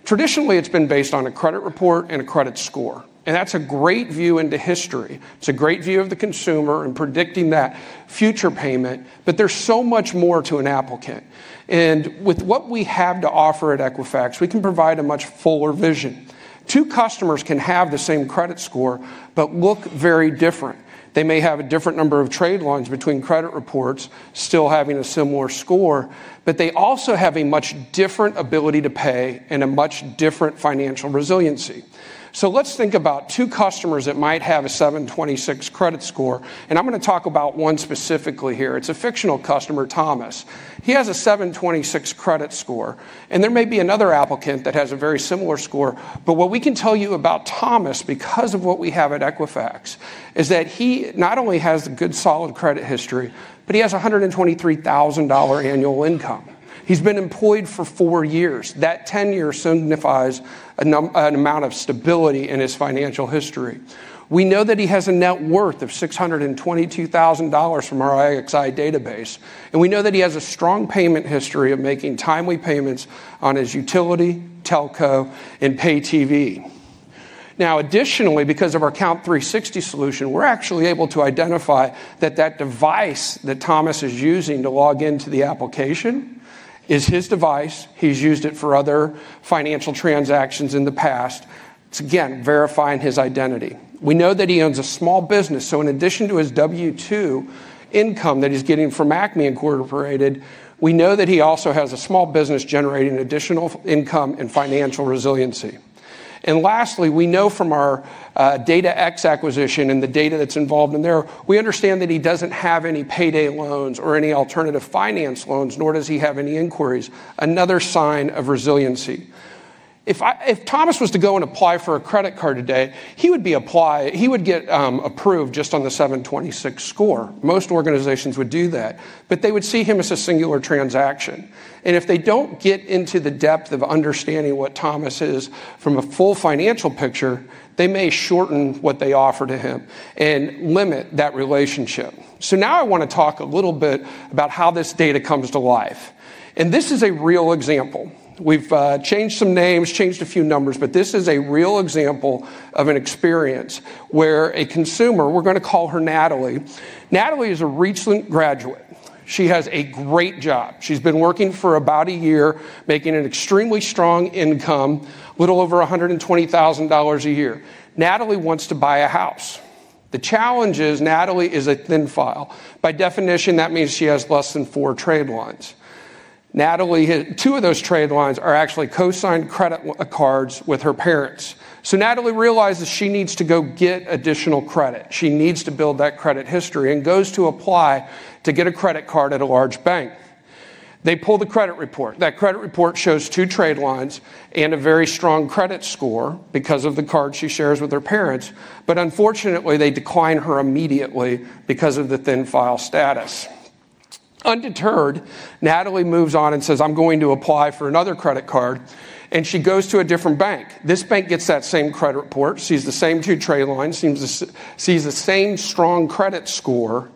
[SPEAKER 8] traditionally, it has been based on a credit report and a credit score. That is a great view into history. It is a great view of the consumer and predicting that future payment, but there is so much more to an applicant. With what we have to offer at Equifax, we can provide a much fuller vision. Two customers can have the same credit score, but look very different. They may have a different number of trade lines between credit reports, still having a similar score, but they also have a much different ability to pay and a much different financial resiliency. Let us think about two customers that might have a 726 credit score, and I am going to talk about one specifically here. It is a fictional customer, Thomas. He has a 726 credit score, and there may be another applicant that has a very similar score. What we can tell you about Thomas, because of what we have at Equifax, is that he not only has a good solid credit history, but he has a $123,000 annual income. He's been employed for four years. That tenure signifies an amount of stability in his financial history. We know that he has a net worth of $622,000 from our IXI database, and we know that he has a strong payment history of making timely payments on his utility, telco, and pay TV. Additionally, because of our Account 360 solution, we're actually able to identify that that device that Thomas is using to log into the application is his device. He's used it for other financial transactions in the past. It's, again, verifying his identity. We know that he owns a small business. In addition to his W-2 income that he's getting from ACME Incorporated, we know that he also has a small business generating additional income and financial resiliency. Lastly, we know from our DataX acquisition and the data that's involved in there, we understand that he doesn't have any payday loans or any alternative finance loans, nor does he have any inquiries. Another sign of resiliency. If Thomas was to go and apply for a credit card today, he would get approved just on the 726 score. Most organizations would do that, but they would see him as a singular transaction. If they don't get into the depth of understanding what Thomas is from a full financial picture, they may shorten what they offer to him and limit that relationship. Now I want to talk a little bit about how this data comes to life. This is a real example. We've changed some names, changed a few numbers, but this is a real example of an experience where a consumer, we're going to call her Natalie. Natalie is a recent graduate. She has a great job. She's been working for about a year, making an extremely strong income, a little over $120,000 a year. Natalie wants to buy a house. The challenge is Natalie is a thin file. By definition, that means she has less than four trade lines. Natalie, two of those trade lines are actually co-signed credit cards with her parents. Natalie realizes she needs to go get additional credit. She needs to build that credit history and goes to apply to get a credit card at a large bank. They pull the credit report. That credit report shows two trade lines and a very strong credit score because of the card she shares with her parents. Unfortunately, they decline her immediately because of the thin file status. Undeterred, Natalie moves on and says, "I'm going to apply for another credit card," and she goes to a different bank. This bank gets that same credit report, sees the same two trade lines, sees the same strong credit score.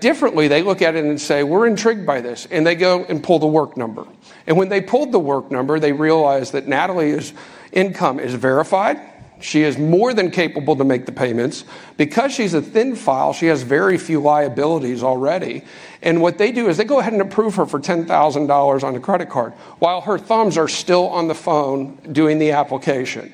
[SPEAKER 8] Differently, they look at it and say, "We're intrigued by this," and they go and pull the work number. When they pulled the work number, they realized that Natalie's income is verified. She is more than capable to make the payments. Because she's a thin file, she has very few liabilities already. What they do is they go ahead and approve her for $10,000 on a credit card while her thumbs are still on the phone doing the application.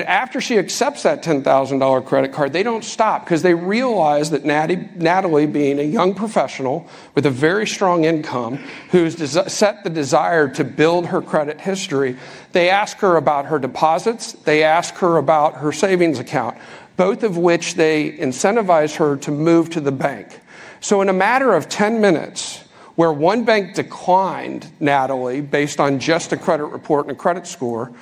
[SPEAKER 8] After she accepts that $10,000 credit card, they do not stop because they realize that Natalie, being a young professional with a very strong income, who has set the desire to build her credit history, they ask her about her deposits. They ask her about her savings account, both of which they incentivize her to move to the bank. In a matter of 10 minutes, where one bank declined Natalie based on just a credit report and a credit score,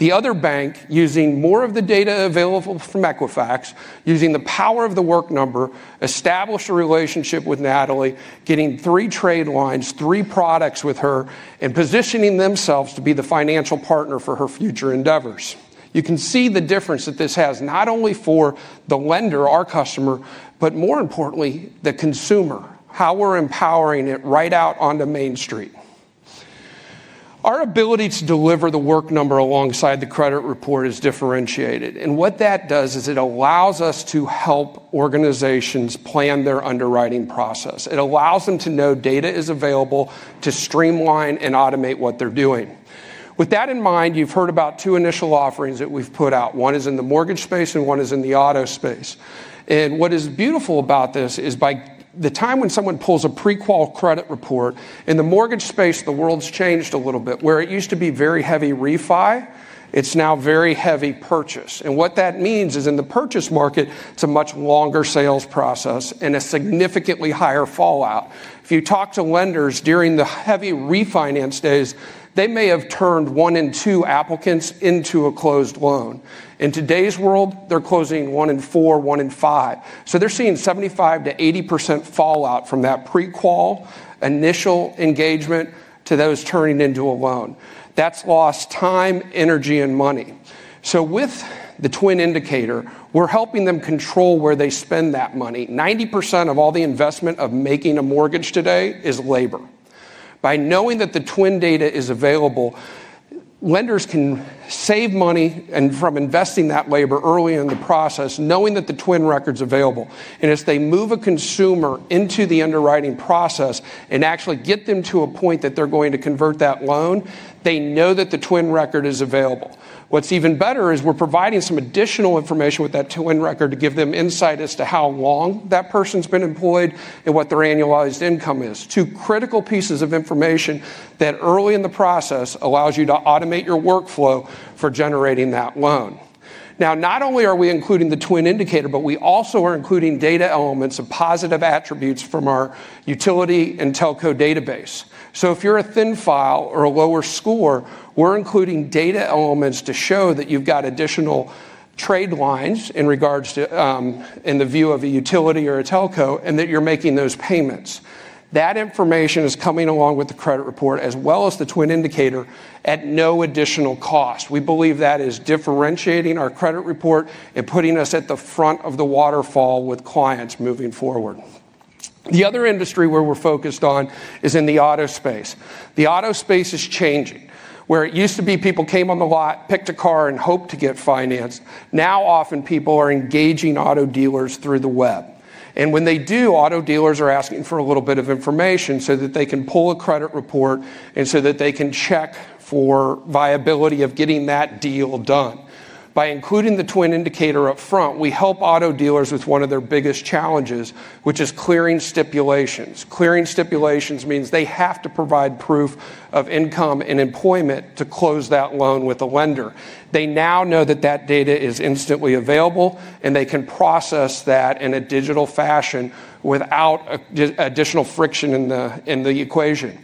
[SPEAKER 8] the other bank, using more of the data available from Equifax, using the power of The Work Number, established a relationship with Natalie, getting three trade lines, three products with her, and positioning themselves to be the financial partner for her future endeavors. You can see the difference that this has not only for the lender, our customer, but more importantly, the consumer, how we're empowering it right out onto Main Street. Our ability to deliver The Work Number alongside the credit report is differentiated. What that does is it allows us to help organizations plan their underwriting process. It allows them to know data is available to streamline and automate what they're doing. With that in mind, you've heard about two initial offerings that we've put out. One is in the mortgage space, and one is in the auto space. What is beautiful about this is by the time when someone pulls a pre-qual credit report, in the mortgage space, the world's changed a little bit. Where it used to be very heavy refi, it's now very heavy purchase. What that means is in the purchase market, it's a much longer sales process and a significantly higher fallout. If you talk to lenders during the heavy refinance days, they may have turned one in two applicants into a closed loan. In today's world, they're closing one in four, one in five. They're seeing 75%-80% fallout from that pre-qual initial engagement to those turning into a loan. That's lost time, energy, and money. With the Twin Indicator, we're helping them control where they spend that money. 90% of all the investment of making a mortgage today is labor. By knowing that the Twin data is available, lenders can save money from investing that labor early in the process, knowing that the Twin record's available. As they move a consumer into the underwriting process and actually get them to a point that they're going to convert that loan, they know that the Twin record is available. What's even better is we're providing some additional information with that Twin record to give them insight as to how long that person's been employed and what their annualized income is. Two critical pieces of information that early in the process allows you to automate your workflow for generating that loan. Now, not only are we including the Twin Indicator, but we also are including data elements of positive attributes from our utility and telco database. If you're a thin file or a lower score, we're including data elements to show that you've got additional trade lines in regards to, in the view of a utility or a telco, and that you're making those payments. That information is coming along with the credit report as well as the Twin Indicator at no additional cost. We believe that is differentiating our credit report and putting us at the front of the waterfall with clients moving forward. The other industry where we're focused on is in the auto space. The auto space is changing. Where it used to be people came on the lot, picked a car, and hoped to get financed, now often people are engaging auto dealers through the web. When they do, auto dealers are asking for a little bit of information so that they can pull a credit report and so that they can check for viability of getting that deal done. By including the Twin Indicator upfront, we help auto dealers with one of their biggest challenges, which is clearing stipulations. Clearing stipulations means they have to provide proof of income and employment to close that loan with a lender. They now know that that data is instantly available, and they can process that in a digital fashion without additional friction in the equation.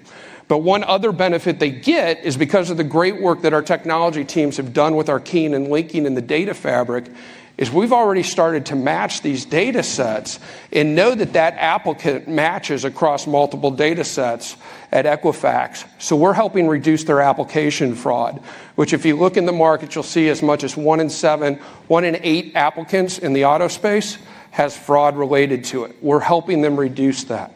[SPEAKER 8] One other benefit they get is because of the great work that our technology teams have done with our keying and linking in the data fabric is we've already started to match these data sets and know that that applicant matches across multiple data sets at Equifax. We're helping reduce their application fraud, which if you look in the market, you'll see as much as one in seven, one in eight applicants in the auto space has fraud related to it. We're helping them reduce that.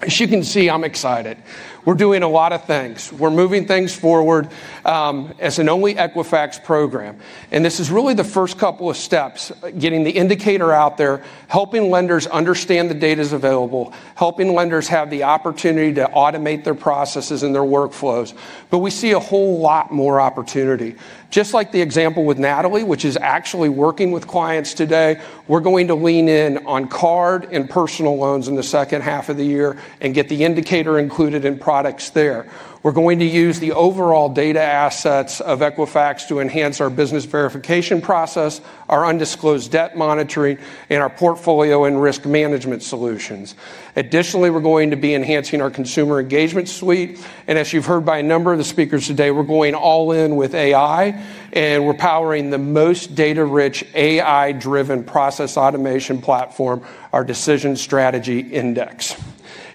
[SPEAKER 8] As you can see, I'm excited. We're doing a lot of things. We're moving things forward as an OnlyEquifax program. This is really the first couple of steps, getting the indicator out there, helping lenders understand the data's available, helping lenders have the opportunity to automate their processes and their workflows. We see a whole lot more opportunity. Just like the example with Natalie, which is actually working with clients today, we're going to lean in on card and personal loans in the second half of the year and get the indicator included in products there. We're going to use the overall data assets of Equifax to enhance our business verification process, our undisclosed debt monitoring, and our portfolio and risk management solutions. Additionally, we're going to be enhancing our consumer engagement suite. As you've heard by a number of the speakers today, we're going all in with AI, and we're powering the most data-rich, AI-driven process automation platform, our Decision Strategy Index.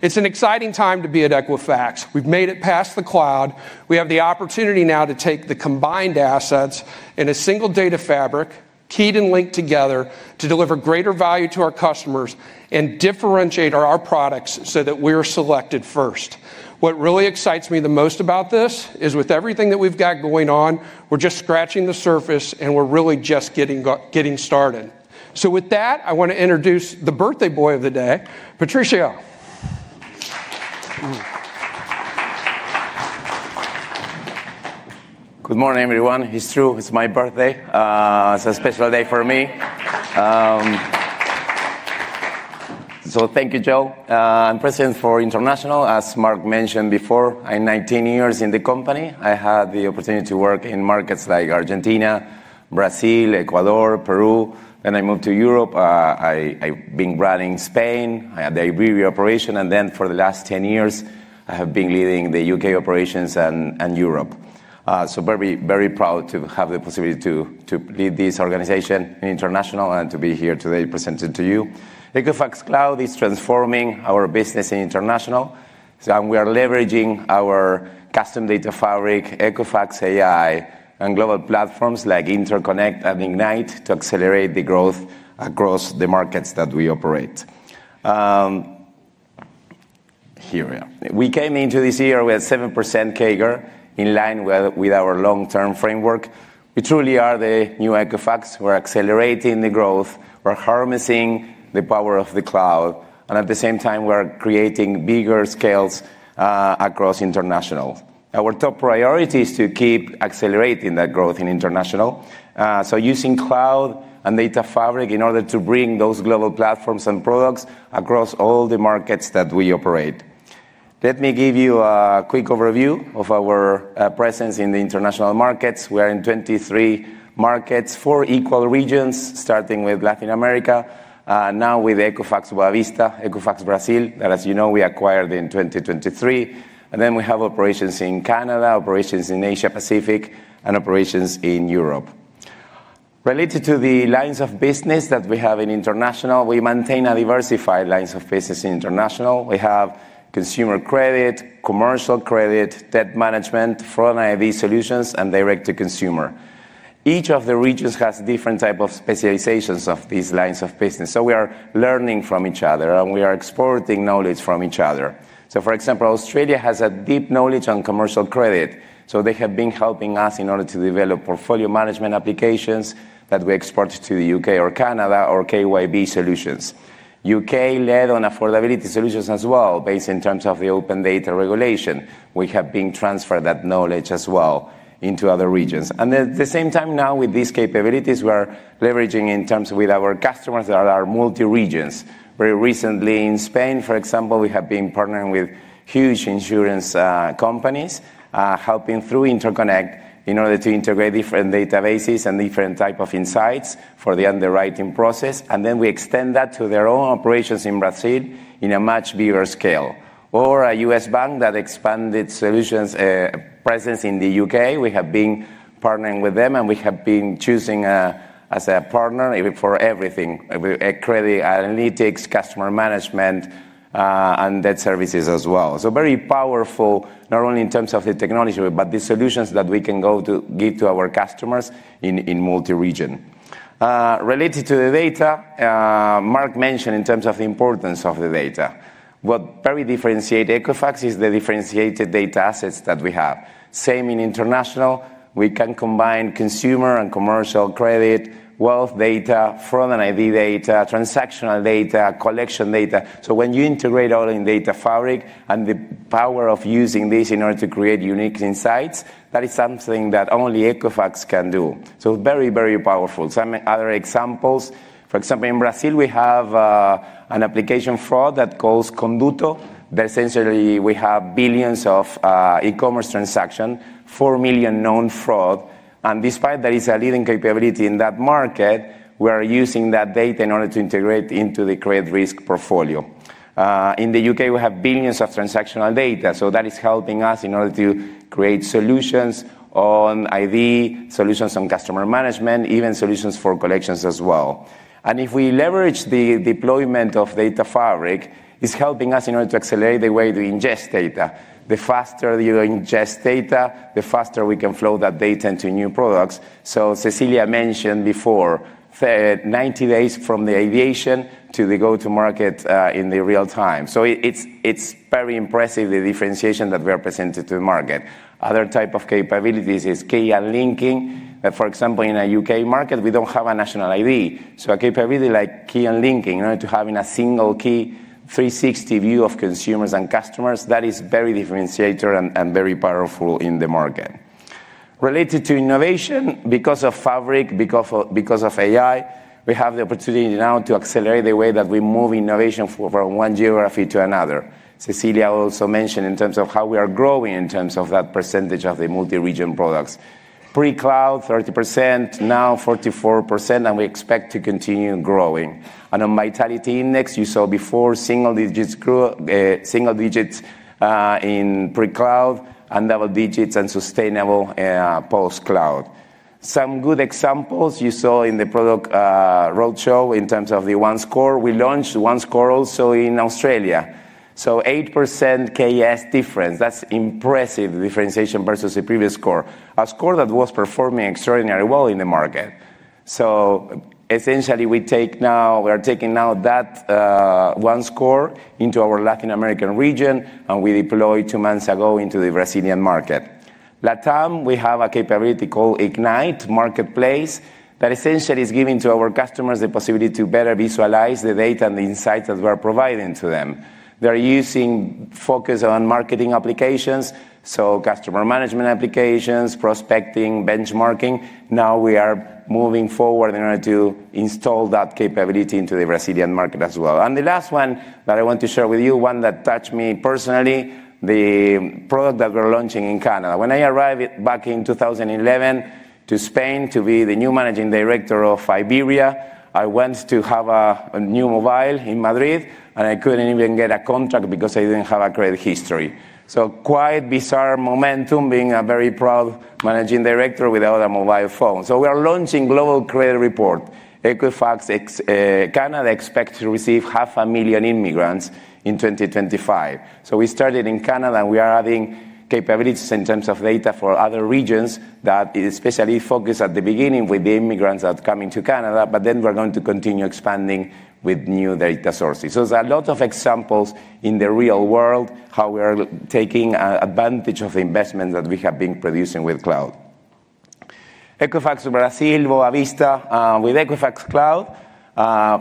[SPEAKER 8] It's an exciting time to be at Equifax. We've made it past the cloud. We have the opportunity now to take the combined assets in a single data fabric, keyed and linked together to deliver greater value to our customers and differentiate our products so that we are selected first. What really excites me the most about this is with everything that we've got going on, we're just scratching the surface, and we're really just getting started. With that, I want to introduce the birthday boy of the day, Patricio.
[SPEAKER 9] Good morning, everyone. It's true. It's my birthday. It's a special day for me. Thank you, Joe. I'm President for International. As Mark mentioned before, I'm 19 years in the company. I had the opportunity to work in markets like Argentina, Brazil, Ecuador, Peru. I moved to Europe. I've been running Spain, the Iberia operation, and for the last 10 years, I have been leading the U.K. operations and Europe. Very, very proud to have the possibility to lead this organization in International and to be here today presented to you. Equifax Cloud is transforming our business in International, and we are leveraging our custom data fabric, EFX.AI, and global platforms like Interconnect and Ignite to accelerate the growth across the markets that we operate. Here we are. We came into this year with 7% CAGR in line with our long-term framework. We truly are the new Equifax. We are accelerating the growth. We are harnessing the power of the cloud. At the same time, we are creating bigger scales across International. Our top priority is to keep accelerating that growth in International. Using cloud and data fabric in order to bring those global platforms and products across all the markets that we operate. Let me give you a quick overview of our presence in the International markets. We are in 23 markets, four equal regions, starting with Latin America, now with Equifax Boavista, Equifax Brazil, that, as you know, we acquired in 2023. We have operations in Canada, operations in Asia-Pacific, and operations in Europe. Related to the lines of business that we have in International, we maintain a diversified lines of business in International. We have consumer credit, commercial credit, debt management, front-end ID solutions, and direct-to-consumer. Each of the regions has different types of specializations of these lines of business. We are learning from each other, and we are exporting knowledge from each other. For example, Australia has a deep knowledge on commercial credit. They have been helping us in order to develop portfolio management applications that we export to the U.K. or Canada or KYB solutions. U.K. led on affordability solutions as well, based in terms of the open data regulation. We have been transferring that knowledge as well into other regions. At the same time, now with these capabilities, we are leveraging in terms with our customers that are multi-regions. Very recently in Spain, for example, we have been partnering with huge insurance companies, helping through Interconnect in order to integrate different databases and different types of insights for the underwriting process. Then we extend that to their own operations in Brazil in a much bigger scale. A U.S. bank that expanded solutions presence in the U.K. We have been partnering with them, and we have been chosen as a partner for everything, credit analytics, customer management, and debt services as well. Very powerful, not only in terms of the technology, but the solutions that we can go to give to our customers in multi-region. Related to the data, Mark mentioned in terms of the importance of the data. What very differentiates Equifax is the differentiated data assets that we have. Same in International, we can combine consumer and commercial credit, wealth data, front-end ID data, transactional data, collection data. When you integrate all in data fabric and the power of using this in order to create unique insights, that is something that only Equifax can do. Very, very powerful. Some other examples, for example, in Brazil, we have an application fraud that calls Conduto. Essentially, we have billions of e-commerce transactions, 4 million known frauds. Despite that, it is a leading capability in that market. We are using that data in order to integrate into the credit risk portfolio. In the U.K., we have billions of transactional data. That is helping us in order to create solutions on ID, solutions on customer management, even solutions for collections as well. If we leverage the deployment of data fabric, it's helping us in order to accelerate the way to ingest data. The faster you ingest data, the faster we can flow that data into new products. Cecilia mentioned before, 90 days from the ideation to the go-to-market in real time. It is very impressive, the differentiation that we are presenting to the market. Other type of capabilities is key and linking. For example, in a U.K. market, we don't have a national ID. A capability like key and linking, in order to have a single key, 360-degree view of consumers and customers, that is very differentiated and very powerful in the market. Related to innovation, because of fabric, because of AI, we have the opportunity now to accelerate the way that we move innovation from one geography to another. Cecilia also mentioned in terms of how we are growing in terms of that percentage of the multi-region products. Pre-cloud, 30%, now 44%, and we expect to continue growing. On vitality index, you saw before, single digits in pre-cloud and double digits and sustainable post-cloud. Some good examples you saw in the product roadshow in terms of the One Score. We launched One Score also in Australia. 8% KS difference. That is impressive differentiation versus the previous score, a score that was performing extraordinarily well in the market. Essentially, we take now, we are taking now that One Score into our Latin American region, and we deployed two months ago into the Brazilian market. LATAM, we have a capability called Ignite Marketplace that essentially is giving to our customers the possibility to better visualize the data and the insights that we are providing to them. They're using focus on marketing applications, so customer management applications, prospecting, benchmarking. Now we are moving forward in order to install that capability into the Brazilian market as well. The last one that I want to share with you, one that touched me personally, the product that we're launching in Canada. When I arrived back in 2011 to Spain to be the new Managing Director of Iberia, I went to have a new mobile in Madrid, and I couldn't even get a contract because I didn't have a credit history. Quite bizarre momentum being a very proud Managing Director without a mobile phone. We are launching global credit report. Equifax Canada expects to receive 500,000 immigrants in 2025. We started in Canada, and we are adding capabilities in terms of data for other regions that is especially focused at the beginning with the immigrants that are coming to Canada, but then we are going to continue expanding with new data sources. There are a lot of examples in the real world how we are taking advantage of the investment that we have been producing with cloud. Equifax Brazil, Boavista, with Equifax Cloud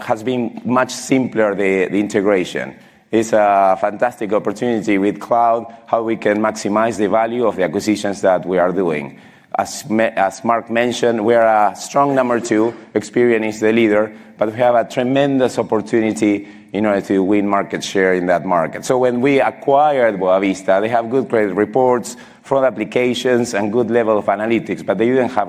[SPEAKER 9] has been much simpler, the integration. It is a fantastic opportunity with cloud, how we can maximize the value of the acquisitions that we are doing. As Mark mentioned, we are a strong number two, Experian the leader, but we have a tremendous opportunity in order to win market share in that market. When we acquired Boavista, they have good credit reports, fraud applications, and good level of analytics, but they did not have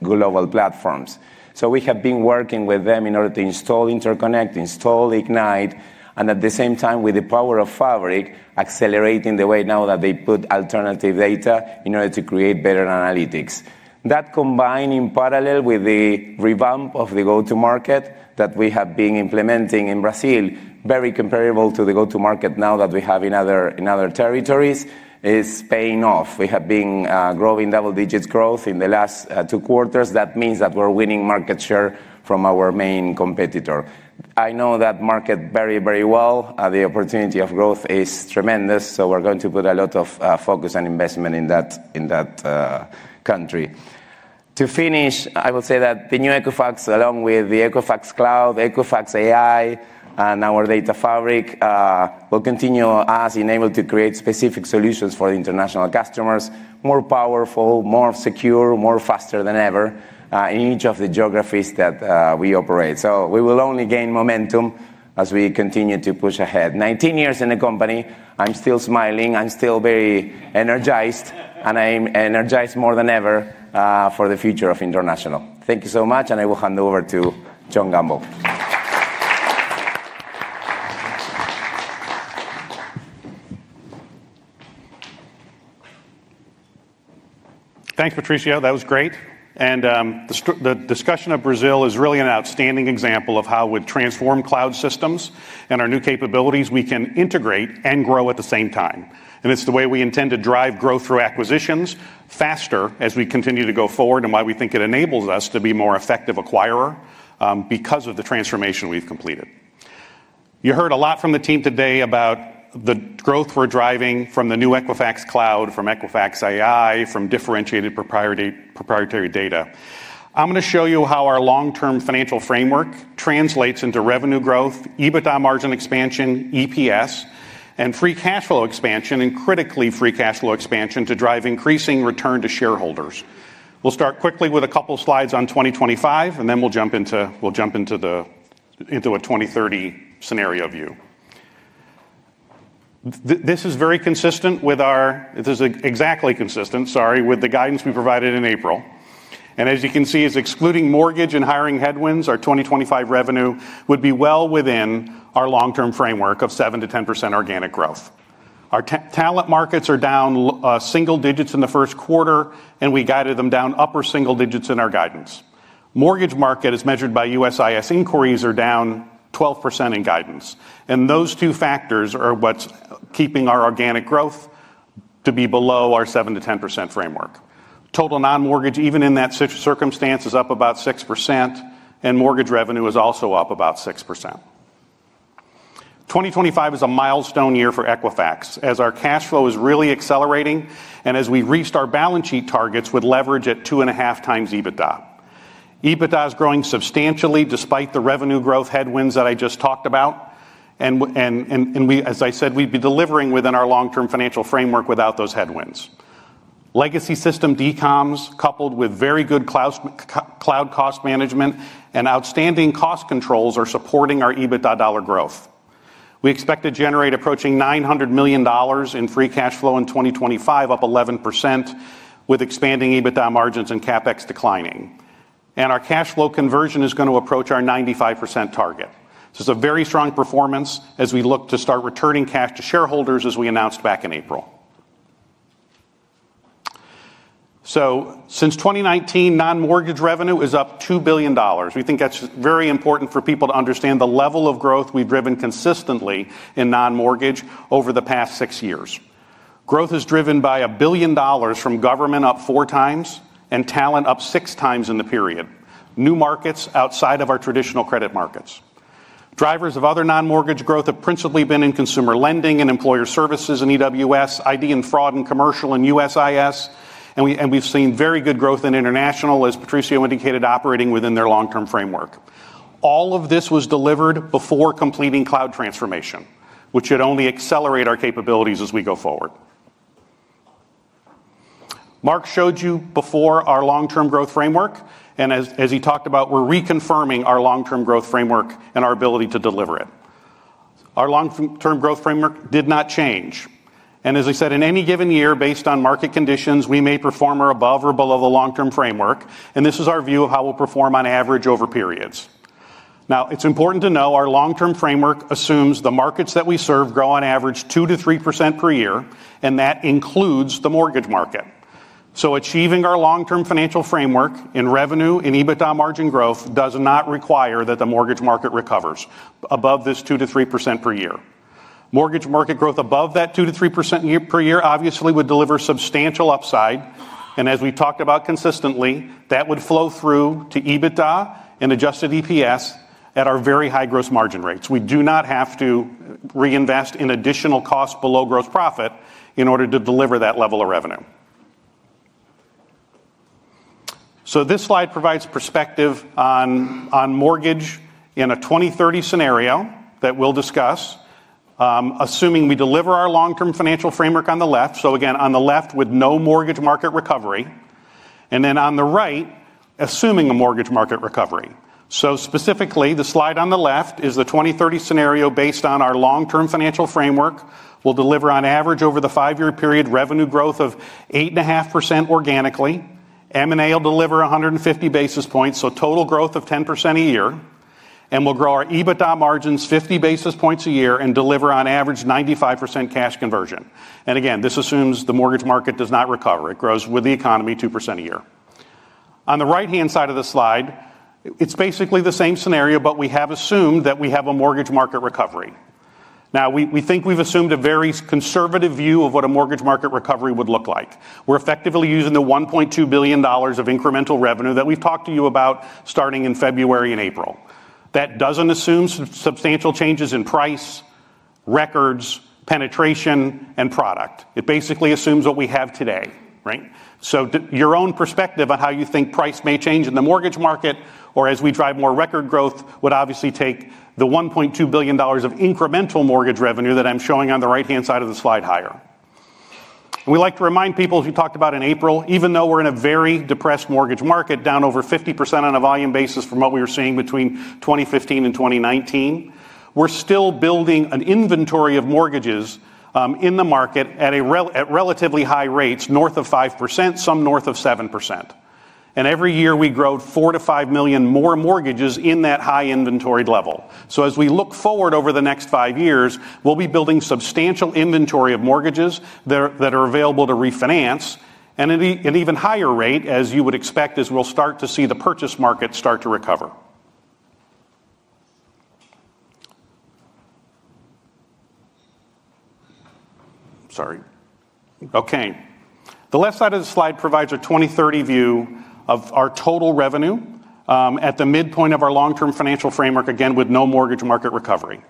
[SPEAKER 9] global platforms. We have been working with them in order to install Interconnect, install Ignite, and at the same time, with the power of fabric, accelerating the way now that they put alternative data in order to create better analytics. That combined in parallel with the revamp of the go-to-market that we have been implementing in Brazil, very comparable to the go-to-market now that we have in other territories, is paying off. We have been growing double digits growth in the last two quarters. That means that we're winning market share from our main competitor. I know that market very, very well. The opportunity of growth is tremendous. We are going to put a lot of focus and investment in that country. To finish, I will say that the new Equifax, along with the Equifax Cloud, EFX.AI, and our data fabric, will continue us enabled to create specific solutions for international customers, more powerful, more secure, more faster than ever in each of the geographies that we operate. We will only gain momentum as we continue to push ahead. Nineteen years in the company, I'm still smiling. I'm still very energized, and I'm energized more than ever for the future of International. Thank you so much, and I will hand over to John Gamble.
[SPEAKER 10] Thanks, Patricio. That was great. The discussion of Brazil is really an outstanding example of how with transform cloud systems and our new capabilities, we can integrate and grow at the same time. It is the way we intend to drive growth through acquisitions faster as we continue to go forward and why we think it enables us to be a more effective acquirer because of the transformation we have completed. You heard a lot from the team today about the growth we are driving from the new Equifax Cloud, from EFX.AI, from differentiated proprietary data. I am going to show you how our long-term financial framework translates into revenue growth, EBITDA margin expansion, EPS, and free cash flow expansion, and critically, free cash flow expansion to drive increasing return to shareholders. We will start quickly with a couple of slides on 2025, and then we will jump into a 2030 scenario view. This is very consistent with our, this is exactly consistent, sorry, with the guidance we provided in April. As you can see, excluding mortgage and hiring headwinds, our 2025 revenue would be well within our long-term framework of 7%-10% organic growth. Our talent markets are down single digits in the first quarter, and we guided them down upper single digits in our guidance. Mortgage market as measured by USIS inquiries are down 12% in guidance. Those two factors are what is keeping our organic growth to be below our 7%-10% framework. Total non-mortgage, even in that circumstance, is up about 6%, and mortgage revenue is also up about 6%. 2025 is a milestone year for Equifax as our cash flow is really accelerating and as we reached our balance sheet targets with leverage at 2.5x EBITDA. EBITDA is growing substantially despite the revenue growth headwinds that I just talked about. As I said, we would be delivering within our long-term financial framework without those headwinds. Legacy system DCOMs coupled with very good cloud cost management and outstanding cost controls are supporting our EBITDA dollar growth. We expect to generate approaching $900 million in free cash flow in 2025, up 11% with expanding EBITDA margins and CapEx declining. Our cash flow conversion is going to approach our 95% target. This is a very strong performance as we look to start returning cash to shareholders as we announced back in April. Since 2019, non-mortgage revenue is up $2 billion. We think that is very important for people to understand the level of growth we have driven consistently in non-mortgage over the past six years. Growth is driven by $1 billion from government, up 4x, and talent up 6x in the period. New markets outside of our traditional credit markets. Drivers of other non-mortgage growth have principally been in consumer lending and employer services and EWS, ID and fraud and commercial and USIS. We have seen very good growth in international, as Patricio indicated, operating within their long-term framework. All of this was delivered before completing cloud transformation, which should only accelerate our capabilities as we go forward. Mark showed you before our long-term growth framework, and as he talked about, we are reconfirming our long-term growth framework and our ability to deliver it. Our long-term growth framework did not change. As I said, in any given year, based on market conditions, we may perform above or below the long-term framework, and this is our view of how we will perform on average over periods. Now, it's important to know our long-term framework assumes the markets that we serve grow on average 2%-3% per year, and that includes the mortgage market. Achieving our long-term financial framework in revenue and EBITDA margin growth does not require that the mortgage market recovers above this 2%-3% per year. Mortgage market growth above that 2%-3% per year obviously would deliver substantial upside. As we talked about consistently, that would flow through to EBITDA and adjusted EPS at our very high gross margin rates. We do not have to reinvest in additional costs below gross profit in order to deliver that level of revenue. This slide provides perspective on mortgage in a 2030 scenario that we'll discuss, assuming we deliver our long-term financial framework on the left. Again, on the left with no mortgage market recovery, and then on the right, assuming a mortgage market recovery. Specifically, the slide on the left is the 2030 scenario based on our long-term financial framework. We'll deliver on average over the five-year period revenue growth of 8.5% organically. M&A will deliver 150 basis points, so total growth of 10% a year. We'll grow our EBITDA margins 50 basis points a year and deliver on average 95% cash conversion. This assumes the mortgage market does not recover. It grows with the economy 2% a year. On the right-hand side of the slide, it's basically the same scenario, but we have assumed that we have a mortgage market recovery. We think we've assumed a very conservative view of what a mortgage market recovery would look like. We're effectively using the $1.2 billion of incremental revenue that we've talked to you about starting in February and April. That doesn't assume substantial changes in price, records, penetration, and product. It basically assumes what we have today, right? Your own perspective on how you think price may change in the mortgage market or as we drive more record growth would obviously take the $1.2 billion of incremental mortgage revenue that I'm showing on the right-hand side of the slide higher. We like to remind people who talked about in April, even though we're in a very depressed mortgage market, down over 50% on a volume basis from what we were seeing between 2015 and 2019, we're still building an inventory of mortgages in the market at relatively high rates, north of 5%, some north of 7%. Every year, we grow 4 million-5 million more mortgages in that high inventory level. As we look forward over the next five years, we will be building substantial inventory of mortgages that are available to refinance at an even higher rate, as you would expect, as we will start to see the purchase market start to recover. Sorry. Okay. The left side of the slide provides a 2030 view of our total revenue at the midpoint of our long-term financial framework, again, with no mortgage market recovery.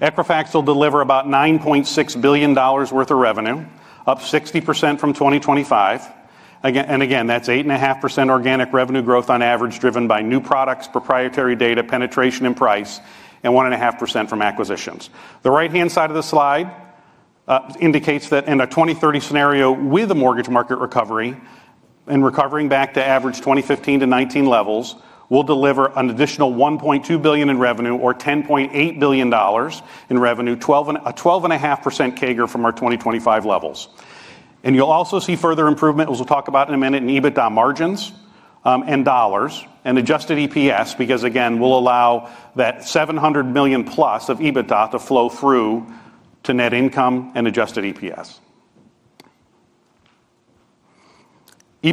[SPEAKER 10] Equifax will deliver about $9.6 billion worth of revenue, up 60% from 2025. Again, that is 8.5% organic revenue growth on average driven by new products, proprietary data, penetration, and price, and 1.5% from acquisitions. The right-hand side of the slide indicates that in a 2030 scenario with a mortgage market recovery and recovering back to average 2015 to 2019 levels, we'll deliver an additional $1.2 billion in revenue or $10.8 billion in revenue, a 12.5% CAGR from our 2025 levels. You'll also see further improvement, as we'll talk about in a minute, in EBITDA margins and dollars and adjusted EPS because, again, we'll allow that $700+ million of EBITDA to flow through to net income and adjusted EPS. In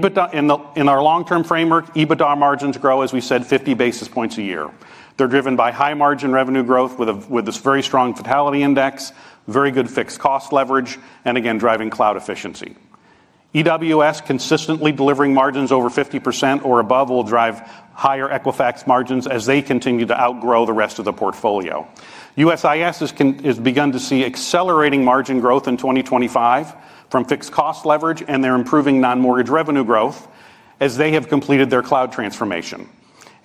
[SPEAKER 10] our long-term framework, EBITDA margins grow, as we said, 50 basis points a year. They're driven by high margin revenue growth with this very strong vitality index, very good fixed cost leverage, and again, driving cloud efficiency. EWS, consistently delivering margins over 50% or above, will drive higher Equifax margins as they continue to outgrow the rest of the portfolio. USIS has begun to see accelerating margin growth in 2025 from fixed cost leverage, and they are improving non-mortgage revenue growth as they have completed their cloud transformation.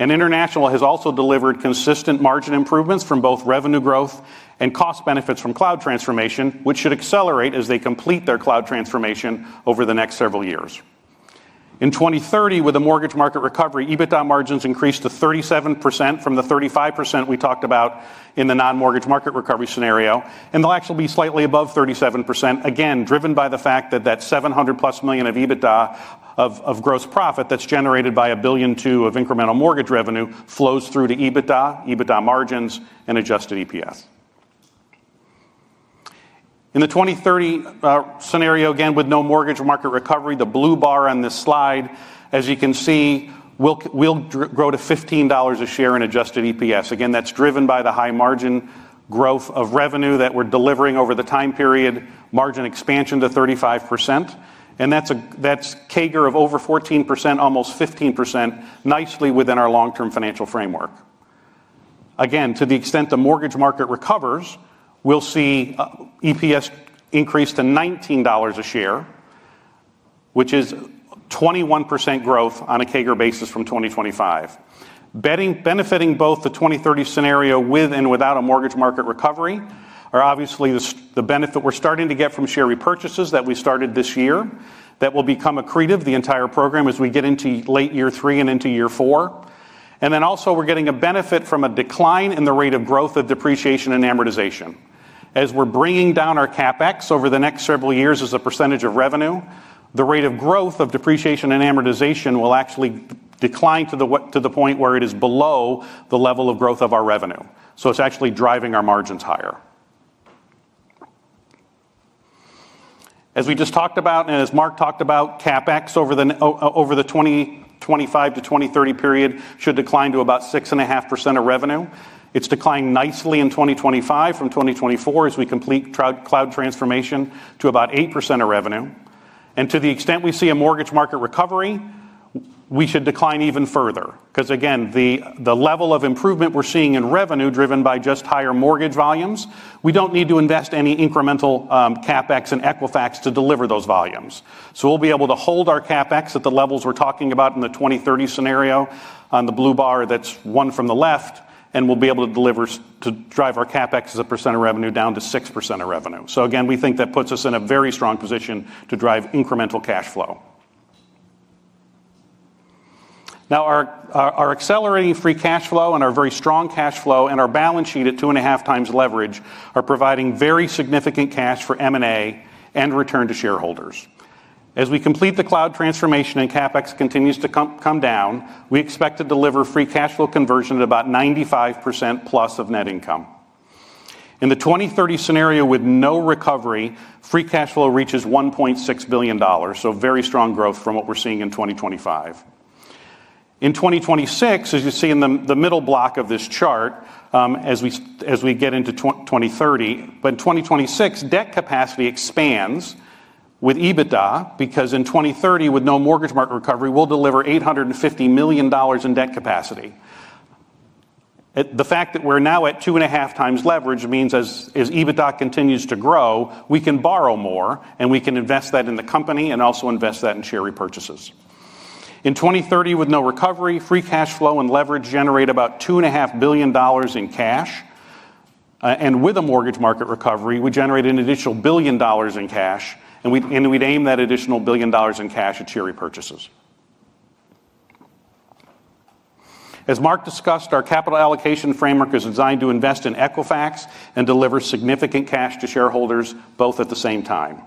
[SPEAKER 10] International has also delivered consistent margin improvements from both revenue growth and cost benefits from cloud transformation, which should accelerate as they complete their cloud transformation over the next several years. In 2030, with a mortgage market recovery, EBITDA margins increased to 37% from the 35% we talked about in the non-mortgage market recovery scenario, and they will actually be slightly above 37%, again, driven by the fact that that $700+ million of EBITDA of gross profit that is generated by $1 billion to $2 billion of incremental mortgage revenue flows through to EBITDA, EBITDA margins, and adjusted EPS. In the 2030 scenario, again, with no mortgage market recovery, the blue bar on this slide, as you can see, will grow to $15 a share in adjusted EPS. Again, that's driven by the high margin growth of revenue that we're delivering over the time period, margin expansion to 35%. And that's CAGR of over 14%, almost 15%, nicely within our long-term financial framework. Again, to the extent the mortgage market recovers, we'll see EPS increase to $19 a share, which is 21% growth on a CAGR basis from 2025. Benefiting both the 2030 scenario with and without a mortgage market recovery are obviously the benefit we're starting to get from share repurchases that we started this year that will become accretive, the entire program as we get into late year three and into year four. We are getting a benefit from a decline in the rate of growth of depreciation and amortization. As we are bringing down our CapEx over the next several years as a percentage of revenue, the rate of growth of depreciation and amortization will actually decline to the point where it is below the level of growth of our revenue. It is actually driving our margins higher. As we just talked about and as Mark talked about, CapEx over the 2025 to 2030 period should decline to about 6.5% of revenue. It has declined nicely in 2025 from 2024 as we complete cloud transformation to about 8% of revenue. To the extent we see a mortgage market recovery, we should decline even further because, again, the level of improvement we're seeing in revenue driven by just higher mortgage volumes, we don't need to invest any incremental CapEx in Equifax to deliver those volumes. We'll be able to hold our CapEx at the levels we're talking about in the 2030 scenario on the blue bar that's one from the left, and we'll be able to drive our CapEx as a percent of revenue down to 6% of revenue. Again, we think that puts us in a very strong position to drive incremental cash flow. Now, our accelerating free cash flow and our very strong cash flow and our balance sheet at 2.5x leverage are providing very significant cash for M&A and return to shareholders. As we complete the cloud transformation and CapEx continues to come down, we expect to deliver free cash flow conversion at about 95%+ of net income. In the 2030 scenario with no recovery, free cash flow reaches $1.6 billion, so very strong growth from what we're seeing in 2025. In 2026, as you see in the middle block of this chart, as we get into 2030, but in 2026, debt capacity expands with EBITDA because in 2030, with no mortgage market recovery, we'll deliver $850 million in debt capacity. The fact that we're now at 2.5x leverage means as EBITDA continues to grow, we can borrow more, and we can invest that in the company and also invest that in share repurchases. In 2030, with no recovery, free cash flow and leverage generate about $2.5 billion in cash. With a mortgage market recovery, we generate an additional $1 billion in cash, and we'd aim that additional $1 billion in cash at share repurchases. As Mark discussed, our capital allocation framework is designed to invest in Equifax and deliver significant cash to shareholders both at the same time.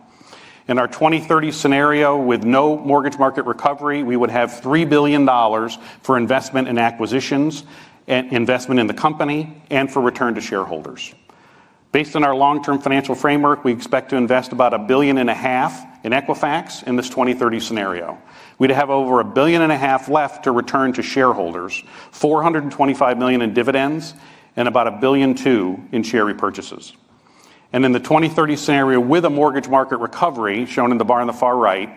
[SPEAKER 10] In our 2030 scenario, with no mortgage market recovery, we would have $3 billion for investment in acquisitions, investment in the company, and for return to shareholders. Based on our long-term financial framework, we expect to invest about $1.5 billion in Equifax in this 2030 scenario. We'd have over $1.5 billion left to return to shareholders, $425 million in dividends, and about $1 billion in share repurchases. In the 2030 scenario, with a mortgage market recovery shown in the bar on the far right,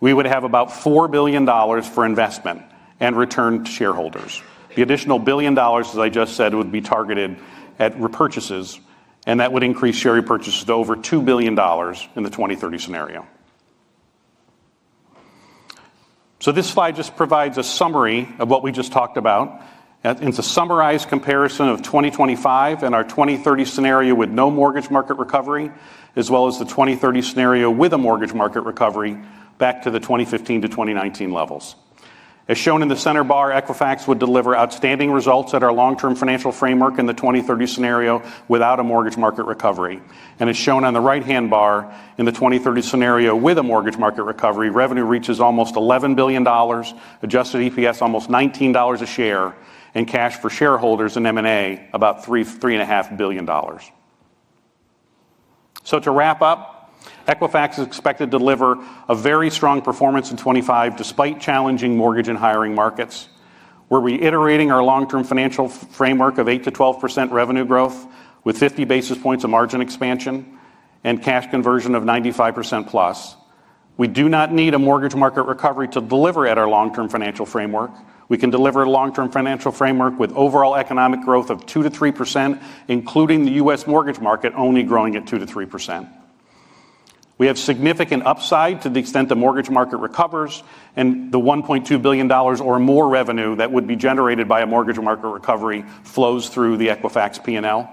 [SPEAKER 10] we would have about $4 billion for investment and return to shareholders. The additional billion dollars, as I just said, would be targeted at repurchases, and that would increase share repurchases to over $2 billion in the 2030 scenario. This slide just provides a summary of what we just talked about. It is a summarized comparison of 2025 and our 2030 scenario with no mortgage market recovery, as well as the 2030 scenario with a mortgage market recovery back to the 2015 to 2019 levels. As shown in the center bar, Equifax would deliver outstanding results at our long-term financial framework in the 2030 scenario without a mortgage market recovery. As shown on the right-hand bar, in the 2030 scenario with a mortgage market recovery, revenue reaches almost $11 billion, adjusted EPS almost $19 a share, and cash for shareholders and M&A about $3.5 billion. To wrap up, Equifax is expected to deliver a very strong performance in 2025 despite challenging mortgage and hiring markets. We're reiterating our long-term financial framework of 8%-12% revenue growth with 50 basis points of margin expansion and cash conversion of 95%+. We do not need a mortgage market recovery to deliver at our long-term financial framework. We can deliver a long-term financial framework with overall economic growth of 2%-3%, including the U.S. mortgage market only growing at 2%-3%. We have significant upside to the extent the mortgage market recovers, and the $1.2 billion or more revenue that would be generated by a mortgage market recovery flows through the Equifax P&L.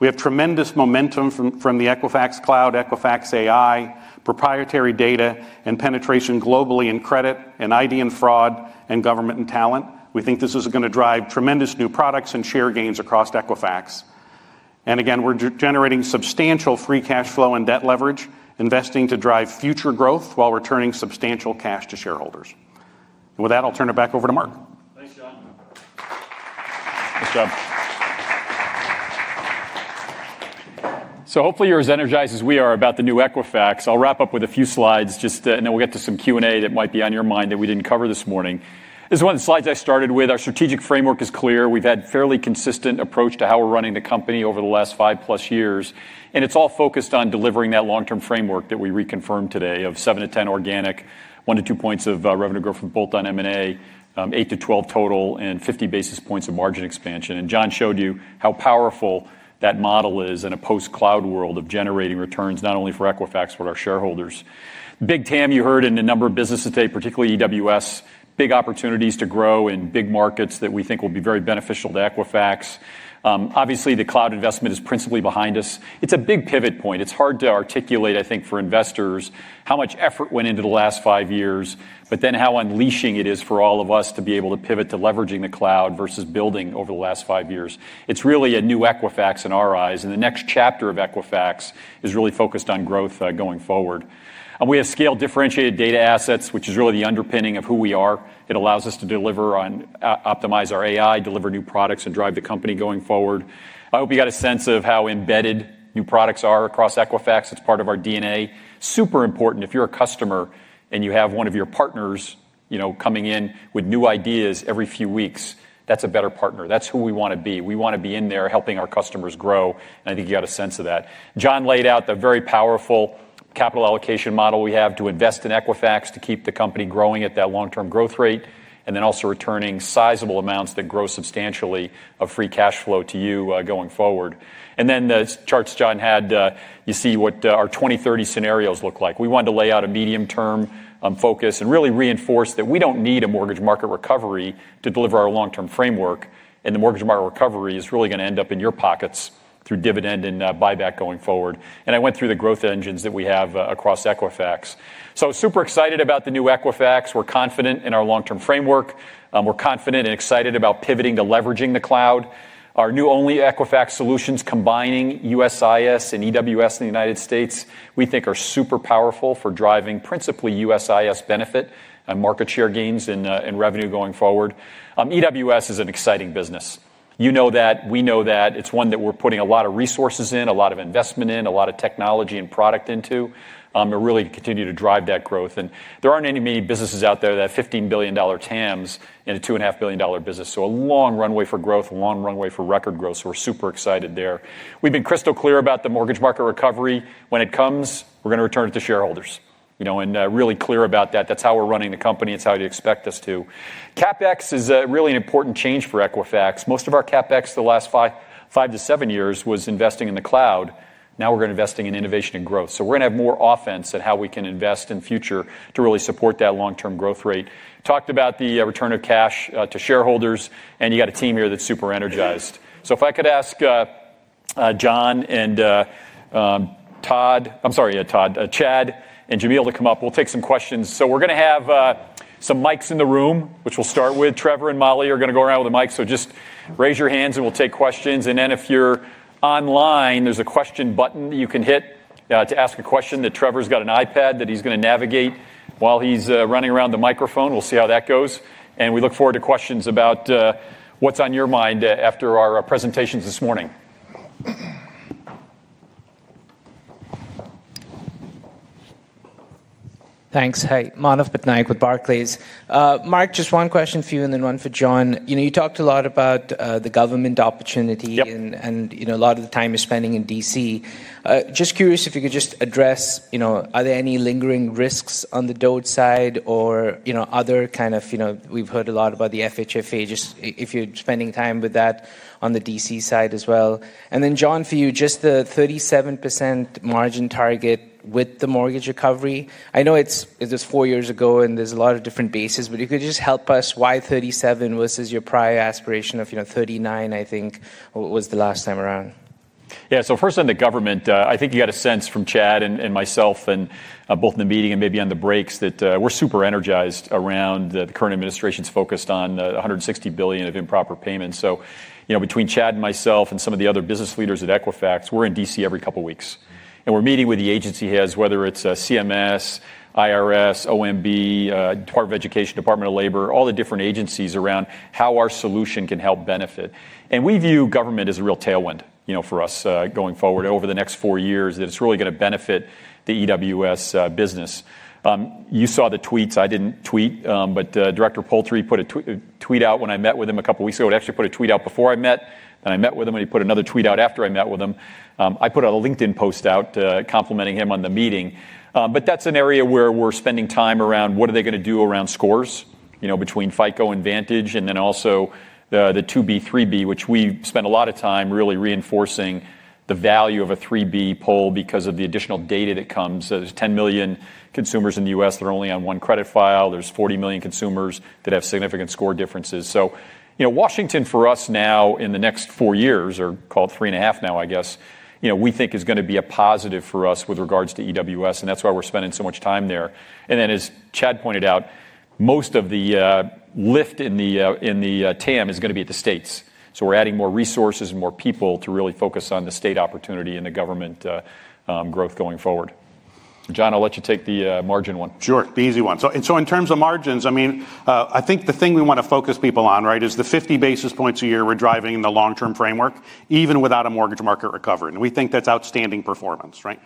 [SPEAKER 10] We have tremendous momentum from the Equifax Cloud, EFX.AI, proprietary data, and penetration globally in credit and ID and fraud and government and talent. We think this is going to drive tremendous new products and share gains across Equifax. Again, we're generating substantial free cash flow and debt leverage, investing to drive future growth while returning substantial cash to shareholders. With that, I'll turn it back over to Mark.
[SPEAKER 2] Thanks, John. Thanks, John. Hopefully you're as energized as we are about the new Equifax. I'll wrap up with a few slides, and then we'll get to some Q&A that might be on your mind that we didn't cover this morning. This is one of the slides I started with. Our strategic framework is clear. We've had a fairly consistent approach to how we're running the company over the last 5+ years, and it's all focused on delivering that long-term framework that we reconfirmed today of 7%-10% organic, 1-2 points of revenue growth from bolt-on M&A, 8%-12% total, and 50 basis points of margin expansion. John showed you how powerful that model is in a post-cloud world of generating returns not only for Equifax, but our shareholders. Big TAM, you heard in a number of businesses today, particularly EWS, big opportunities to grow in big markets that we think will be very beneficial to Equifax. Obviously, the cloud investment is principally behind us. It's a big pivot point. It's hard to articulate, I think, for investors how much effort went into the last five years, but then how unleashing it is for all of us to be able to pivot to leveraging the cloud versus building over the last five years. It's really a new Equifax in our eyes, and the next chapter of Equifax is really focused on growth going forward. We have scaled differentiated data assets, which is really the underpinning of who we are. It allows us to deliver on, optimize our AI, deliver new products, and drive the company going forward. I hope you got a sense of how embedded new products are across Equifax. It's part of our DNA. Super important if you're a customer and you have one of your partners coming in with new ideas every few weeks, that's a better partner. That's who we want to be. We want to be in there helping our customers grow, and I think you got a sense of that. John laid out the very powerful capital allocation model we have to invest in Equifax to keep the company growing at that long-term growth rate and then also returning sizable amounts that grow substantially of free cash flow to you going forward. The charts John had, you see what our 2030 scenarios look like. We wanted to lay out a medium-term focus and really reinforce that we do not need a mortgage market recovery to deliver our long-term framework, and the mortgage market recovery is really going to end up in your pockets through dividend and buyback going forward. I went through the growth engines that we have across Equifax. Super excited about the new Equifax. We are confident in our long-term framework. We're confident and excited about pivoting to leveraging the cloud. Our new OnlyEquifax solutions combining USIS and EWS in the United States, we think are super powerful for driving principally USIS benefit and market share gains and revenue going forward. EWS is an exciting business. You know that, we know that. It's one that we're putting a lot of resources in, a lot of investment in, a lot of technology and product into and really continue to drive that growth. There aren't many businesses out there that have $15 billion TAMs in a $2.5 billion business. A long runway for growth, a long runway for record growth. We're super excited there. We've been crystal clear about the mortgage market recovery. When it comes, we're going to return it to shareholders. Really clear about that. That's how we're running the company. It's how you expect us to. CapEx is really an important change for Equifax. Most of our CapEx the last five to seven years was investing in the cloud. Now we're going to invest in innovation and growth. We're going to have more offense at how we can invest in future to really support that long-term growth rate. Talked about the return of cash to shareholders, and you got a team here that's super energized. If I could ask John and Chad and Jamil to come up, we'll take some questions. We're going to have some mics in the room, which we'll start with. Trevor and Molly are going to go around with the mics. Just raise your hands and we'll take questions. If you're online, there's a question button you can hit to ask a question. That Trevor's got an iPad that he's going to navigate while he's running around the microphone. We'll see how that goes. We look forward to questions about what's on your mind after our presentations this morning.
[SPEAKER 11] Thanks. Hey, Marnus Bitnag with Barclays. Mark, just one question for you and then one for John. You talked a lot about the government opportunity and a lot of the time you're spending in D.C. Just curious if you could just address, are there any lingering risks on the DOT side or other kind of, we've heard a lot about the FHFA, just if you're spending time with that on the D.C. side as well. John, for you, just the 37% margin target with the mortgage recovery. I know it was four years ago and there's a lot of different bases, but you could just help us why 37 versus your prior aspiration of 39, I think, was the last time around.
[SPEAKER 2] Yeah. First on the government, I think you got a sense from Chad and myself and both in the meeting and maybe on the breaks that we're super energized around the current administration's focused on $160 billion of improper payments. Between Chad and myself and some of the other business leaders at Equifax, we're in D.C. every couple of weeks. We're meeting with the agency heads, whether it's CMS, IRS, OMB, Department of Education, Department of Labor, all the different agencies around how our solution can help benefit. We view government as a real tailwind for us going forward over the next four years that is really going to benefit the EWS business. You saw the tweets. I did not tweet, but Director Poultry put a tweet out when I met with him a couple of weeks ago. He actually put a tweet out before I met, then I met with him, and he put another tweet out after I met with him. I put a LinkedIn post out complimenting him on the meeting. That is an area where we are spending time around what are they going to do around scores between FICO and Vantage and then also the 2B, 3B, which we spent a lot of time really reinforcing the value of a 3B poll because of the additional data that comes. There are 10 million consumers in the U.S. that are only on one credit file. There's 40 million consumers that have significant score differences. Washington for us now in the next four years, or call it three and a half now, I guess, we think is going to be a positive for us with regards to EWS, and that's why we're spending so much time there. As Chad pointed out, most of the lift in the TAM is going to be at the states. We're adding more resources and more people to really focus on the state opportunity and the government growth going forward. John, I'll let you take the margin one.
[SPEAKER 10] Sure. The easy one. In terms of margins, I mean, I think the thing we want to focus people on, right, is the 50 basis points a year we're driving in the long-term framework, even without a mortgage market recovery. We think that's outstanding performance, right?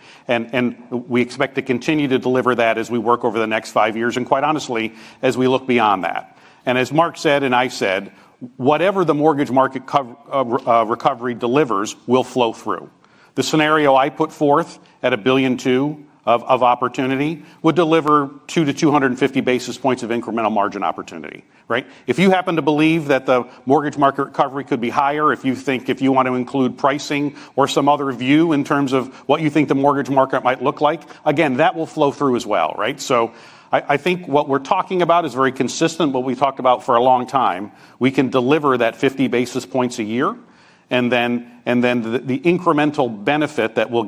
[SPEAKER 10] We expect to continue to deliver that as we work over the next five years and quite honestly, as we look beyond that. As Mark said and I said, whatever the mortgage market recovery delivers will flow through. The scenario I put forth at $1 billion-$2 billion of opportunity would deliver 200-250 basis points of incremental margin opportunity, right? If you happen to believe that the mortgage market recovery could be higher, if you think if you want to include pricing or some other view in terms of what you think the mortgage market might look like, again, that will flow through as well, right? I think what we are talking about is very consistent with what we have talked about for a long time. We can deliver that 50 basis points a year, and then the incremental benefit that we will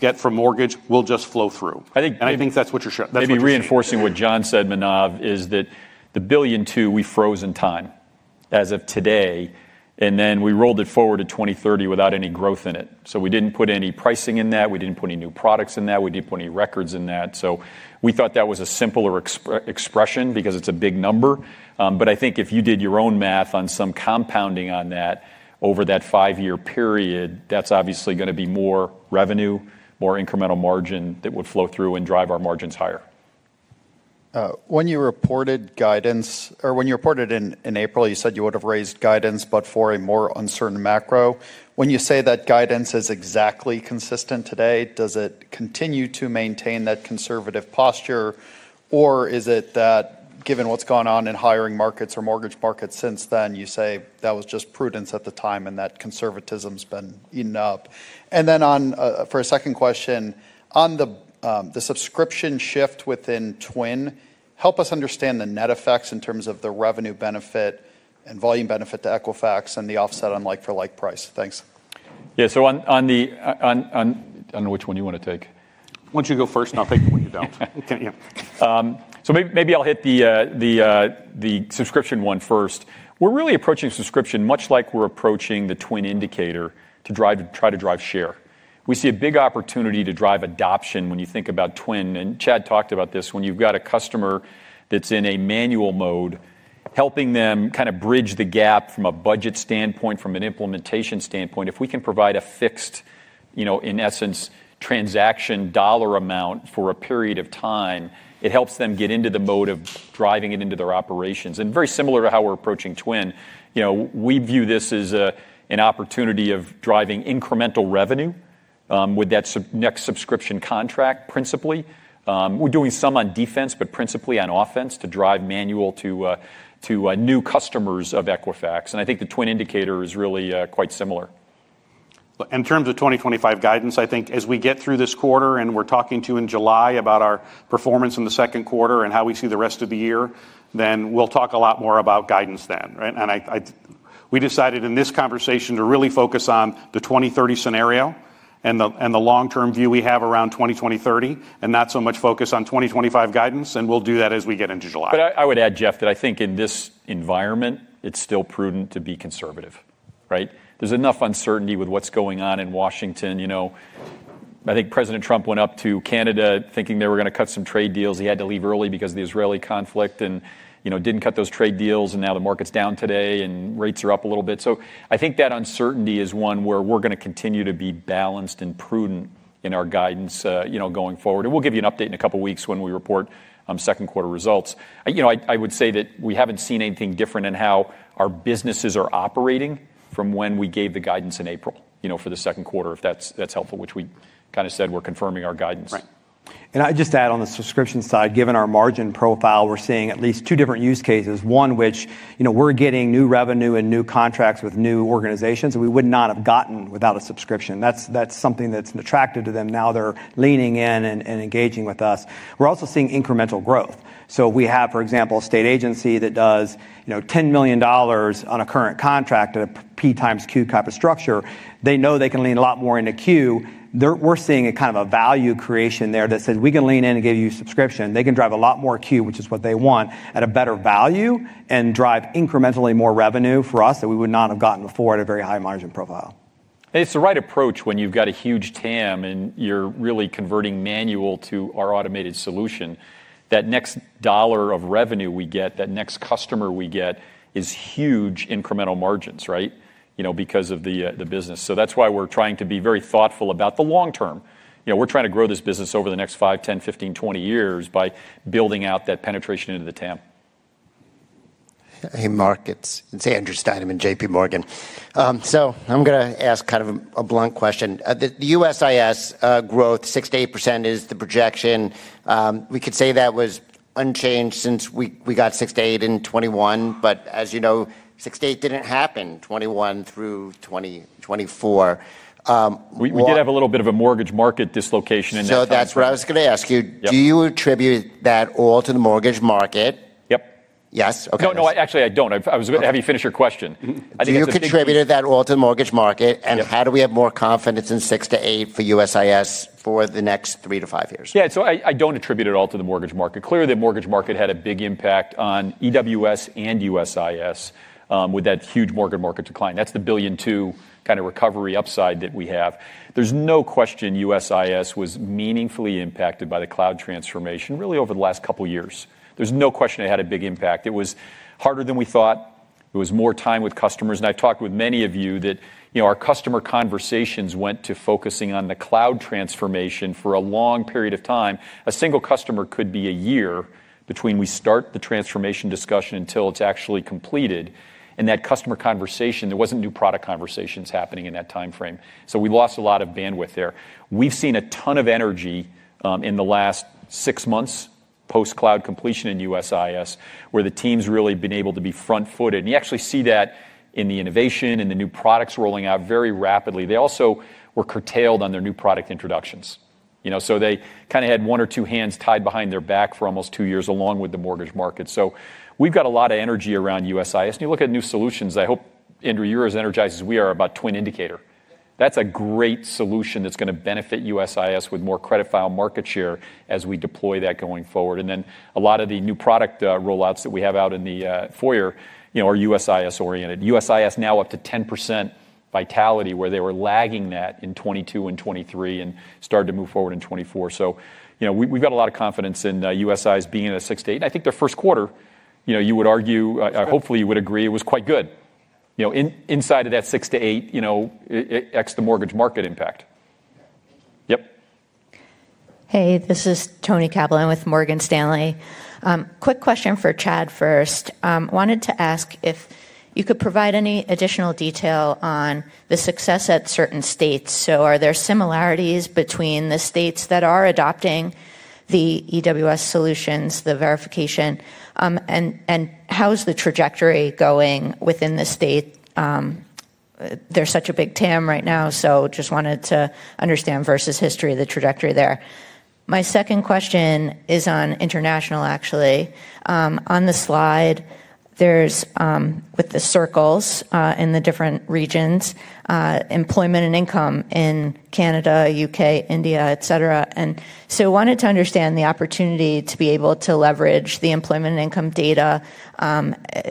[SPEAKER 10] get from mortgage will just flow through. I think that's what you're showing.
[SPEAKER 2] Maybe reinforcing what John said, Manav, is that the billion, too, we froze in time as of today, and then we rolled it forward to 2030 without any growth in it. We didn't put any pricing in that. We didn't put any new products in that. We didn't put any records in that. We thought that was a simpler expression because it's a big number. I think if you did your own math on some compounding on that over that five-year period, that's obviously going to be more revenue, more incremental margin that would flow through and drive our margins higher.
[SPEAKER 11] When you reported guidance, or when you reported in April, you said you would have raised guidance, but for a more uncertain macro. When you say that guidance is exactly consistent today, does it continue to maintain that conservative posture, or is it that given what's gone on in hiring markets or mortgage markets since then, you say that was just prudence at the time and that conservatism's been enough? For a second question, on the subscription shift within Twin, help us understand the net effects in terms of the revenue benefit and volume benefit to Equifax and the offset on like-for-like price. Thanks.
[SPEAKER 2] Yeah. On the, I don't know which one you want to take. Why don't you go first and I'll take the one you don't? Maybe I'll hit the subscription one first. We're really approaching subscription much like we're approaching the Twin Indicator to try to drive share. We see a big opportunity to drive adoption when you think about Twin. Chad talked about this. When you've got a customer that's in a manual mode, helping them kind of bridge the gap from a budget standpoint, from an implementation standpoint, if we can provide a fixed, in essence, transaction dollar amount for a period of time, it helps them get into the mode of driving it into their operations. Very similar to how we're approaching Twin, we view this as an opportunity of driving incremental revenue with that next subscription contract principally. We're doing some on defense, but principally on offense to drive manual to new customers of Equifax. I think the Twin Indicator is really quite similar.
[SPEAKER 10] In terms of 2025 guidance, I think as we get through this quarter and we're talking to you in July about our performance in the second quarter and how we see the rest of the year, we will talk a lot more about guidance then, right? We decided in this conversation to really focus on the 2030 scenario and the long-term view we have around 2020-2030, and not so much focus on 2025 guidance. We will do that as we get into July.
[SPEAKER 6] I would add, Jeff, that I think in this environment, it's still prudent to be conservative, right? There's enough uncertainty with what's going on in Washington. I think President Trump went up to Canada thinking they were going to cut some trade deals. He had to leave early because of the Israeli conflict and did not cut those trade deals. The market's down today and rates are up a little bit. I think that uncertainty is one where we're going to continue to be balanced and prudent in our guidance going forward. We'll give you an update in a couple of weeks when we report second quarter results. I would say that we haven't seen anything different in how our businesses are operating from when we gave the guidance in April for the second quarter, if that's helpful, which we kind of said we're confirming our guidance.
[SPEAKER 10] I just add on the subscription side, given our margin profile, we're seeing at least two different use cases. One, which we're getting new revenue and new contracts with new organizations that we would not have gotten without a subscription. That's something that's attractive to them now. They're leaning in and engaging with us. We're also seeing incremental growth. We have, for example, a state agency that does $10 million on a current contract at a P times Q type of structure. They know they can lean a lot more into Q. We're seeing a kind of a value creation there that says we can lean in and give you subscription. They can drive a lot more Q, which is what they want, at a better value and drive incrementally more revenue for us that we would not have gotten before at a very high margin profile.
[SPEAKER 2] It's the right approach when you've got a huge TAM and you're really converting manual to our automated solution. That next dollar of revenue we get, that next customer we get is huge incremental margins, right, because of the business. That's why we're trying to be very thoughtful about the long-term. We're trying to grow this business over the next 5, 10, 15, 20 years by building out that penetration into the TAM.
[SPEAKER 12] Hey, Mark. It's Andrew Steinerman, JPMorgan. I'm going to ask kind of a blunt question. The USIS growth, 6%-8% is the projection. We could say that was unchanged since we got 6%-8% in 2021, but as you know, 6%-8% did not happen 2021 through 2024.
[SPEAKER 2] We did have a little bit of a mortgage market dislocation in that quarter.
[SPEAKER 12] That's what I was going to ask you. Do you attribute that all to the mortgage market?
[SPEAKER 2] Yep. No, no, actually I don't. I was going to have you finish your question.
[SPEAKER 12] You attributed that all to the mortgage market, and how do we have more confidence in 6%-8% for USIS for the next three to five years?
[SPEAKER 2] Yeah. I do not attribute it all to the mortgage market. Clearly, the mortgage market had a big impact on EWS and USIS with that huge mortgage market decline. That is the $1 billion or $2 billion to kind of recovery upside that we have. There is no question USIS was meaningfully impacted by the cloud transformation really over the last couple of years. There is no question it had a big impact. It was harder than we thought. It was more time with customers. I have talked with many of you that our customer conversations went to focusing on the cloud transformation for a long period of time. A single customer could be a year between we start the transformation discussion until it is actually completed. That customer conversation, there was not new product conversations happening in that time frame. We lost a lot of bandwidth there. We have seen a ton of energy in the last six months post-cloud completion in USIS where the team's really been able to be front-footed. You actually see that in the innovation and the new products rolling out very rapidly. They also were curtailed on their new product introductions. They kind of had one or two hands tied behind their back for almost two years along with the mortgage market. We have got a lot of energy around USIS. You look at new solutions, I hope, Andrew, you are as energized as we are about Twin Indicator. That is a great solution that is going to benefit USIS with more credit file market share as we deploy that going forward. A lot of the new product rollouts that we have out in the foyer are USIS-oriented. USIS now up to 10% vitality where they were lagging that in 2022 and 2023 and started to move forward in 2024. We have a lot of confidence in USIS being at a 6-8. I think their first quarter, you would argue, hopefully you would agree, it was quite good inside of that 6-8, X the mortgage market impact.
[SPEAKER 12] Yep.
[SPEAKER 13] Hey, this is Toni Kaplan with Morgan Stanley. Quick question for Chad first. I wanted to ask if you could provide any additional detail on the success at certain states. Are there similarities between the states that are adopting the EWS solutions, the verification, and how is the trajectory going within the state? There's such a big TAM right now, so just wanted to understand versus history of the trajectory there. My second question is on international, actually. On the slide, there's, with the circles in the different regions, employment and income in Canada, U.K., India, etc. And so I wanted to understand the opportunity to be able to leverage the employment and income data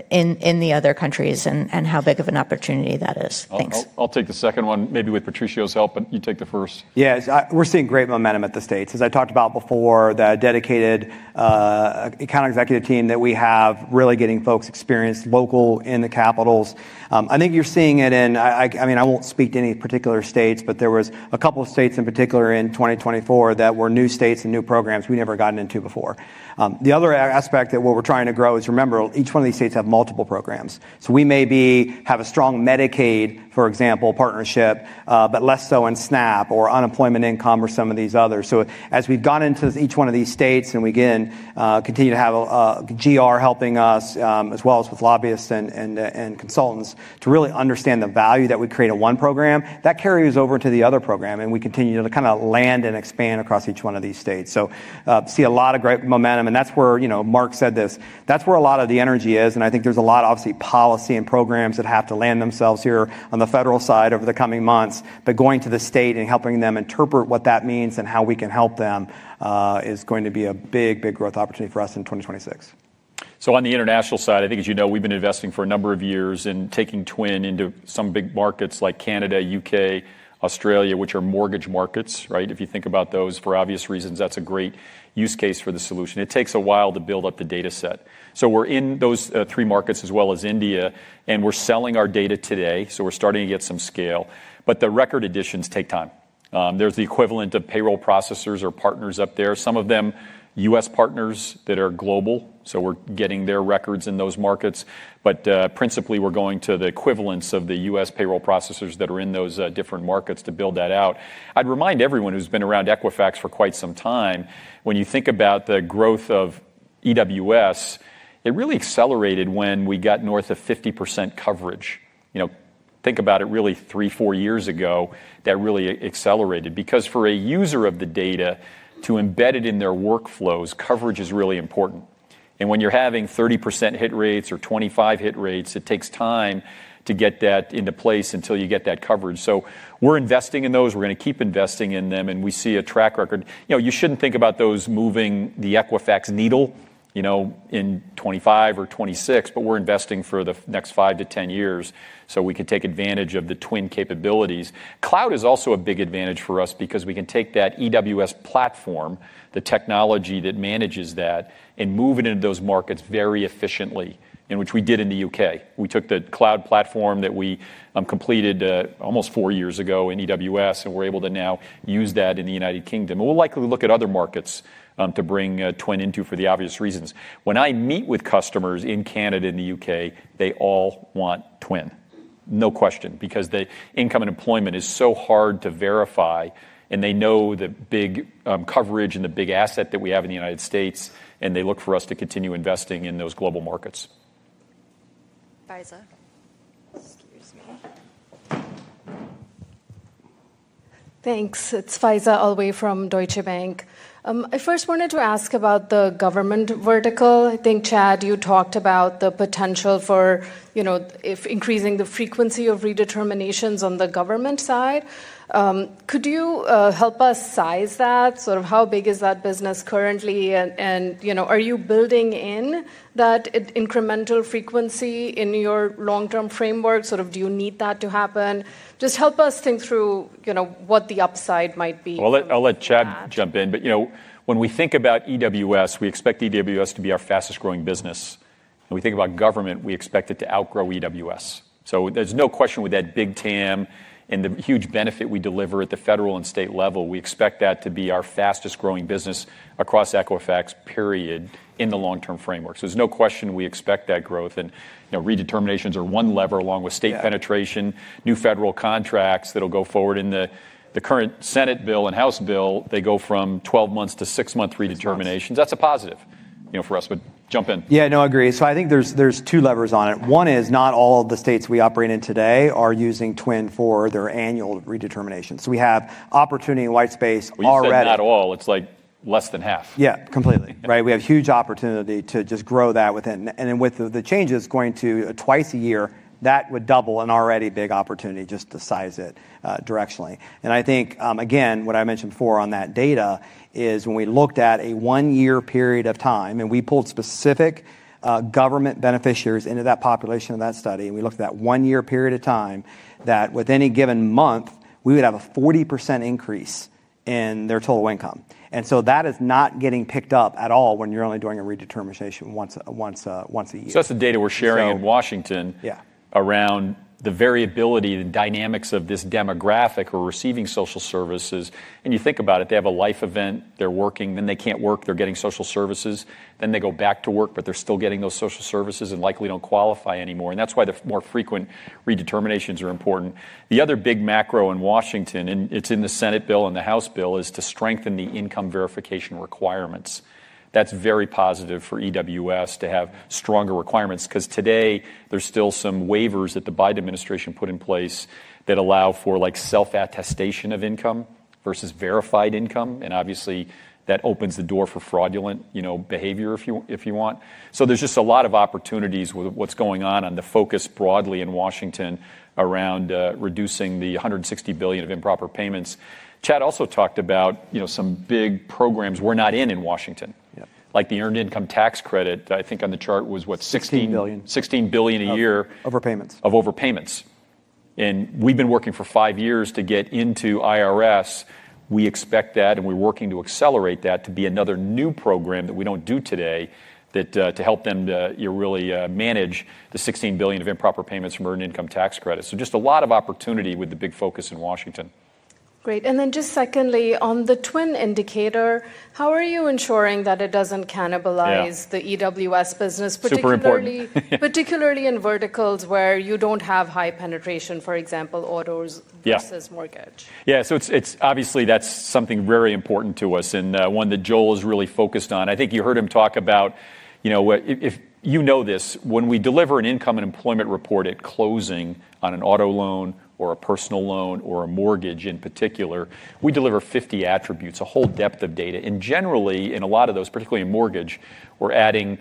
[SPEAKER 13] in the other countries and how big of an opportunity that is. Thanks.
[SPEAKER 2] I'll take the second one, maybe with Patricio's help, but you take the first.
[SPEAKER 9] Yeah. We're seeing great momentum at the states. As I talked about before, the dedicated account executive team that we have really getting folks experienced local in the capitals. I think you're seeing it in, I mean, I won't speak to any particular states, but there were a couple of states in particular in 2024 that were new states and new programs we'd never gotten into before. The other aspect that we're trying to grow is, remember, each one of these states have multiple programs. We may have a strong Medicaid, for example, partnership, but less so in SNAP or unemployment income or some of these others. As we've gone into each one of these states and we again continue to have GR helping us, as well as with lobbyists and consultants to really understand the value that we create in one program, that carries over to the other program and we continue to kind of land and expand across each one of these states. See a lot of great momentum. That is where Mark said this. That is where a lot of the energy is. I think there is a lot of obviously policy and programs that have to land themselves here on the federal side over the coming months. Going to the state and helping them interpret what that means and how we can help them is going to be a big, big growth opportunity for us in 2026.
[SPEAKER 2] On the international side, I think, as you know, we have been investing for a number of years in taking Twin into some big markets like Canada, U.K., Australia, which are mortgage markets, right? If you think about those for obvious reasons, that is a great use case for the solution. It takes a while to build up the data set. We are in those three markets as well as India, and we are selling our data today. We're starting to get some scale. The record additions take time. There's the equivalent of payroll processors or partners up there. Some of them U.S. partners that are global. We're getting their records in those markets. Principally, we're going to the equivalents of the U.S. payroll processors that are in those different markets to build that out. I'd remind everyone who's been around Equifax for quite some time, when you think about the growth of EWS, it really accelerated when we got north of 50% coverage. Think about it, really three, four years ago, that really accelerated. For a user of the data to embed it in their workflows, coverage is really important. When you're having 30% hit rates or 25% hit rates, it takes time to get that into place until you get that coverage. We're investing in those. We're going to keep investing in them. We see a track record. You shouldn't think about those moving the Equifax needle in 2025 or 2026, but we're investing for the next five to 10 years so we can take advantage of the Twin capabilities. Cloud is also a big advantage for us because we can take that EWS platform, the technology that manages that, and move it into those markets very efficiently, which we did in the U.K. We took the cloud platform that we completed almost four years ago in EWS, and we're able to now use that in the United Kingdom. We'll likely look at other markets to bring Twin into for the obvious reasons. When I meet with customers in Canada and the U.K., they all want Twin. No question, because the income and employment is so hard to verify, and they know the big coverage and the big asset that we have in the United States, and they look for us to continue investing in those global markets
[SPEAKER 14] Thanks. It's Faiza Alwi from Deutsche Bank. I first wanted to ask about the government vertical. I think, Chad, you talked about the potential for increasing the frequency of redeterminations on the government side. Could you help us size that? Sort of how big is that business currently? And are you building in that incremental frequency in your long-term framework? Sort of do you need that to happen? Just help us think through what the upside might be.
[SPEAKER 2] I'll let Chad jump in. But when we think about EWS, we expect EWS to be our fastest growing business. When we think about government, we expect it to outgrow EWS. There is no question with that big TAM and the huge benefit we deliver at the federal and state level. We expect that to be our fastest growing business across Equifax, period, in the long-term framework. There is no question we expect that growth. Redeterminations are one lever along with state penetration, new federal contracts that will go forward in the current Senate bill and House bill. They go from 12 months to six-month redeterminations. That is a positive for us, but jump in.
[SPEAKER 6] Yeah, no, I agree. I think there are two levers on it. One is not all of the states we operate in today are using Twin for their annual redeterminations. We have opportunity in white space already.
[SPEAKER 2] Certainly not all. It is like less than half.
[SPEAKER 6] Yeah, completely, right? We have huge opportunity to just grow that within. With the changes going to twice a year, that would double an already big opportunity just to size it directionally. I think, again, what I mentioned before on that data is when we looked at a one-year period of time, and we pulled specific government beneficiaries into that population of that study, and we looked at that one-year period of time that with any given month, we would have a 40% increase in their total income. That is not getting picked up at all when you're only doing a redetermination once a year.
[SPEAKER 2] That is the data we're sharing in Washington around the variability and dynamics of this demographic who are receiving social services. You think about it, they have a life event, they're working, then they can't work, they're getting social services, then they go back to work, but they're still getting those social services and likely don't qualify anymore. That is why the more frequent redeterminations are important. The other big macro in Washington, and it's in the Senate bill and the House bill, is to strengthen the income verification requirements. That is very positive for EWS to have stronger requirements because today there's still some waivers that the Biden administration put in place that allow for self-attestation of income versus verified income. Obviously, that opens the door for fraudulent behavior if you want. There are just a lot of opportunities with what's going on on the focus broadly in Washington around reducing the $160 billion of improper payments. Chad also talked about some big programs we're not in in Washington, like the earned income tax credit. I think on the chart was, what, $16 billion a year of overpayments. And we've been working for five years to get into IRS. We expect that, and we're working to accelerate that to be another new program that we don't do today to help them really manage the $16 billion of improper payments from earned income tax credit. Just a lot of opportunity with the big focus in Washington.
[SPEAKER 14] Great. And then just secondly, on the Twin Indicator, how are you ensuring that it doesn't cannibalize the EWS business? Particularly in verticals where you don't have high penetration, for example, autos, versus mortgage.
[SPEAKER 2] Yeah. So obviously, that's something very important to us and one that Joel is really focused on. I think you heard him talk about, if you know this, when we deliver an income and employment report at closing on an auto loan or a personal loan or a mortgage in particular, we deliver 50 attributes, a whole depth of data. Generally, in a lot of those, particularly in mortgage, we're adding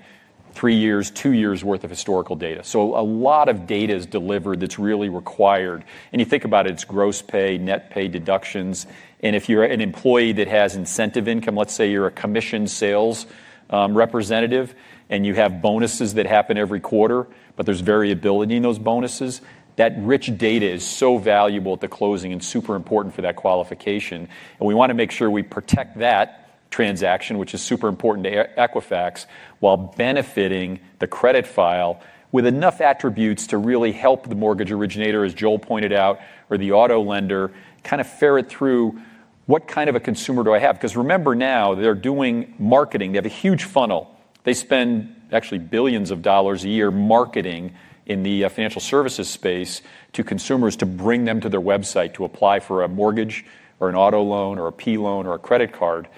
[SPEAKER 2] three years, two years' worth of historical data. A lot of data is delivered that's really required. You think about it, it's gross pay, net pay deductions. If you're an employee that has incentive income, let's say you're a commission sales representative and you have bonuses that happen every quarter, but there's variability in those bonuses, that rich data is so valuable at the closing and super important for that qualification. We want to make sure we protect that transaction, which is super important to Equifax, while benefiting the credit file with enough attributes to really help the mortgage originator, as Joel pointed out, or the auto lender, kind of ferret through what kind of a consumer do I have? Because remember now, they're doing marketing. They have a huge funnel. They spend actually billions of dollars a year marketing in the financial services space to consumers to bring them to their website to apply for a mortgage or an auto loan or a P loan or a credit card.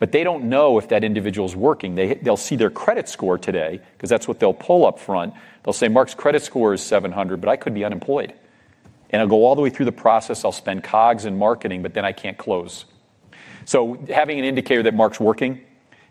[SPEAKER 2] They do not know if that individual's working. They'll see their credit score today because that's what they'll pull up front. They'll say, "Mark's credit score is 700, but I could be unemployed." I'll go all the way through the process. I'll spend COGS and marketing, but then I can't close. Having an indicator that Mark's working,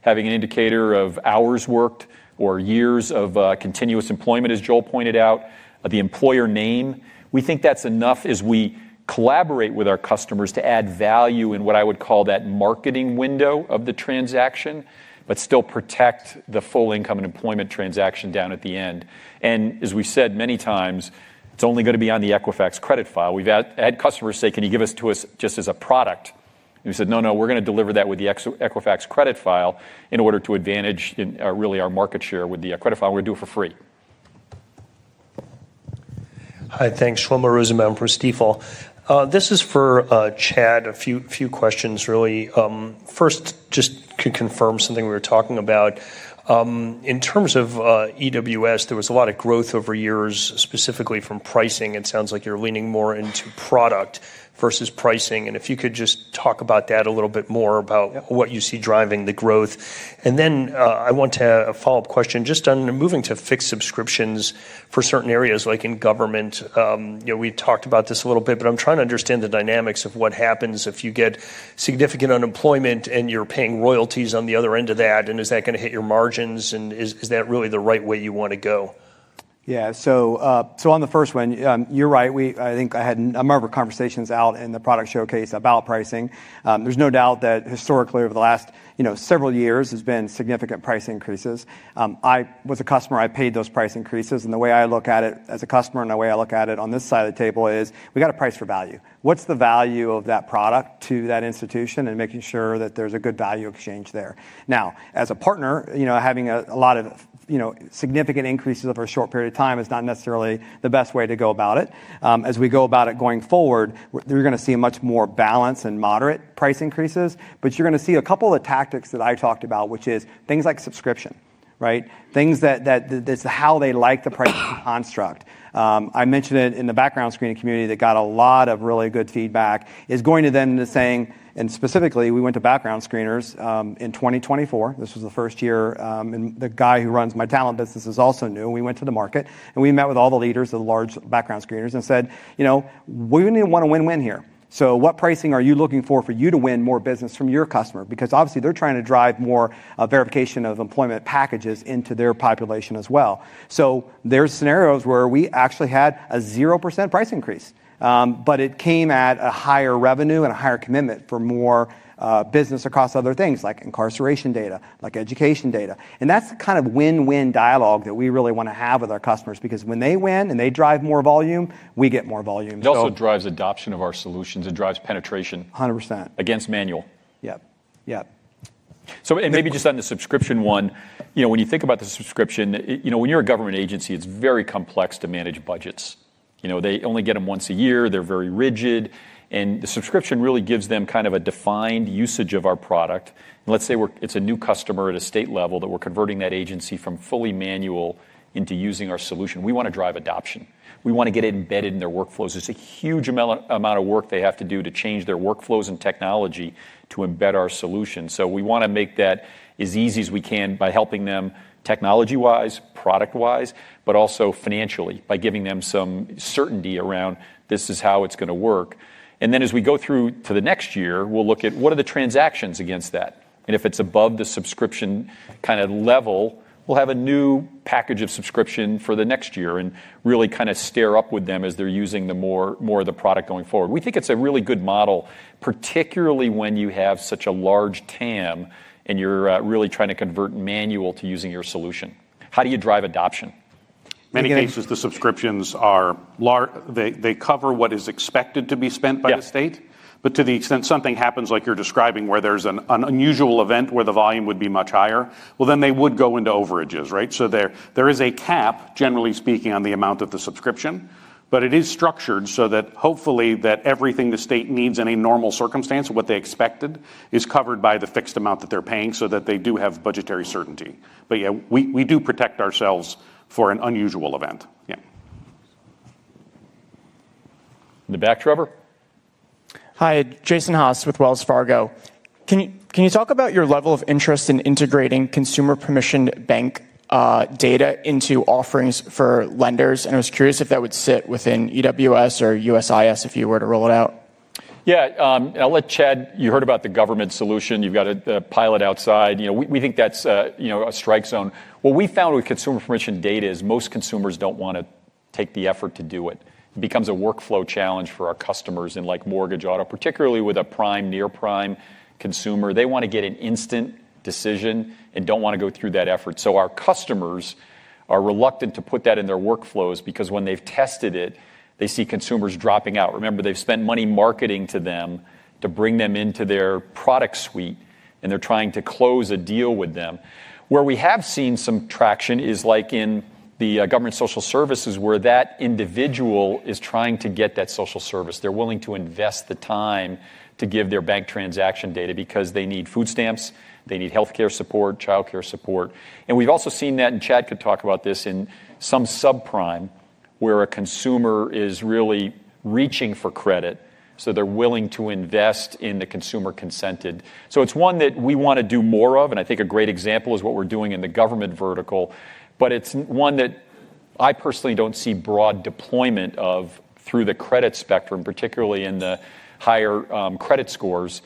[SPEAKER 2] having an indicator of hours worked or years of continuous employment, as Joel pointed out, the employer name, we think that's enough as we collaborate with our customers to add value in what I would call that marketing window of the transaction, but still protect the full income and employment transaction down at the end. As we've said many times, it's only going to be on the Equifax credit file. We've had customers say, "Can you give it to us just as a product?" and we said, "No, no, we're going to deliver that with the Equifax credit file in order to advantage really our market share with the credit file. We're going to do it for free."
[SPEAKER 15] Hi, thanks. Shlomo Rosenbaum for Stifel. This is for Chad, a few questions, really. First, just to confirm something we were talking about. In terms of EWS, there was a lot of growth over years, specifically from pricing. It sounds like you're leaning more into product versus pricing. If you could just talk about that a little bit more, about what you see driving the growth. I want to follow up question just on moving to fixed subscriptions for certain areas like in government. We've talked about this a little bit, but I'm trying to understand the dynamics of what happens if you get significant unemployment and you're paying royalties on the other end of that. Is that going to hit your margins? Is that really the right way you want to go?
[SPEAKER 6] Yeah. On the first one, you're right. I think I had a number of conversations out in the product showcase about pricing. There's no doubt that historically over the last several years, there have been significant price increases. I was a customer. I paid those price increases. The way I look at it as a customer and the way I look at it on this side of the table is we got a price for value. What's the value of that product to that institution and making sure that there's a good value exchange there? Now, as a partner, having a lot of significant increases over a short period of time is not necessarily the best way to go about it. As we go about it going forward, you're going to see much more balance and moderate price increases. You're going to see a couple of tactics that I talked about, which is things like subscription, right? Things that is how they like the pricing construct. I mentioned it in the background screening community that got a lot of really good feedback is going to then saying, and specifically, we went to background screeners in 2024. This was the first year. The guy who runs my talent business is also new. We went to the market, and we met with all the leaders of the large background screeners and said, "We really want a win-win here. What pricing are you looking for for you to win more business from your customer?" Because obviously, they're trying to drive more verification of employment packages into their population as well. There are scenarios where we actually had a 0% price increase, but it came at a higher revenue and a higher commitment for more business across other things like incarceration data, like education data. That's kind of win-win dialogue that we really want to have with our customers because when they win and they drive more volume, we get more volume.
[SPEAKER 2] It also drives adoption of our solutions. It drives penetration.
[SPEAKER 6] 100%.
[SPEAKER 2] Against manual.
[SPEAKER 6] Yep. Yep.
[SPEAKER 2] Maybe just on the subscription one, when you think about the subscription, when you're a government agency, it's very complex to manage budgets. They only get them once a year. They're very rigid. The subscription really gives them kind of a defined usage of our product. Let's say it's a new customer at a state level that we're converting that agency from fully manual into using our solution. We want to drive adoption. We want to get it embedded in their workflows. It's a huge amount of work they have to do to change their workflows and technology to embed our solution. We want to make that as easy as we can by helping them technology-wise, product-wise, but also financially by giving them some certainty around this is how it's going to work. As we go through to the next year, we'll look at what are the transactions against that. If it's above the subscription kind of level, we'll have a new package of subscription for the next year and really kind of stair up with them as they're using more of the product going forward. We think it's a really good model, particularly when you have such a large TAM and you're really trying to convert manual to using your solution. How do you drive adoption?
[SPEAKER 6] Many things with the subscriptions are they cover what is expected to be spent by the state. To the extent something happens like you're describing where there's an unusual event where the volume would be much higher, they would go into overages, right? There is a cap, generally speaking, on the amount of the subscription, but it is structured so that hopefully everything the state needs in a normal circumstance, what they expected, is covered by the fixed amount that they're paying so that they do have budgetary certainty. Yeah, we do protect ourselves for an unusual event. Yeah.
[SPEAKER 2] In the back, Trevor.
[SPEAKER 16] Hi, Jason Haas with Wells Fargo. Can you talk about your level of interest in integrating consumer permissioned bank data into offerings for lenders? I was curious if that would sit within EWS or USIS if you were to roll it out.
[SPEAKER 2] Yeah. I'll let Chad, you heard about the government solution. You've got a pilot outside. We think that's a strike zone. What we found with consumer permission data is most consumers don't want to take the effort to do it. It becomes a workflow challenge for our customers in mortgage auto, particularly with a prime, near prime consumer. They want to get an instant decision and don't want to go through that effort. Our customers are reluctant to put that in their workflows because when they've tested it, they see consumers dropping out. Remember, they've spent money marketing to them to bring them into their product suite, and they're trying to close a deal with them. Where we have seen some traction is like in the government social services where that individual is trying to get that social service. They're willing to invest the time to give their bank transaction data because they need food stamps, they need healthcare support, childcare support. We've also seen that, and Chad could talk about this, in some subprime where a consumer is really reaching for credit. They're willing to invest in the consumer consented. It's one that we want to do more of. I think a great example is what we're doing in the government vertical, but it's one that I personally don't see broad deployment of through the credit spectrum, particularly in the higher credit scores,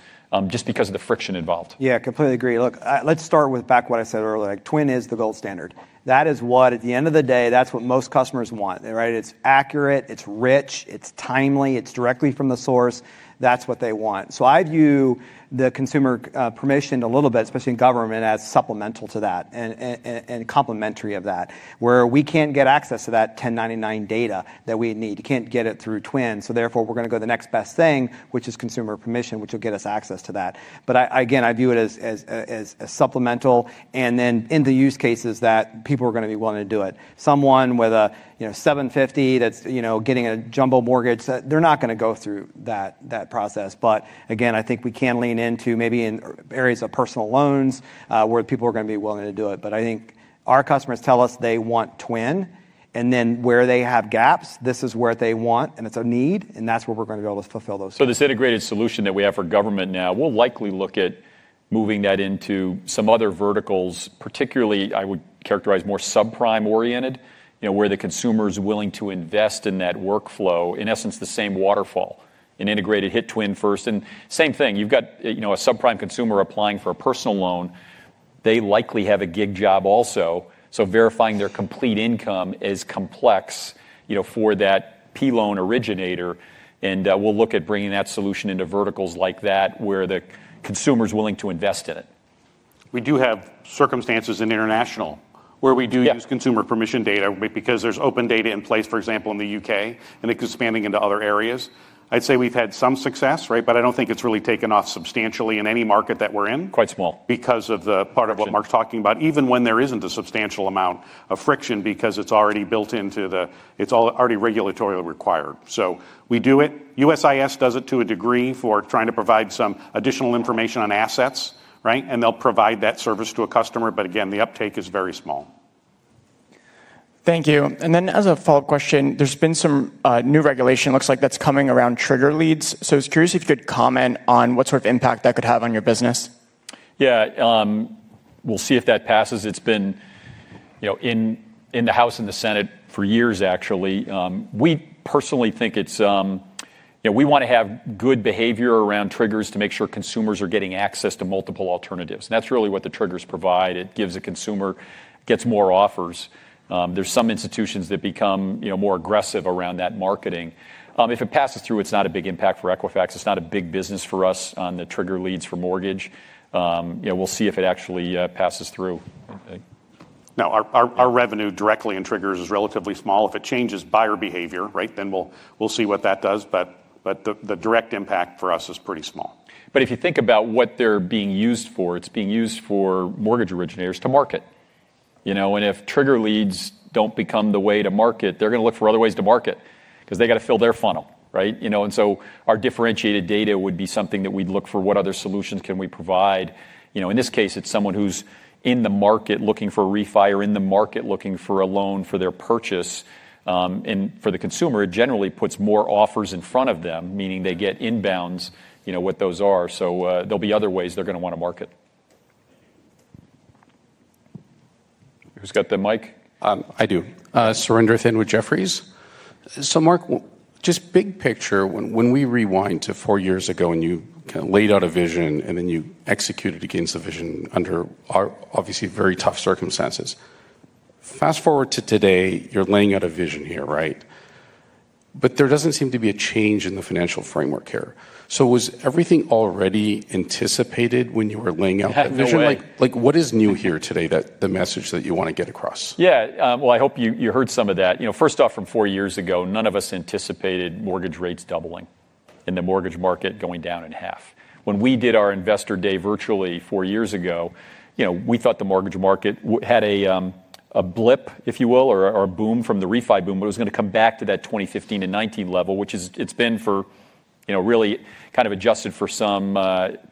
[SPEAKER 2] just because of the friction involved.
[SPEAKER 6] Yeah, completely agree. Look, let's start with back what I said earlier. Twin is the gold standard. That is what at the end of the day, that's what most customers want, right? It's accurate, it's rich, it's timely, it's directly from the source. That's what they want. I view the consumer permission a little bit, especially in government, as supplemental to that and complementary of that, where we can't get access to that 1099 data that we need. You can't get it through Twin. Therefore, we're going to go the next best thing, which is consumer permission, which will get us access to that. Again, I view it as supplemental. In the use cases that people are going to be willing to do it, someone with a 750 that's getting a jumbo mortgage, they're not going to go through that process. Again, I think we can lean into maybe in areas of personal loans where people are going to be willing to do it. I think our customers tell us they want Twin. Where they have gaps, this is where they want and it's a need, and that's where we're going to be able to fulfill those.
[SPEAKER 2] This integrated solution that we have for government now, we'll likely look at moving that into some other verticals, particularly I would characterize more subprime oriented, where the consumer is willing to invest in that workflow. In essence, the same waterfall in integrated hit Twin first. Same thing, you've got a subprime consumer applying for a personal loan. They likely have a gig job also. Verifying their complete income is complex for that P loan originator. We'll look at bringing that solution into verticals like that where the consumer is willing to invest in it.
[SPEAKER 9] We do have circumstances in international where we do use consumer permission data because there's open data in place, for example, in the U.K. and expanding into other areas. I'd say we've had some success, right? I don't think it's really taken off substantially in any market that we're in because of the part of what Mark's talking about, even when there isn't a substantial amount of friction because it's already built into the, it's already regulatory required. We do it. USIS does it to a degree for trying to provide some additional information on assets, right? They'll provide that service to a customer. Again, the uptake is very small.
[SPEAKER 16] Thank you. As a follow-up question, there's been some new regulation, looks like that's coming around trigger leads. I was curious if you could comment on what sort of impact that could have on your business.
[SPEAKER 2] Yeah. We'll see if that passes. It's been in the House and the Senate for years, actually. We personally think it's we want to have good behavior around triggers to make sure consumers are getting access to multiple alternatives. And that's really what the triggers provide. It gives a consumer gets more offers. There's some institutions that become more aggressive around that marketing. If it passes through, it's not a big impact for Equifax. It's not a big business for us on the trigger leads for mortgage. We'll see if it actually passes through.
[SPEAKER 6] Now, our revenue directly in triggers is relatively small. If it changes buyer behavior, right, then we'll see what that does. But the direct impact for us is pretty small.
[SPEAKER 2] If you think about what they're being used for, it's being used for mortgage originators to market. If trigger leads don't become the way to market, they're going to look for other ways to market because they got to fill their funnel, right? Our differentiated data would be something that we'd look for what other solutions can we provide. In this case, it's someone who's in the market looking for a refi or in the market looking for a loan for their purchase. For the consumer, it generally puts more offers in front of them, meaning they get inbounds what those are. There will be other ways they're going to want to market. Who's got the mic?
[SPEAKER 17] I do. Surrender Thin with Jefferies. Mark, just big picture, when we rewind to four years ago and you kind of laid out a vision and then you executed against the vision under obviously very tough circumstances. Fast forward to today, you're laying out a vision here, right? There doesn't seem to be a change in the financial framework here. Was everything already anticipated when you were laying out that vision? What is new here today, the message that you want to get across?
[SPEAKER 2] Yeah. I hope you heard some of that. First off, from four years ago, none of us anticipated mortgage rates doubling and the mortgage market going down in half. When we did our investor day virtually four years ago, we thought the mortgage market had a blip, if you will, or a boom from the refi boom, but it was going to come back to that 2015 and 2019 level, which it has been for really kind of adjusted for some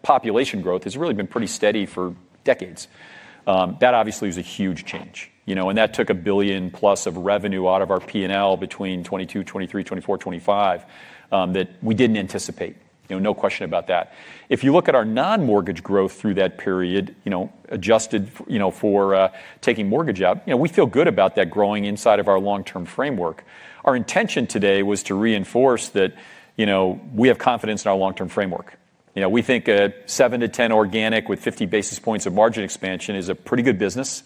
[SPEAKER 2] population growth. It has really been pretty steady for decades. That obviously was a huge change. That took $1+ billion of revenue out of our P&L between 2022, 2023, 2024, 2025 that we did not anticipate. No question about that. If you look at our non-mortgage growth through that period, adjusted for taking mortgage out, we feel good about that growing inside of our long-term framework. Our intention today was to reinforce that we have confidence in our long-term framework. We think 7%-10% organic with 50 basis points of margin expansion is a pretty good business.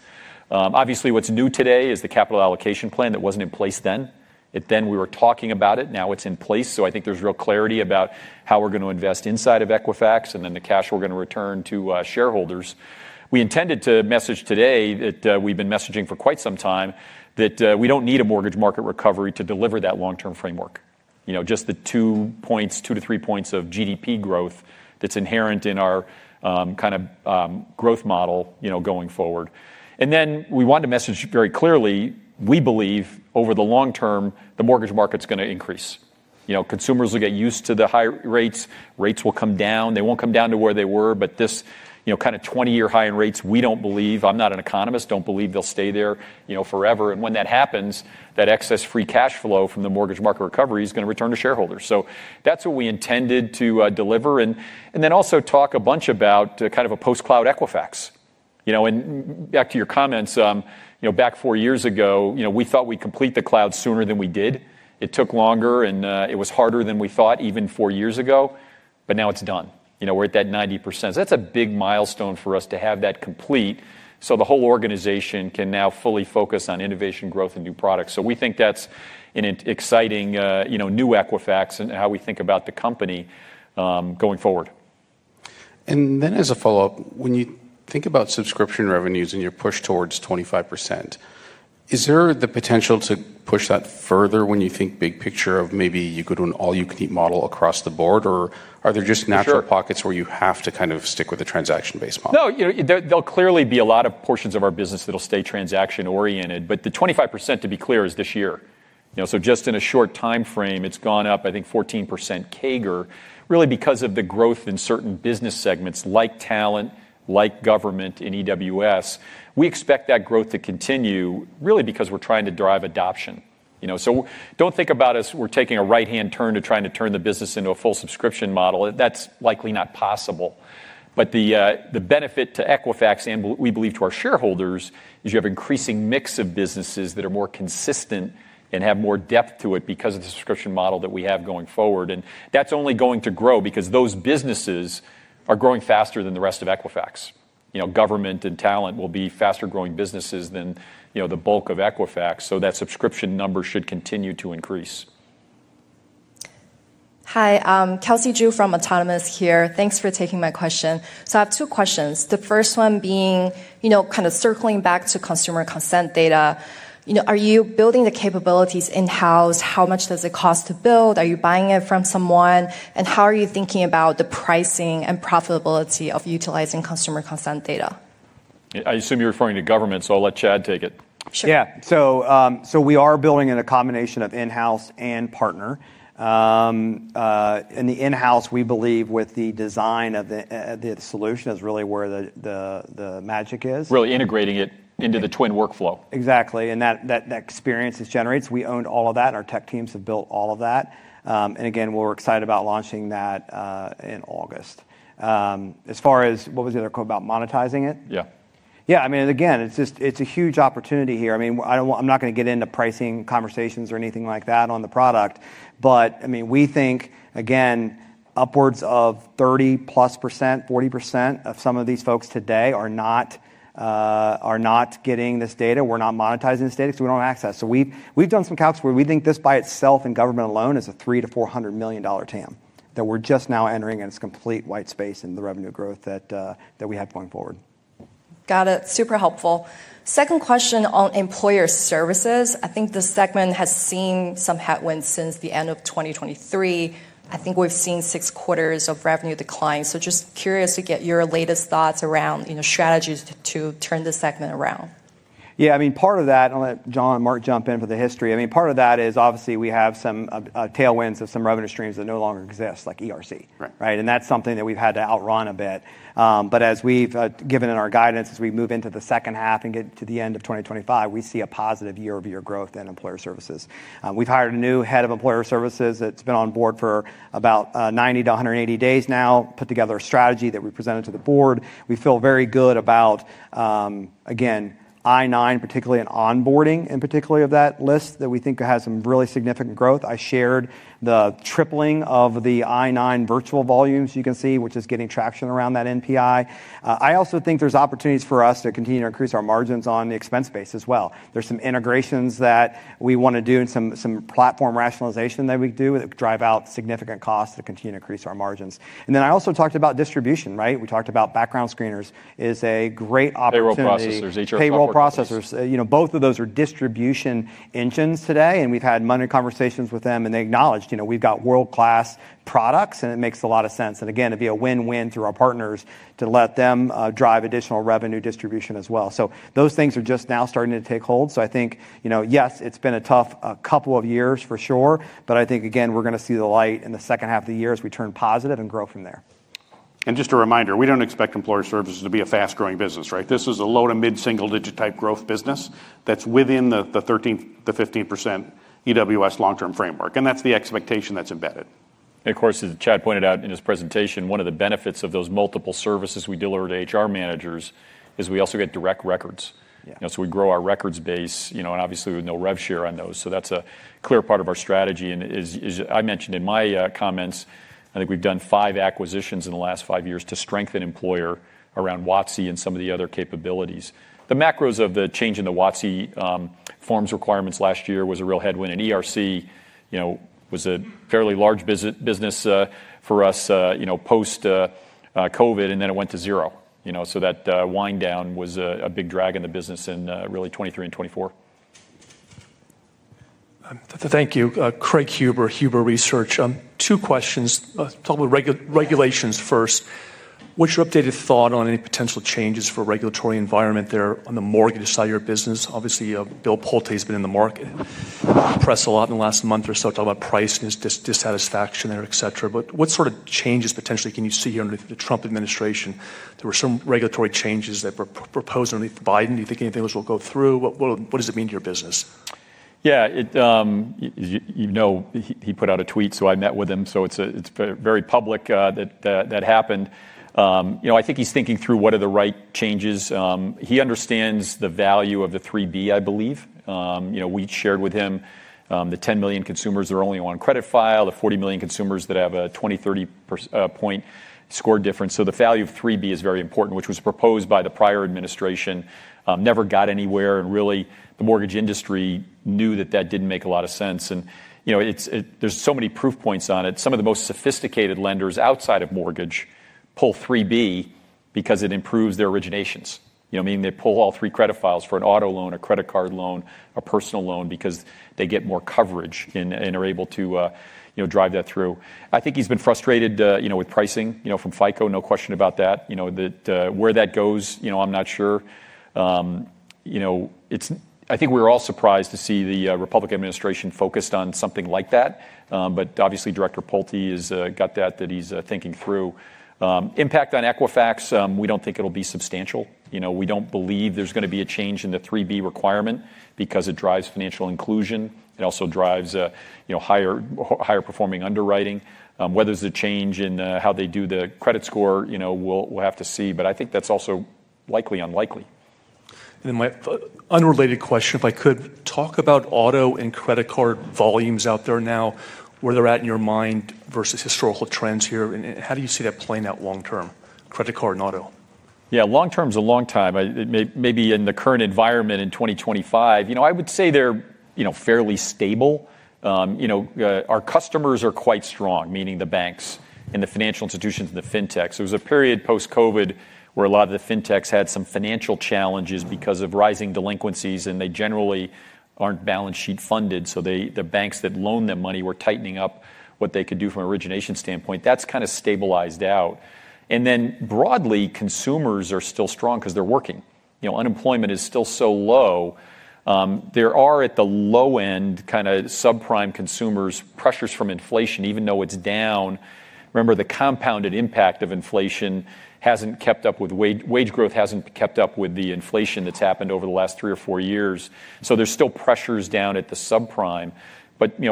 [SPEAKER 2] Obviously, what's new today is the capital allocation plan that wasn't in place then. At then we were talking about it. Now it's in place. I think there's real clarity about how we're going to invest inside of Equifax and then the cash we're going to return to shareholders. We intended to message today that we've been messaging for quite some time that we don't need a mortgage market recovery to deliver that long-term framework. Just the two-three points of GDP growth that's inherent in our kind of growth model going forward. We wanted to message very clearly, we believe over the long-term, the mortgage market's going to increase. Consumers will get used to the high rates. Rates will come down. They won't come down to where they were, but this kind of 20-year high in rates, we don't believe, I'm not an economist, don't believe they'll stay there forever. When that happens, that excess free cash flow from the mortgage market recovery is going to return to shareholders. That's what we intended to deliver and then also talk a bunch about kind of a post-cloud Equifax. Back to your comments, back four years ago, we thought we'd complete the cloud sooner than we did. It took longer and it was harder than we thought even four years ago, but now it's done. We're at that 90%. That's a big milestone for us to have that complete so the whole organization can now fully focus on innovation, growth, and new products. We think that's an exciting new Equifax and how we think about the company going forward.
[SPEAKER 17] And then as a follow-up, when you think about subscription revenues and your push towards 25%, is there the potential to push that further when you think big picture of maybe you could do an all-you-can-eat model across the board, or are there just natural pockets where you have to kind of stick with the transaction-based model?
[SPEAKER 2] No, there'll clearly be a lot of portions of our business that'll stay transaction-oriented, but the 25%, to be clear, is this year. Just in a short time frame, it's gone up, I think, 14% CAGR, really because of the growth in certain business segments like talent, like government in EWS. We expect that growth to continue really because we're trying to drive adoption. Do not think about us, we're taking a right-hand turn to trying to turn the business into a full subscription model. That's likely not possible. The benefit to Equifax and we believe to our shareholders is you have an increasing mix of businesses that are more consistent and have more depth to it because of the subscription model that we have going forward. That's only going to grow because those businesses are growing faster than the rest of Equifax. Government and talent will be faster-growing businesses than the bulk of Equifax. That subscription number should continue to increase.
[SPEAKER 18] Hi, Kelsey Zhu from Autonomous here. Thanks for taking my question. I have two questions. The first one being kind of circling back to consumer consent data. Are you building the capabilities in-house? How much does it cost to build? Are you buying it from someone? How are you thinking about the pricing and profitability of utilizing consumer consent data?
[SPEAKER 2] I assume you're referring to government, so I'll let Chad take it.
[SPEAKER 6] Sure. Yeah. We are building in a combination of in-house and partner. The in-house, we believe with the design of the solution, is really where the magic is.
[SPEAKER 2] Really integrating it into the Twin workflow.
[SPEAKER 6] Exactly. That experience it generates, we own all of that. Our tech teams have built all of that. Again, we're excited about launching that in August. As far as what was the other quote about monetizing it? Yeah. I mean, again, it's a huge opportunity here. I mean, I'm not going to get into pricing conversations or anything like that on the product. I mean, we think, again, upwards of 30%+, 40% of some of these folks today are not getting this data. We're not monetizing this data because we don't have access. We've done some calculations where we think this by itself in government alone is a $300 million-$400 million TAM that we're just now entering in its complete white space in the revenue growth that we have going forward.
[SPEAKER 18] Got it. Super helpful. Second question on employer services. I think the segment has seen some headwinds since the end of 2023. I think we've seen six quarters of revenue decline. Just curious to get your latest thoughts around strategies to turn the segment around.
[SPEAKER 6] Yeah. Part of that, I'll let John and Mark jump in for the history. I mean, part of that is obviously we have some tailwinds of some revenue streams that no longer exist, like ERC, right? That's something that we've had to outrun a bit. As we've given in our guidance, as we move into the second half and get to the end of 2025, we see a positive year-over-year growth in employer services. We've hired a new head of employer services that's been on board for about 90-180 days now, put together a strategy that we presented to the board. We feel very good about, again, I-9, particularly in onboarding and particularly of that list that we think has some really significant growth. I shared the tripling of the I-9 virtual volumes you can see, which is getting traction around that NPI. I also think there's opportunities for us to continue to increase our margins on the expense base as well. There are some integrations that we want to do and some platform rationalization that we do that drive out significant costs to continue to increase our margins. I also talked about distribution, right? We talked about background screeners as a great opportunity, payroll processors. Both of those are distribution engines today. We've had money conversations with them. They acknowledged we've got world-class products, and it makes a lot of sense. It would be a win-win through our partners to let them drive additional revenue distribution as well. Those things are just now starting to take hold. I think, yes, it's been a tough couple of years for sure. I think, again, we're going to see the light in the second half of the year as we turn positive and grow from there.
[SPEAKER 2] Just a reminder, we don't expect employer services to be a fast-growing business, right? This is a low to mid-single-digit type growth business that's within the 13%-15% EWS long-term framework. That's the expectation that's embedded.
[SPEAKER 10] Of course, as Chad pointed out in his presentation, one of the benefits of those multiple services we deliver to HR managers is we also get direct records. We grow our records base, and obviously, we know rev share on those. That's a clear part of our strategy. As I mentioned in my comments, I think we've done five acquisitions in the last five years to strengthen employer around WATC and some of the other capabilities. The macros of the change in the WATC forms requirements last year was a real headwind. And ERC was a fairly large business for us post-COVID, and then it went to zero. So that wind down was a big drag on the business in really 2023 and 2024.
[SPEAKER 19] Thank you. Craig Huber of Huber Research. Two questions. Talk about regulations first. What's your updated thought on any potential changes for regulatory environment there on the mortgage side of your business? Obviously, Bill Poultier has been in the market, pressed a lot in the last month or so, talked about price and his dissatisfaction there, etc. But what sort of changes potentially can you see here under the Trump administration? There were some regulatory changes that were proposed underneath Biden. Do you think any of those will go through? What does it mean to your business?
[SPEAKER 2] Yeah. He put out a tweet, so I met with him. It is very public that happened. I think he's thinking through what are the right changes. He understands the value of the 3B, I believe. We shared with him the 10 million consumers that are only on credit file, the 40 million consumers that have a 20-30-point score difference. The value of 3B is very important, which was proposed by the prior administration, never got anywhere. Really, the mortgage industry knew that that did not make a lot of sense. There are so many proof points on it. Some of the most sophisticated lenders outside of mortgage pull 3B because it improves their originations. I mean, they pull all three credit files for an auto loan, a credit card loan, a personal loan because they get more coverage and are able to drive that through. I think he's been frustrated with pricing from FICO, no question about that. Where that goes, I'm not sure. I think we're all surprised to see the Republican administration focused on something like that. Obviously, Director Poultier has got that that he's thinking through. Impact on Equifax, we don't think it'll be substantial. We don't believe there's going to be a change in the 3B requirement because it drives financial inclusion. It also drives higher-performing underwriting. Whether there's a change in how they do the credit score, we'll have to see. I think that's also likely unlikely.
[SPEAKER 19] My unrelated question, if I could, talk about auto and credit card volumes out there now, where they're at in your mind versus historical trends here. How do you see that playing out long-term, credit card and auto?
[SPEAKER 2] Yeah, long-term is a long time. Maybe in the current environment in 2025, I would say they're fairly stable. Our customers are quite strong, meaning the banks and the financial institutions and the fintechs. There was a period post-COVID where a lot of the fintechs had some financial challenges because of rising delinquencies, and they generally aren't balance sheet funded. The banks that loaned them money were tightening up what they could do from an origination standpoint. That's kind of stabilized out. Broadly, consumers are still strong because they're working. Unemployment is still so low. There are at the low-end kind of subprime consumers pressures from inflation, even though it's down. Remember, the compounded impact of inflation hasn't kept up with wage growth, hasn't kept up with the inflation that's happened over the last three or four years. There's still pressures down at the subprime.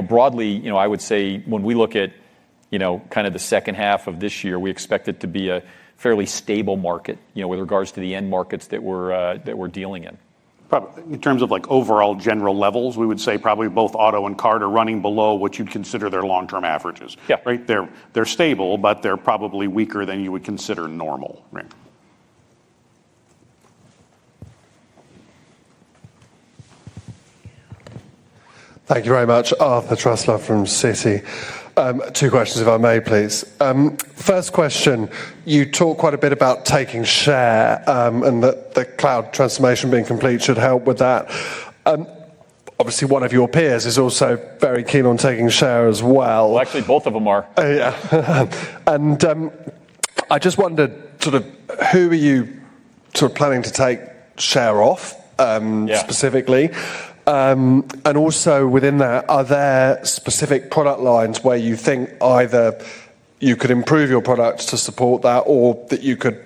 [SPEAKER 2] Broadly, I would say when we look at kind of the second half of this year, we expect it to be a fairly stable market with regards to the end markets that we're dealing in.
[SPEAKER 10] In terms of overall general levels, we would say probably both auto and car are running below what you'd consider their long-term averages. Right? They're stable, but they're probably weaker than you would consider normal. Thank you very much. Arthur Truslow from Citi. Two questions, if I may, please. First question, you talk quite a bit about taking share and that the cloud transformation being complete should help with that. Obviously, one of your peers is also very keen on taking share as well.
[SPEAKER 2] Actually, both of them are.
[SPEAKER 20] Yeah. I just wondered sort of who are you sort of planning to take share off specifically? Also within that, are there specific product lines where you think either you could improve your products to support that or that you could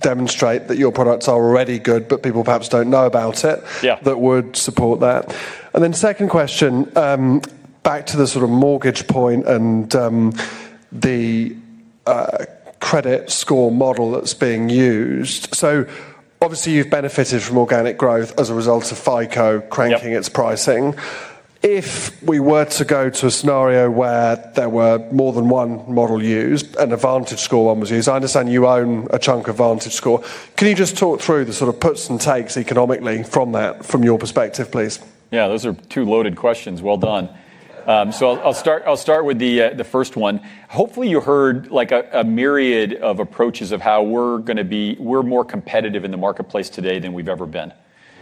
[SPEAKER 20] demonstrate that your products are already good, but people perhaps do not know about it that would support that? Second question, back to the sort of mortgage point and the credit score model that is being used. Obviously, you have benefited from organic growth as a result of FICO cranking its pricing. If we were to go to a scenario where there were more than one model used, and VantageScore was used, I understand you own a chunk of VantageScore. Can you just talk through the sort of puts and takes economically from your perspective, please?
[SPEAKER 2] Yeah, those are two loaded questions. Well done. I will start with the first one. Hopefully, you heard a myriad of approaches of how we're going to be more competitive in the marketplace today than we've ever been.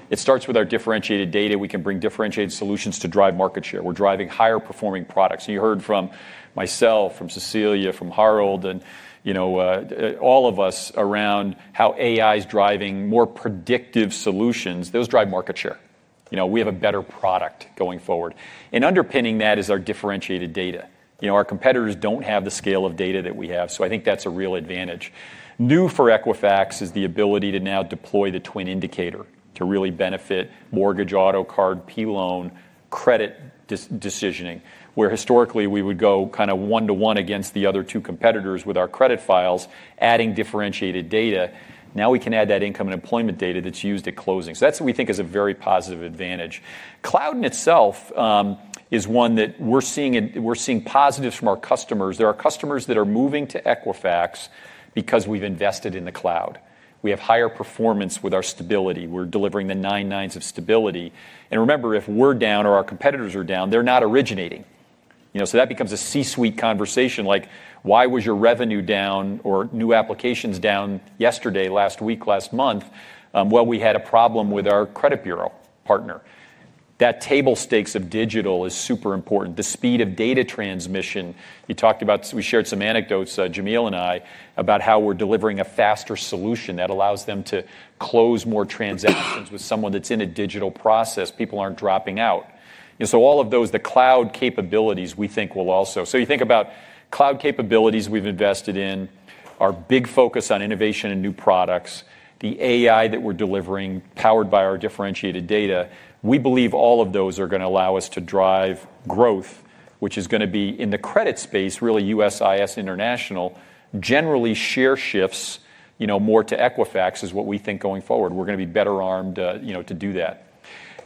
[SPEAKER 2] It starts with our differentiated data. We can bring differentiated solutions to drive market share. We're driving higher-performing products. You heard from myself, from Cecilia, from Harold, and all of us around how AI is driving more predictive solutions. Those drive market share. We have a better product going forward. Underpinning that is our differentiated data. Our competitors don't have the scale of data that we have. I think that's a real advantage. New for Equifax is the ability to now deploy the Twin Indicator to really benefit mortgage, auto, card, P-loan, credit decisioning, where historically we would go kind of one-to-one against the other two competitors with our credit files, adding differentiated data. Now we can add that income and employment data that's used at closing. That is what we think is a very positive advantage. Cloud in itself is one that we're seeing positives from our customers. There are customers that are moving to Equifax because we've invested in the cloud. We have higher performance with our stability. We're delivering the nine nines of stability. Remember, if we're down or our competitors are down, they're not originating. That becomes a C-suite conversation like, "Why was your revenue down or new applications down yesterday, last week, last month?" "We had a problem with our credit bureau partner." That table stakes of digital is super important. The speed of data transmission, we shared some anecdotes, Jamil and I, about how we're delivering a faster solution that allows them to close more transactions with someone that's in a digital process. People aren't dropping out. All of those, the cloud capabilities, we think will also. You think about cloud capabilities we've invested in, our big focus on innovation and new products, the AI that we're delivering powered by our differentiated data. We believe all of those are going to allow us to drive growth, which is going to be in the credit space, really USIS International, generally share shifts more to Equifax is what we think going forward. We're going to be better armed to do that.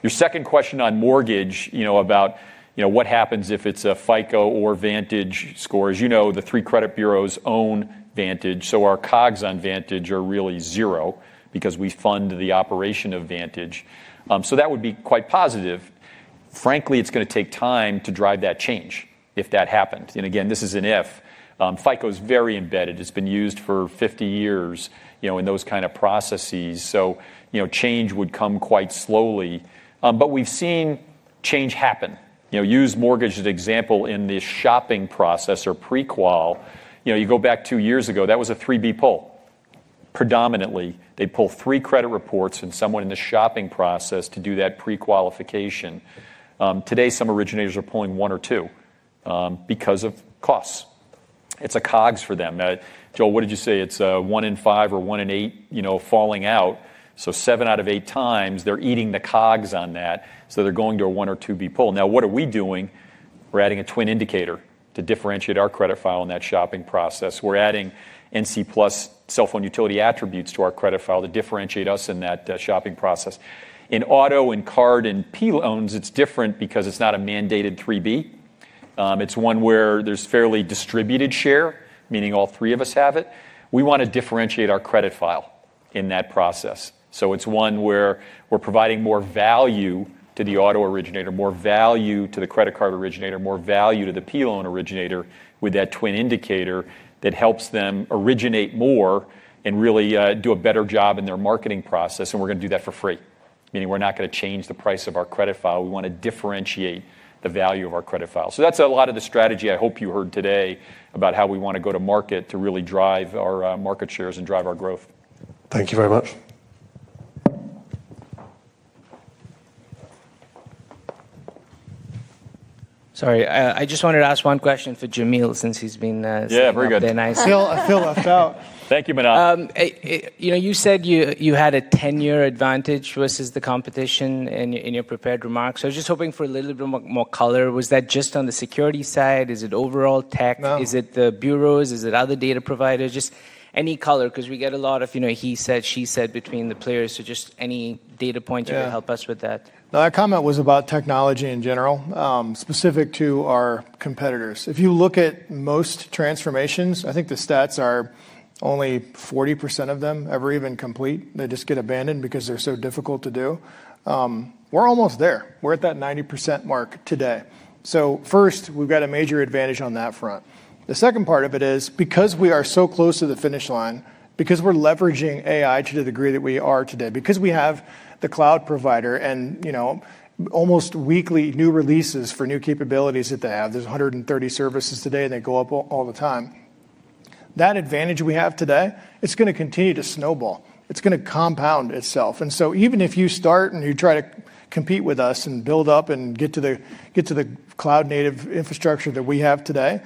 [SPEAKER 2] Your second question on mortgage about what happens if it's a FICO or Vantage score. As you know, the three credit bureaus own Vantage. Our COGS on Vantage are really zero because we fund the operation of Vantage. That would be quite positive. Frankly, it's going to take time to drive that change if that happened. Again, this is an if. FICO is very embedded. It's been used for 50 years in those kind of processes. Change would come quite slowly. We have seen change happen. Use mortgage as an example in the shopping process or pre-qual. You go back two years ago, that was a 3B pull. Predominantly, they pull three credit reports and someone in the shopping process to do that pre-qualification. Today, some originators are pulling one or two because of costs. It's a COGS for them. Joel, what did you say? It's a one in five or one in eight falling out. Seven out of eight times, they're eating the COGS on that. They are going to a one or two B pull. Now, what are we doing? We are adding a Twin Indicator to differentiate our credit file in that shopping process. We're adding NC plus cell phone utility attributes to our credit file to differentiate us in that shopping process. In auto and card and P-loans, it's different because it's not a mandated 3B. It's one where there's fairly distributed share, meaning all three of us have it. We want to differentiate our credit file in that process. It's one where we're providing more value to the auto originator, more value to the credit card originator, more value to the P-loan originator with that Twin Indicator that helps them originate more and really do a better job in their marketing process. We're going to do that for free, meaning we're not going to change the price of our credit file. We want to differentiate the value of our credit file. That is a lot of the strategy I hope you heard today about how we want to go to market to really drive our market shares and drive our growth. Thank you very much.
[SPEAKER 7] Sorry, I just wanted to ask one question for Jamil since he has been a bit nice. Yeah, very good. I feel left out. You said you had a 10-year advantage versus the competition in your prepared remarks. I was just hoping for a little bit more color. Was that just on the security side? Is it overall tech? Is it the bureaus? Is it other data providers? Just any color because we get a lot of he said, she said between the players. Just any data point you can help us with that.
[SPEAKER 3] No, that comment was about technology in general, specific to our competitors. If you look at most transformations, I think the stats are only 40% of them ever even complete. They just get abandoned because they're so difficult to do. We're almost there. We're at that 90% mark today. First, we've got a major advantage on that front. The second part of it is because we are so close to the finish line, because we're leveraging AI to the degree that we are today, because we have the cloud provider and almost weekly new releases for new capabilities that they have. There are 130 services today, and they go up all the time. That advantage we have today, it's going to continue to snowball. It's going to compound itself. Even if you start and you try to compete with us and build up and get to the cloud-native infrastructure that we have today,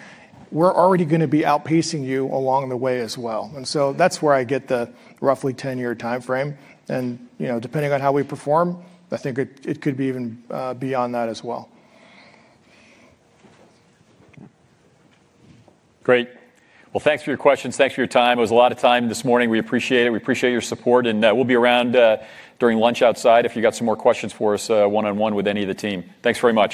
[SPEAKER 3] we're already going to be outpacing you along the way as well. That is where I get the roughly 10-year timeframe. Depending on how we perform, I think it could be even beyond that as well.
[SPEAKER 2] Great. Thank you for your questions. Thank you for your time. It was a lot of time this morning. We appreciate it. We appreciate your support. We will be around during lunch outside if you have some more questions for us one-on-one with any of the team. Thank you very much.